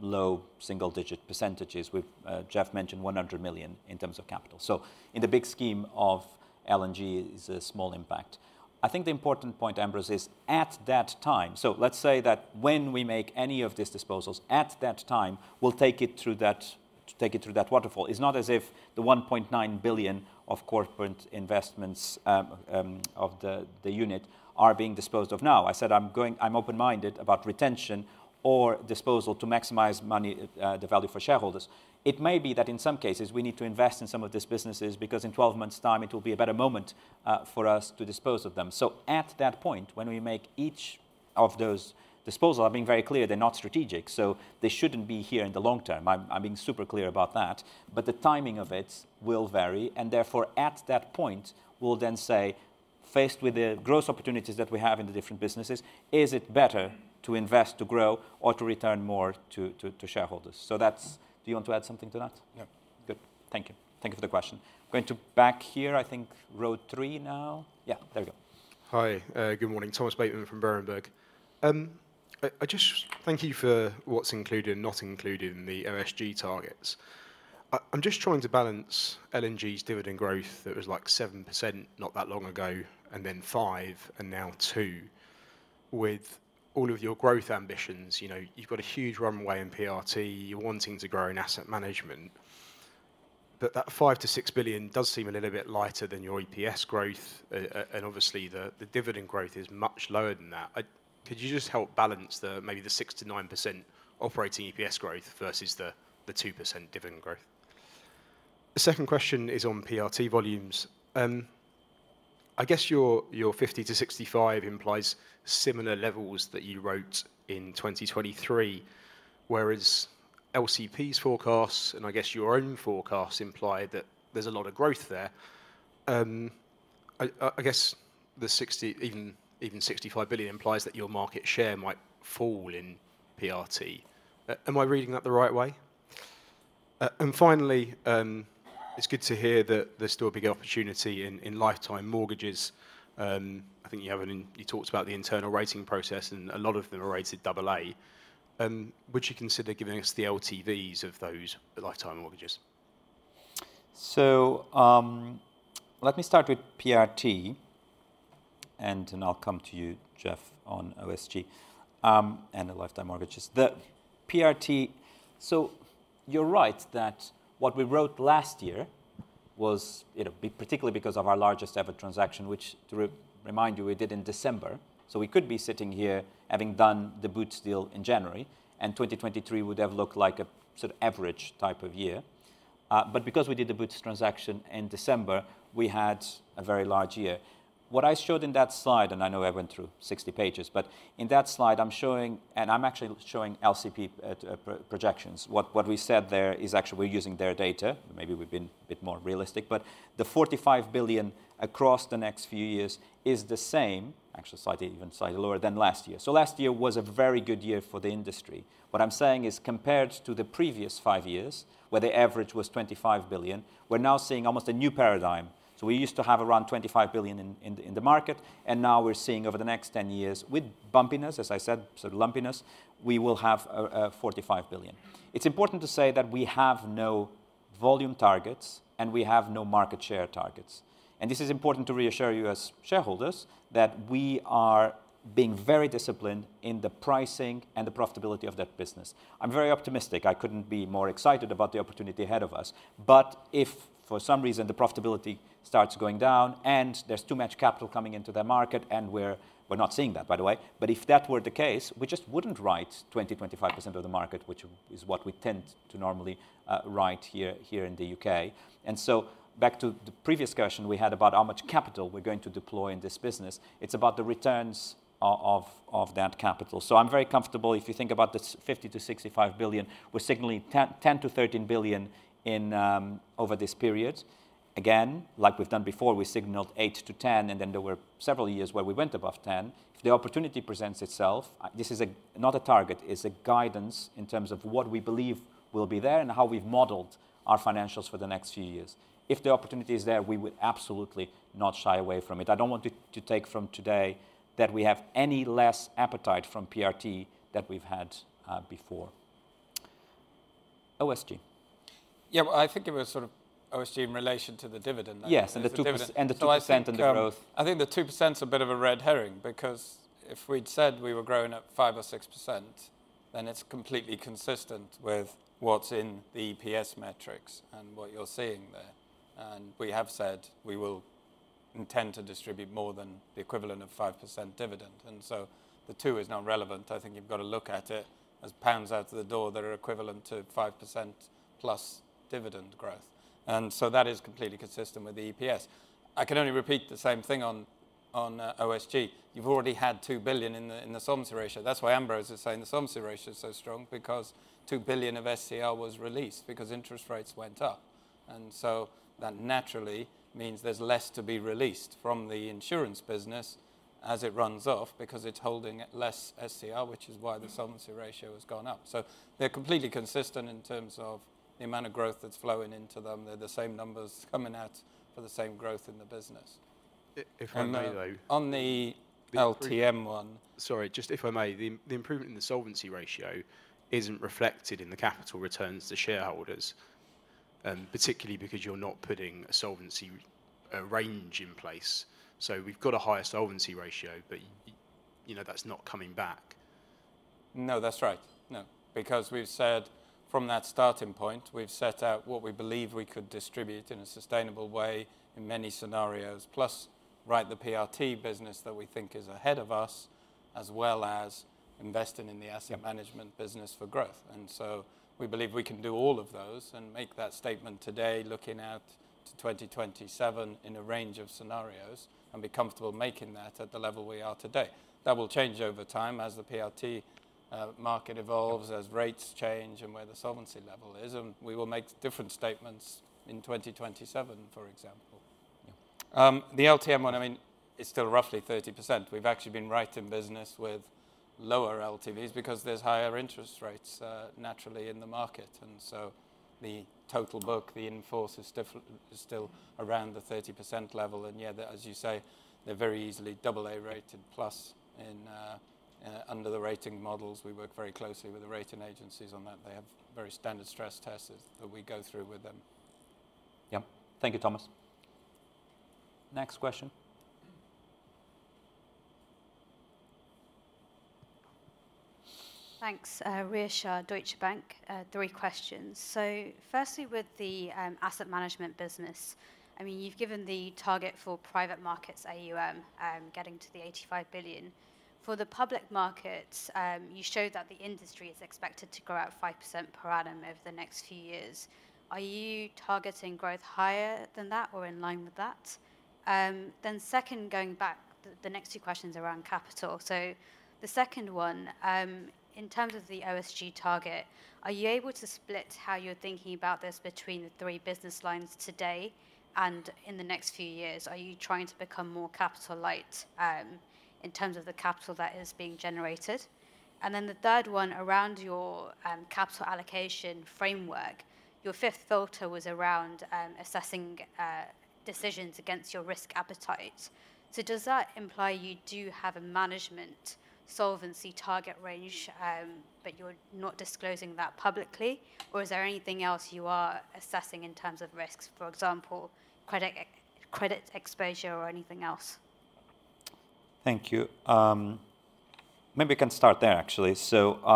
B: low single-digit %. We've... Jeff mentioned 100 million in terms of capital. So in the big scheme of L&G, it is a small impact. I think the important point, Ambrose, is at that time, so let's say that when we make any of these disposals, at that time, we'll take it through that, take it through that waterfall. It's not as if the 1.9 billion of Corporate Investments of the, the unit are being disposed of now. I said I'm going- I'm open-minded about retention or disposal to maximize money, the value for shareholders. It may be that in some cases we need to invest in some of these businesses, because in 12 months' time, it will be a better moment for us to dispose of them. So at that point, when we make each of those disposal, I'm being very clear, they're not strategic, so they shouldn't be here in the long term. I'm, I'm being super clear about that. But the timing of it will vary, and therefore, at that point, we'll then say, faced with the growth opportunities that we have in the different businesses, is it better to invest, to grow, or to return more to, to, to shareholders? So that's... Do you want to add something to that? Yeah. Good. Thank you. Thank you for the question. Going to back here, I think row three now. Yeah, there we go.
T: Hi. Good morning. Thomas Bateman from Berenberg. I just thank you for what's included and not included in the OSG targets. I'm just trying to balance L&G's dividend growth, that was, like, 7% not that long ago, and then 5%, and now 2%. With all of your growth ambitions, you know, you've got a huge runway in PRT, you're wanting to grow in Asset Management, but that 5 billion-6 billion does seem a little bit lighter than your EPS growth, and obviously, the dividend growth is much lower than that. Could you just help balance the maybe the 6%-9% operating EPS growth versus the 2% dividend growth? The second question is on PRT volumes. I guess your 50 billion-65 billion implies similar levels that you wrote in 2023, whereas LCP's forecasts, and I guess your own forecasts imply that there's a lot of growth there. I guess the 60 billion, even 65 billion implies that your market share might fall in PRT. Am I reading that the right way? And finally, it's good to hear that there's still a big opportunity in lifetime mortgages. I think you talked about the internal rating process, and a lot of them are rated double A. Would you consider giving us the LTVs of those lifetime mortgages?
B: So, let me start with PRT, and then I'll come to you, Jeff, on OSG, and the lifetime mortgages. The PRT. So you're right that what we wrote last year was, you know, particularly because of our largest ever transaction, which, to remind you, we did in December, so we could be sitting here having done the Boots deal in January, and 2023 would have looked like a sort of average type of year. But because we did the Boots transaction in December, we had a very large year. What I showed in that slide, and I know I went through 60 pages, but in that slide, I'm showing. And I'm actually showing LCP projections. What we said there is actually we're using their data. Maybe we've been a bit more realistic, but the 45 billion across the next few years is the same, actually, slightly, even slightly lower than last year. So last year was a very good year for the industry. What I'm saying is, compared to the previous five years, where the average was 25 billion, we're now seeing almost a new paradigm. So we used to have around 25 billion in the market, and now we're seeing over the next 10 years, with bumpiness, as I said, sort of lumpiness, we will have 45 billion. It's important to say that we have no volume targets, and we have no market share targets. And this is important to reassure you, as shareholders, that we are being very disciplined in the pricing and the profitability of that business. I'm very optimistic. I couldn't be more excited about the opportunity ahead of us. But if for some reason, the profitability starts going down and there's too much capital coming into the market, and we're not seeing that, by the way, but if that were the case, we just wouldn't write 20-25% of the market, which is what we tend to normally write here in the U.K. So back to the previous question we had about how much capital we're going to deploy in this business, it's about the returns of that capital. I'm very comfortable, if you think about the 50-65 billion, we're signaling 10-13 billion over this period. Again, like we've done before, we signaled 8-10, and then there were several years where we went above 10. If the opportunity presents itself, this is a, not a target, it's a guidance in terms of what we believe will be there and how we've modeled our financials for the next few years. If the opportunity is there, we would absolutely not shy away from it. I don't want you to take from today that we have any less appetite from PRT than we've had, before. OSG?
E: Yeah, well, I think it was sort of OSG in relation to the dividend then.
B: Yes, and the two-
E: The dividend-
B: And the 2% and the growth.
E: So I think, I think the 2%'s a bit of a red herring, because if we'd said we were growing at 5% or 6%, then it's completely consistent with what's in the EPS metrics and what you're seeing there. And we have said we will intend to distribute more than the equivalent of 5% dividend, and so the two is not relevant. I think you've got to look at it as pounds out the door that are equivalent to 5% plus dividend growth, and so that is completely consistent with the EPS. I can only repeat the same thing on, on, OSG. You've already had 2 billion in the, in the solvency ratio. That's why Ambrose is saying the solvency ratio is so strong, because 2 billion of SCR was released because interest rates went up.... That naturally means there's less to be released from the insurance business as it runs off because it's holding less SCR, which is why the solvency ratio has gone up. So they're completely consistent in terms of the amount of growth that's flowing into them. They're the same numbers coming out for the same growth in the business.
T: If I may, though-
E: On the LTM one-
T: Sorry, just if I may, the improvement in the solvency ratio isn't reflected in the capital returns to shareholders, particularly because you're not putting a solvency range in place. So we've got a higher solvency ratio, but you know, that's not coming back.
E: No, that's right. No, because we've said from that starting point, we've set out what we believe we could distribute in a sustainable way in many scenarios. Plus, write the PRT business that we think is ahead of us, as well as investing in the Asset Management business for growth. And so we believe we can do all of those and make that statement today, looking out to 2027 in a range of scenarios, and be comfortable making that at the level we are today. That will change over time as the PRT market evolves, as rates change, and where the solvency level is, and we will make different statements in 2027, for example. The LTM one, I mean, is still roughly 30%. We've actually been writing business with lower LTVs because there's higher interest rates, naturally in the market, and so the total book, the in-force, is still around the 30% level. And yeah, as you say, they're very easily double A-rated plus under the rating models. We work very closely with the rating agencies on that. They have very standard stress tests that we go through with them.
B: Yeah. Thank you, Thomas. Next question?
U: Thanks. Rhea Shah, Deutsche Bank. Three questions. So firstly, with the Asset Management business, I mean, you've given the target for private markets, AUM, getting to 85 billion. For the public markets, you showed that the industry is expected to grow at 5% per annum over the next few years. Are you targeting growth higher than that or in line with that? Then second, going back, the next two questions are around capital. So the second one, in terms of the OSG target, are you able to split how you're thinking about this between the three business lines today and in the next few years? Are you trying to become more capital light, in terms of the capital that is being generated? And then the third one, around your capital allocation framework, your fifth filter was around assessing decisions against your risk appetite. So does that imply you do have a management solvency target range, but you're not disclosing that publicly? Or is there anything else you are assessing in terms of risks, for example, credit exposure or anything else?
B: Thank you. Maybe I can start there, actually. And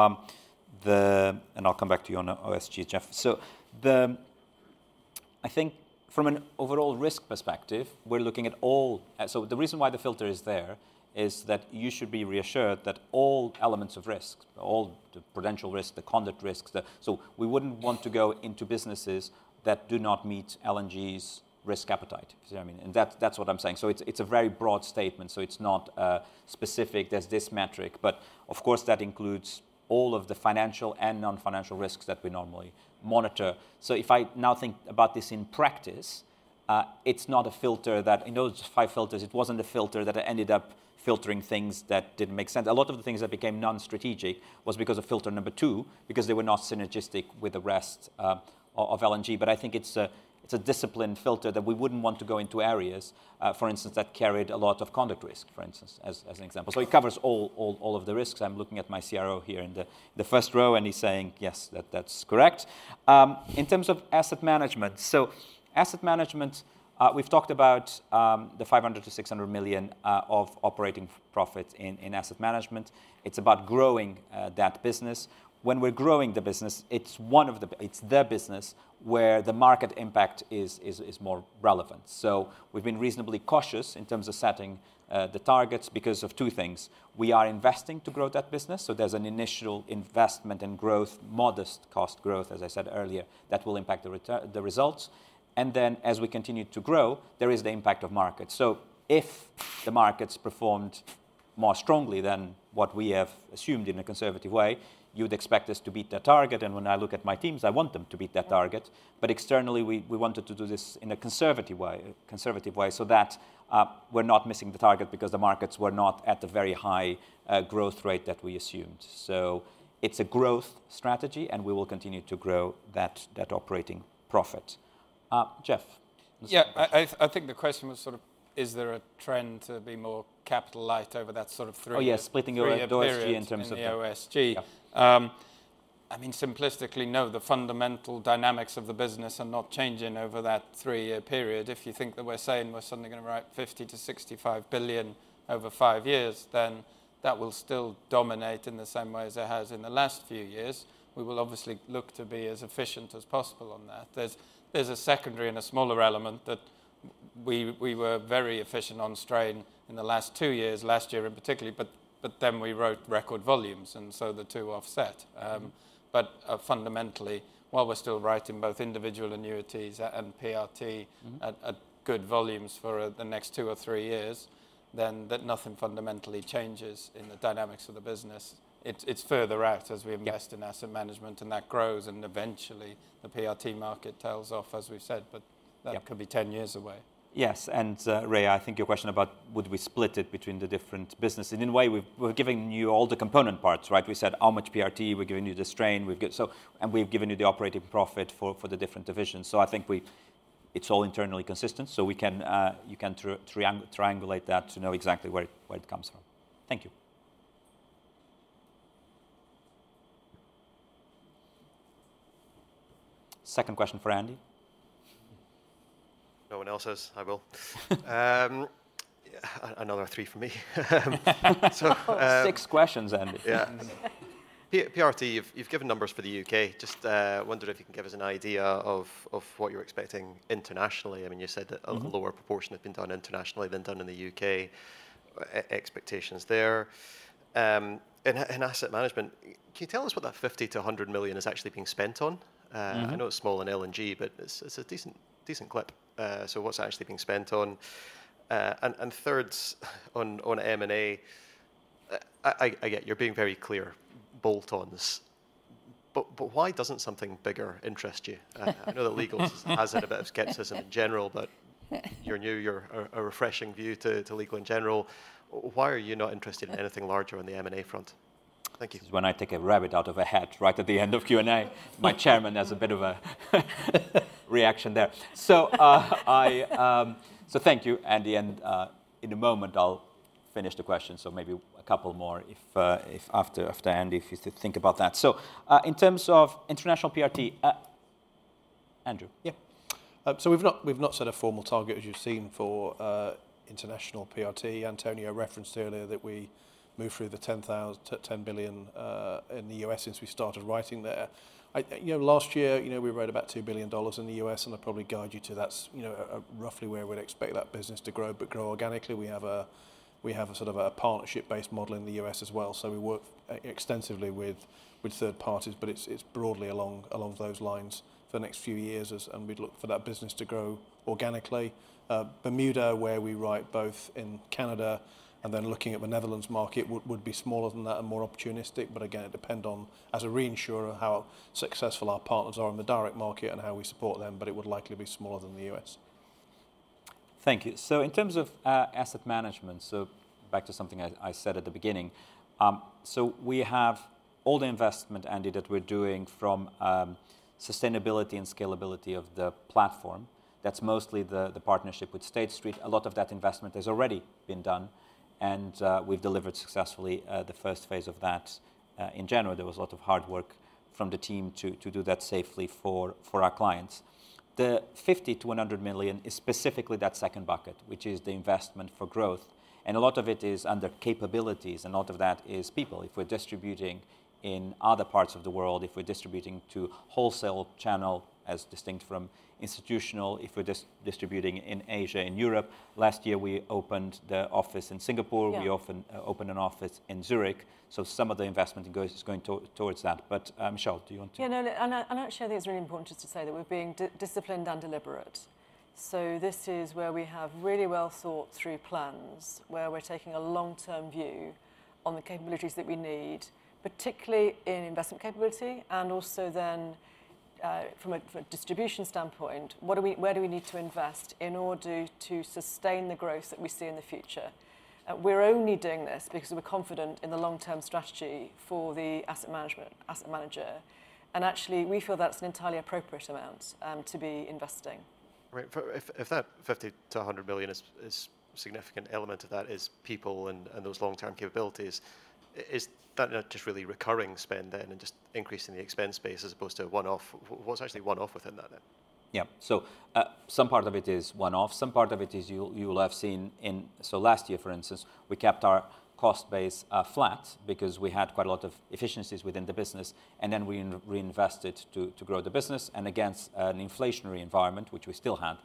B: I'll come back to you on OSG, Jeff. So I think from an overall risk perspective, we're looking at all. So the reason why the filter is there is that you should be reassured that all elements of risk, all the prudential risk, the conduct risks. So we wouldn't want to go into businesses that do not meet L&G's risk appetite. You see what I mean? And that's, that's what I'm saying. So it's, it's a very broad statement, so it's not specific, there's this metric. But of course, that includes all of the financial and non-financial risks that we normally monitor. So if I now think about this in practice, it's not a filter that... In those five filters, it wasn't a filter that ended up filtering things that didn't make sense. A lot of the things that became non-strategic was because of filter number two, because they were not synergistic with the rest of L&G. But I think it's a disciplined filter, that we wouldn't want to go into areas, for instance, that carried a lot of conduct risk, for instance, as an example. So it covers all of the risks. I'm looking at my CRO here in the first row, and he's saying, "Yes, that's correct." In terms of Asset Management, so Asset Management, we've talked about the 500 million-600 million of operating profit in Asset Management. It's about growing that business. When we're growing the business, it's one of the—it's the business where the market impact is more relevant. So we've been reasonably cautious in terms of setting the targets because of two things. We are investing to grow that business, so there's an initial investment in growth, modest cost growth, as I said earlier. That will impact the return, the results. And then, as we continue to grow, there is the impact of market. So if the markets performed more strongly than what we have assumed in a conservative way, you'd expect us to beat that target. And when I look at my teams, I want them to beat that target. But externally, we, we wanted to do this in a conservative way, conservative way, so that, we're not missing the target because the markets were not at the very high, growth rate that we assumed. So it's a growth strategy, and we will continue to grow that, that operating profit. Jeff?
E: Yeah, I think the question was sort of: Is there a trend to be more capital light over that sort of three-year-
B: Oh, yeah, splitting your OSG in terms of-
E: period in the OSG?
B: Yeah.
E: I mean, simplistically, no, the fundamental dynamics of the business are not changing over that 3-year period. If you think that we're saying we're suddenly gonna write 50 billion-65 billion over 5 years, then that will still dominate in the same way as it has in the last few years. We will obviously look to be as efficient as possible on that. There's a secondary and a smaller element that,... we were very efficient on strain in the last two years, last year in particular, but then we wrote record volumes, and so the two offset. But fundamentally, while we're still writing both individual annuities and PRT-
B: Mm-hmm...
E: at good volumes for the next two or three years, then that nothing fundamentally changes in the dynamics of the business. It's further out as we-
B: Yeah...
E: invest in Asset Management, and that grows, and eventually the PRT market tails off, as we've said, but-
B: Yeah...
E: that could be 10 years away.
B: Yes, and, Rhea, I think your question about would we split it between the different businesses, in a way we're giving you all the component parts, right? We said how much PRT, we're giving you the strain, we've got. So, and we've given you the operating profit for, for the different divisions. So I think we—it's all internally consistent, so we can, you can triangulate that to know exactly where it, where it comes from. Thank you. Second question for Andy?
L: No one else is, I will. Another three for me.
B: Six questions, Andy.
L: Yeah. PRT, you've given numbers for the U.K. Just wondering if you can give us an idea of what you're expecting internationally. I mean, you said that-
B: Mm-hmm...
L: a lower proportion had been done internationally than done in the U.K. Expectations there. In Asset Management, can you tell us what that 50-100 million is actually being spent on?
B: Mm-hmm.
L: I know it's small in L&G, but it's a decent clip. So what's it actually being spent on? And third, on M&A, I get you're being very clear, bolt-ons, but why doesn't something bigger interest you? I know that Legal & General has had a bit of skepticism in general, but you're new. You're a refreshing view to Legal & General in general. Why are you not interested in anything larger on the M&A front? Thank you.
B: This is when I take a rabbit out of a hat right at the end of Q&A. My chairman has a bit of a reaction there. So, thank you, Andy, and in a moment I'll finish the question, so maybe a couple more if, if after, after Andy, if you think about that. So, in terms of international PRT, Andrew?
K: Yeah. So we've not set a formal target, as you've seen, for international PRT. António referenced earlier that we moved through the $10 billion in the U.S. since we started writing there. You know, last year, you know, we wrote about $2 billion in the U.S., and I'd probably guide you to that's, you know, roughly where we'd expect that business to grow, but grow organically. We have a sort of a partnership-based model in the U.S. as well, so we work extensively with third parties, but it's broadly along those lines for the next few years and we'd look for that business to grow organically. Bermuda, where we write both in Canada and then looking at the Netherlands market, would be smaller than that and more opportunistic. But again, it'd depend on, as a reinsurer, how successful our partners are in the direct market and how we support them, but it would likely be smaller than the U.S.
B: Thank you. So in terms of, Asset Management, so back to something I said at the beginning. So we have all the investment, Andy, that we're doing from, sustainability and scalability of the platform. That's mostly the partnership with State Street. A lot of that investment has already been done, and we've delivered successfully, the first phase of that. In general, there was a lot of hard work from the team to do that safely for our clients. The 50 million-100 million is specifically that second bucket, which is the investment for growth, and a lot of it is under capabilities, and a lot of that is people. If we're distributing in other parts of the world, if we're distributing to wholesale channel as distinct from institutional, if we're distributing in Asia and Europe. Last year, we opened the office in Singapore.
D: Yeah.
B: We often opened an office in Zurich. So some of the investment goes, is going to towards that. But, Michelle, do you want to
D: Yeah, no, and I actually think it's really important just to say that we're being disciplined and deliberate. So this is where we have really well thought through plans, where we're taking a long-term view on the capabilities that we need, particularly in investment capability, and also then from a distribution standpoint, where do we need to invest in order to sustain the growth that we see in the future? We're only doing this because we're confident in the long-term strategy for the Asset Management, asset manager, and actually, we feel that's an entirely appropriate amount to be investing.
L: Right. If that 50 to 100 million is significant element of that is people and those long-term capabilities, is that not just really recurring spend then and just increasing the expense base as opposed to a one-off? What's actually one-off within that then?
B: Yeah. So, some part of it is one-off. Some part of it is you will have seen in... So last year, for instance, we kept our cost base flat because we had quite a lot of efficiencies within the business, and then we reinvested to grow the business and against an inflationary environment, which we still had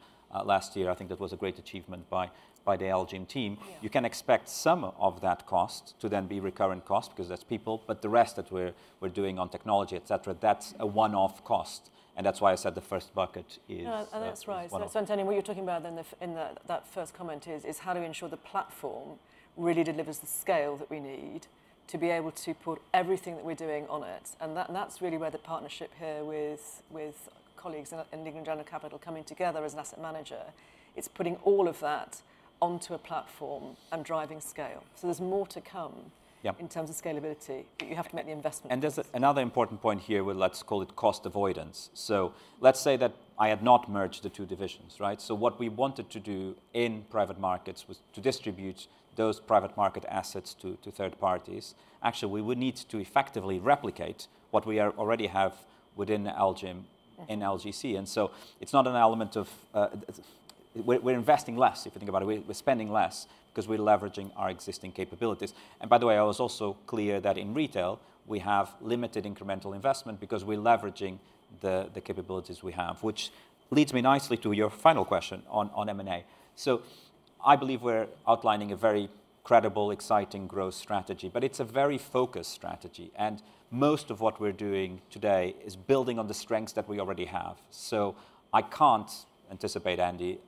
B: last year. I think that was a great achievement by the LGIM team.
D: Yeah.
B: You can expect some of that cost to then be recurrent cost, because that's people, but the rest that we're doing on technology, et cetera, that's a one-off cost, and that's why I said the first bucket is-
D: Yeah, and that's right....
B: is one-off.
D: So, António, what you're talking about in the first comment is how to ensure the platform really delivers the scale that we need to be able to put everything that we're doing on it, and that's really where the partnership here with colleagues in Legal & General Capital coming together as an asset manager. It's putting all of that onto a platform and driving scale. So there's more to come.
B: Yeah...
D: in terms of scalability, but you have to make the investment first.
B: And there's another important point here with, let's call it, cost avoidance. So let's say that I had not merged the two divisions, right? So what we wanted to do in private markets was to distribute those private market assets to, to third parties. Actually, we would need to effectively replicate what we already have within LGIM-
D: Yeah...
B: in LGC. It's not an element of, it's-- we're, we're investing less, if you think about it. We're, we're spending less because we're leveraging our existing capabilities. By the way, I was also clear that in Retail, we have limited incremental investment because we're leveraging the capabilities we have, which leads me nicely to your final question on M&A. I believe we're outlining a very credible, exciting growth strategy, but it's a very focused strategy, and most of what we're doing today is building on the strengths that we already have. I can't anticipate, Andy,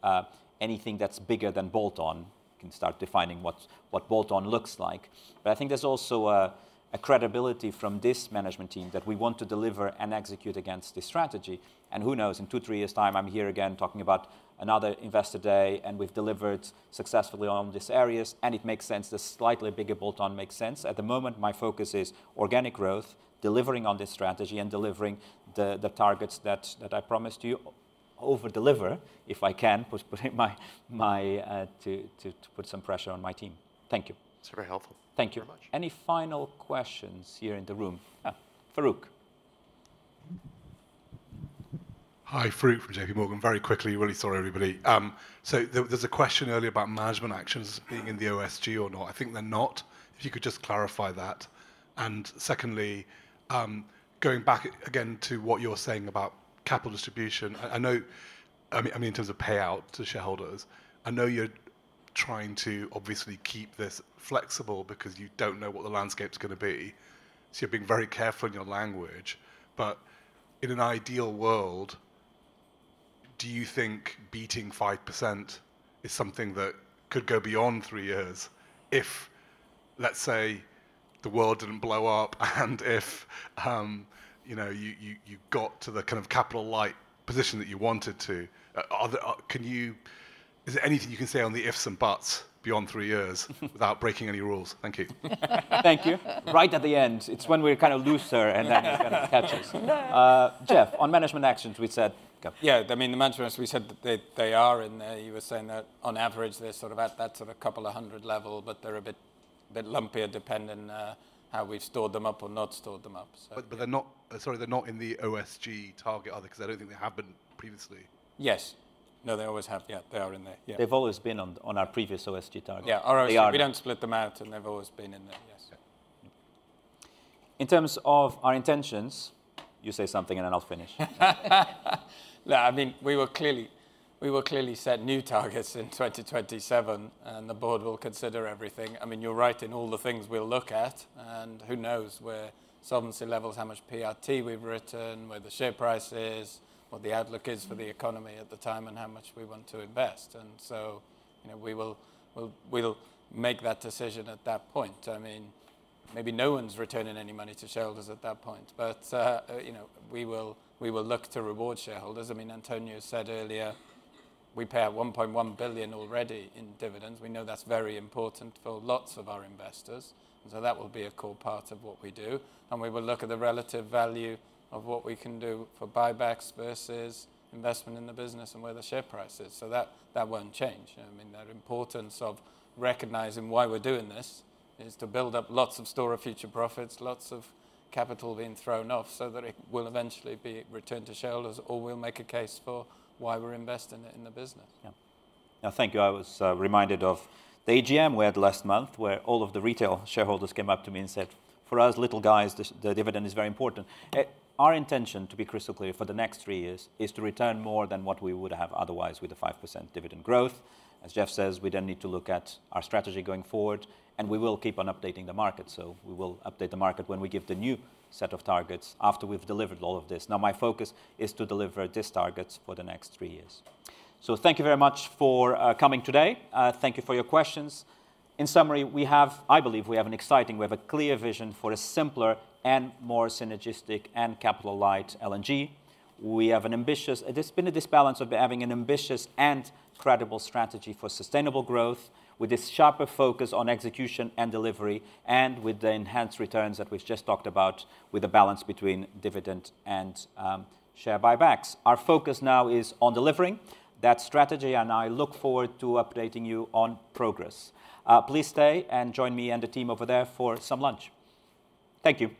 B: anything that's bigger than bolt-on. Can start defining what, what bolt-on looks like. I think there's also a credibility from this management team that we want to deliver and execute against this strategy. Who knows, in 2, 3 years' time, I'm here again talking about another investor day, and we've delivered successfully on these areas, and it makes sense, a slightly bigger bolt-on makes sense. At the moment, my focus is organic growth, delivering on this strategy and delivering the targets that I promised you. Over-deliver, if I can, put my to put some pressure on my team. Thank you.
L: It's very helpful.
B: Thank you.
L: Very much.
B: Any final questions here in the room? Ah, Farooq.
C: Hi, Farooq from J.P. Morgan. Very quickly, really sorry, everybody. So there, there's a question earlier about management actions being in the OSG or not. I think they're not. If you could just clarify that. And secondly, going back again to what you were saying about capital distribution, I know... I mean, in terms of payout to shareholders, I know you're trying to obviously keep this flexible because you don't know what the landscape's gonna be, so you're being very careful in your language. But in an ideal world, do you think beating 5% is something that could go beyond three years if, let's say, the world didn't blow up and if, you know, you got to the kind of capital light position that you wanted to? Is there anything you can say on the ifs and buts beyond three years... without breaking any rules? Thank you.
B: Thank you. Right at the end, it's when we're kind of looser, and then it kind of catches. Jeff, on management actions, we said... Go.
E: Yeah, I mean, the management, as we said, they are in there. You were saying that on average, they're sort of at that sort of couple of hundred level, but they're a bit lumpier, depending on how we've stored them up or not stored them up, so.
C: But they're not, sorry, they're not in the OSG target, are they? Because I don't think they have been previously.
E: Yes. No, they always have. Yeah, they are in there. Yeah.
B: They've always been on our previous OSG target.
E: Yeah.
B: They are-
E: We don't split them out, and they've always been in there. Yes.
B: In terms of our intentions, you say something and then I'll finish.
E: No, I mean, we will clearly, we will clearly set new targets in 2027, and the board will consider everything. I mean, you're right in all the things we'll look at, and who knows where solvency levels, how much PRT we've written, where the share price is, what the outlook is for the economy at the time, and how much we want to invest. And so, you know, we will, we'll, we'll make that decision at that point. I mean, maybe no one's returning any money to shareholders at that point, but, you know, we will, we will look to reward shareholders. I mean, António said earlier, we pay out $1.1 billion already in dividends. We know that's very important for lots of our investors, so that will be a core part of what we do. We will look at the relative value of what we can do for buybacks versus investment in the business and where the share price is, so that, that won't change. I mean, that importance of recognizing why we're doing this is to build up lots of store of future profits, lots of capital being thrown off so that it will eventually be returned to shareholders, or we'll make a case for why we're investing it in the business.
B: Yeah. Now, thank you. I was reminded of the AGM we had last month, where all of the retail shareholders came up to me and said, "For us little guys, the, the dividend is very important." Our intention, to be crystal clear, for the next three years, is to return more than what we would have otherwise with the 5% dividend growth. As Jeff says, we then need to look at our strategy going forward, and we will keep on updating the market. So we will update the market when we give the new set of targets after we've delivered all of this. Now, my focus is to deliver these targets for the next three years. So thank you very much for coming today. Thank you for your questions. In summary, we have, I believe we have an exciting, we have a clear vision for a simpler and more synergistic and capital-light L&G. We have an ambitious... There's been an imbalance of having an ambitious and credible strategy for sustainable growth, with a sharper focus on execution and delivery, and with the enhanced returns that we've just talked about, with a balance between dividend and share buybacks. Our focus now is on delivering that strategy, and I look forward to updating you on progress. Please stay and join me and the team over there for some lunch. Thank you.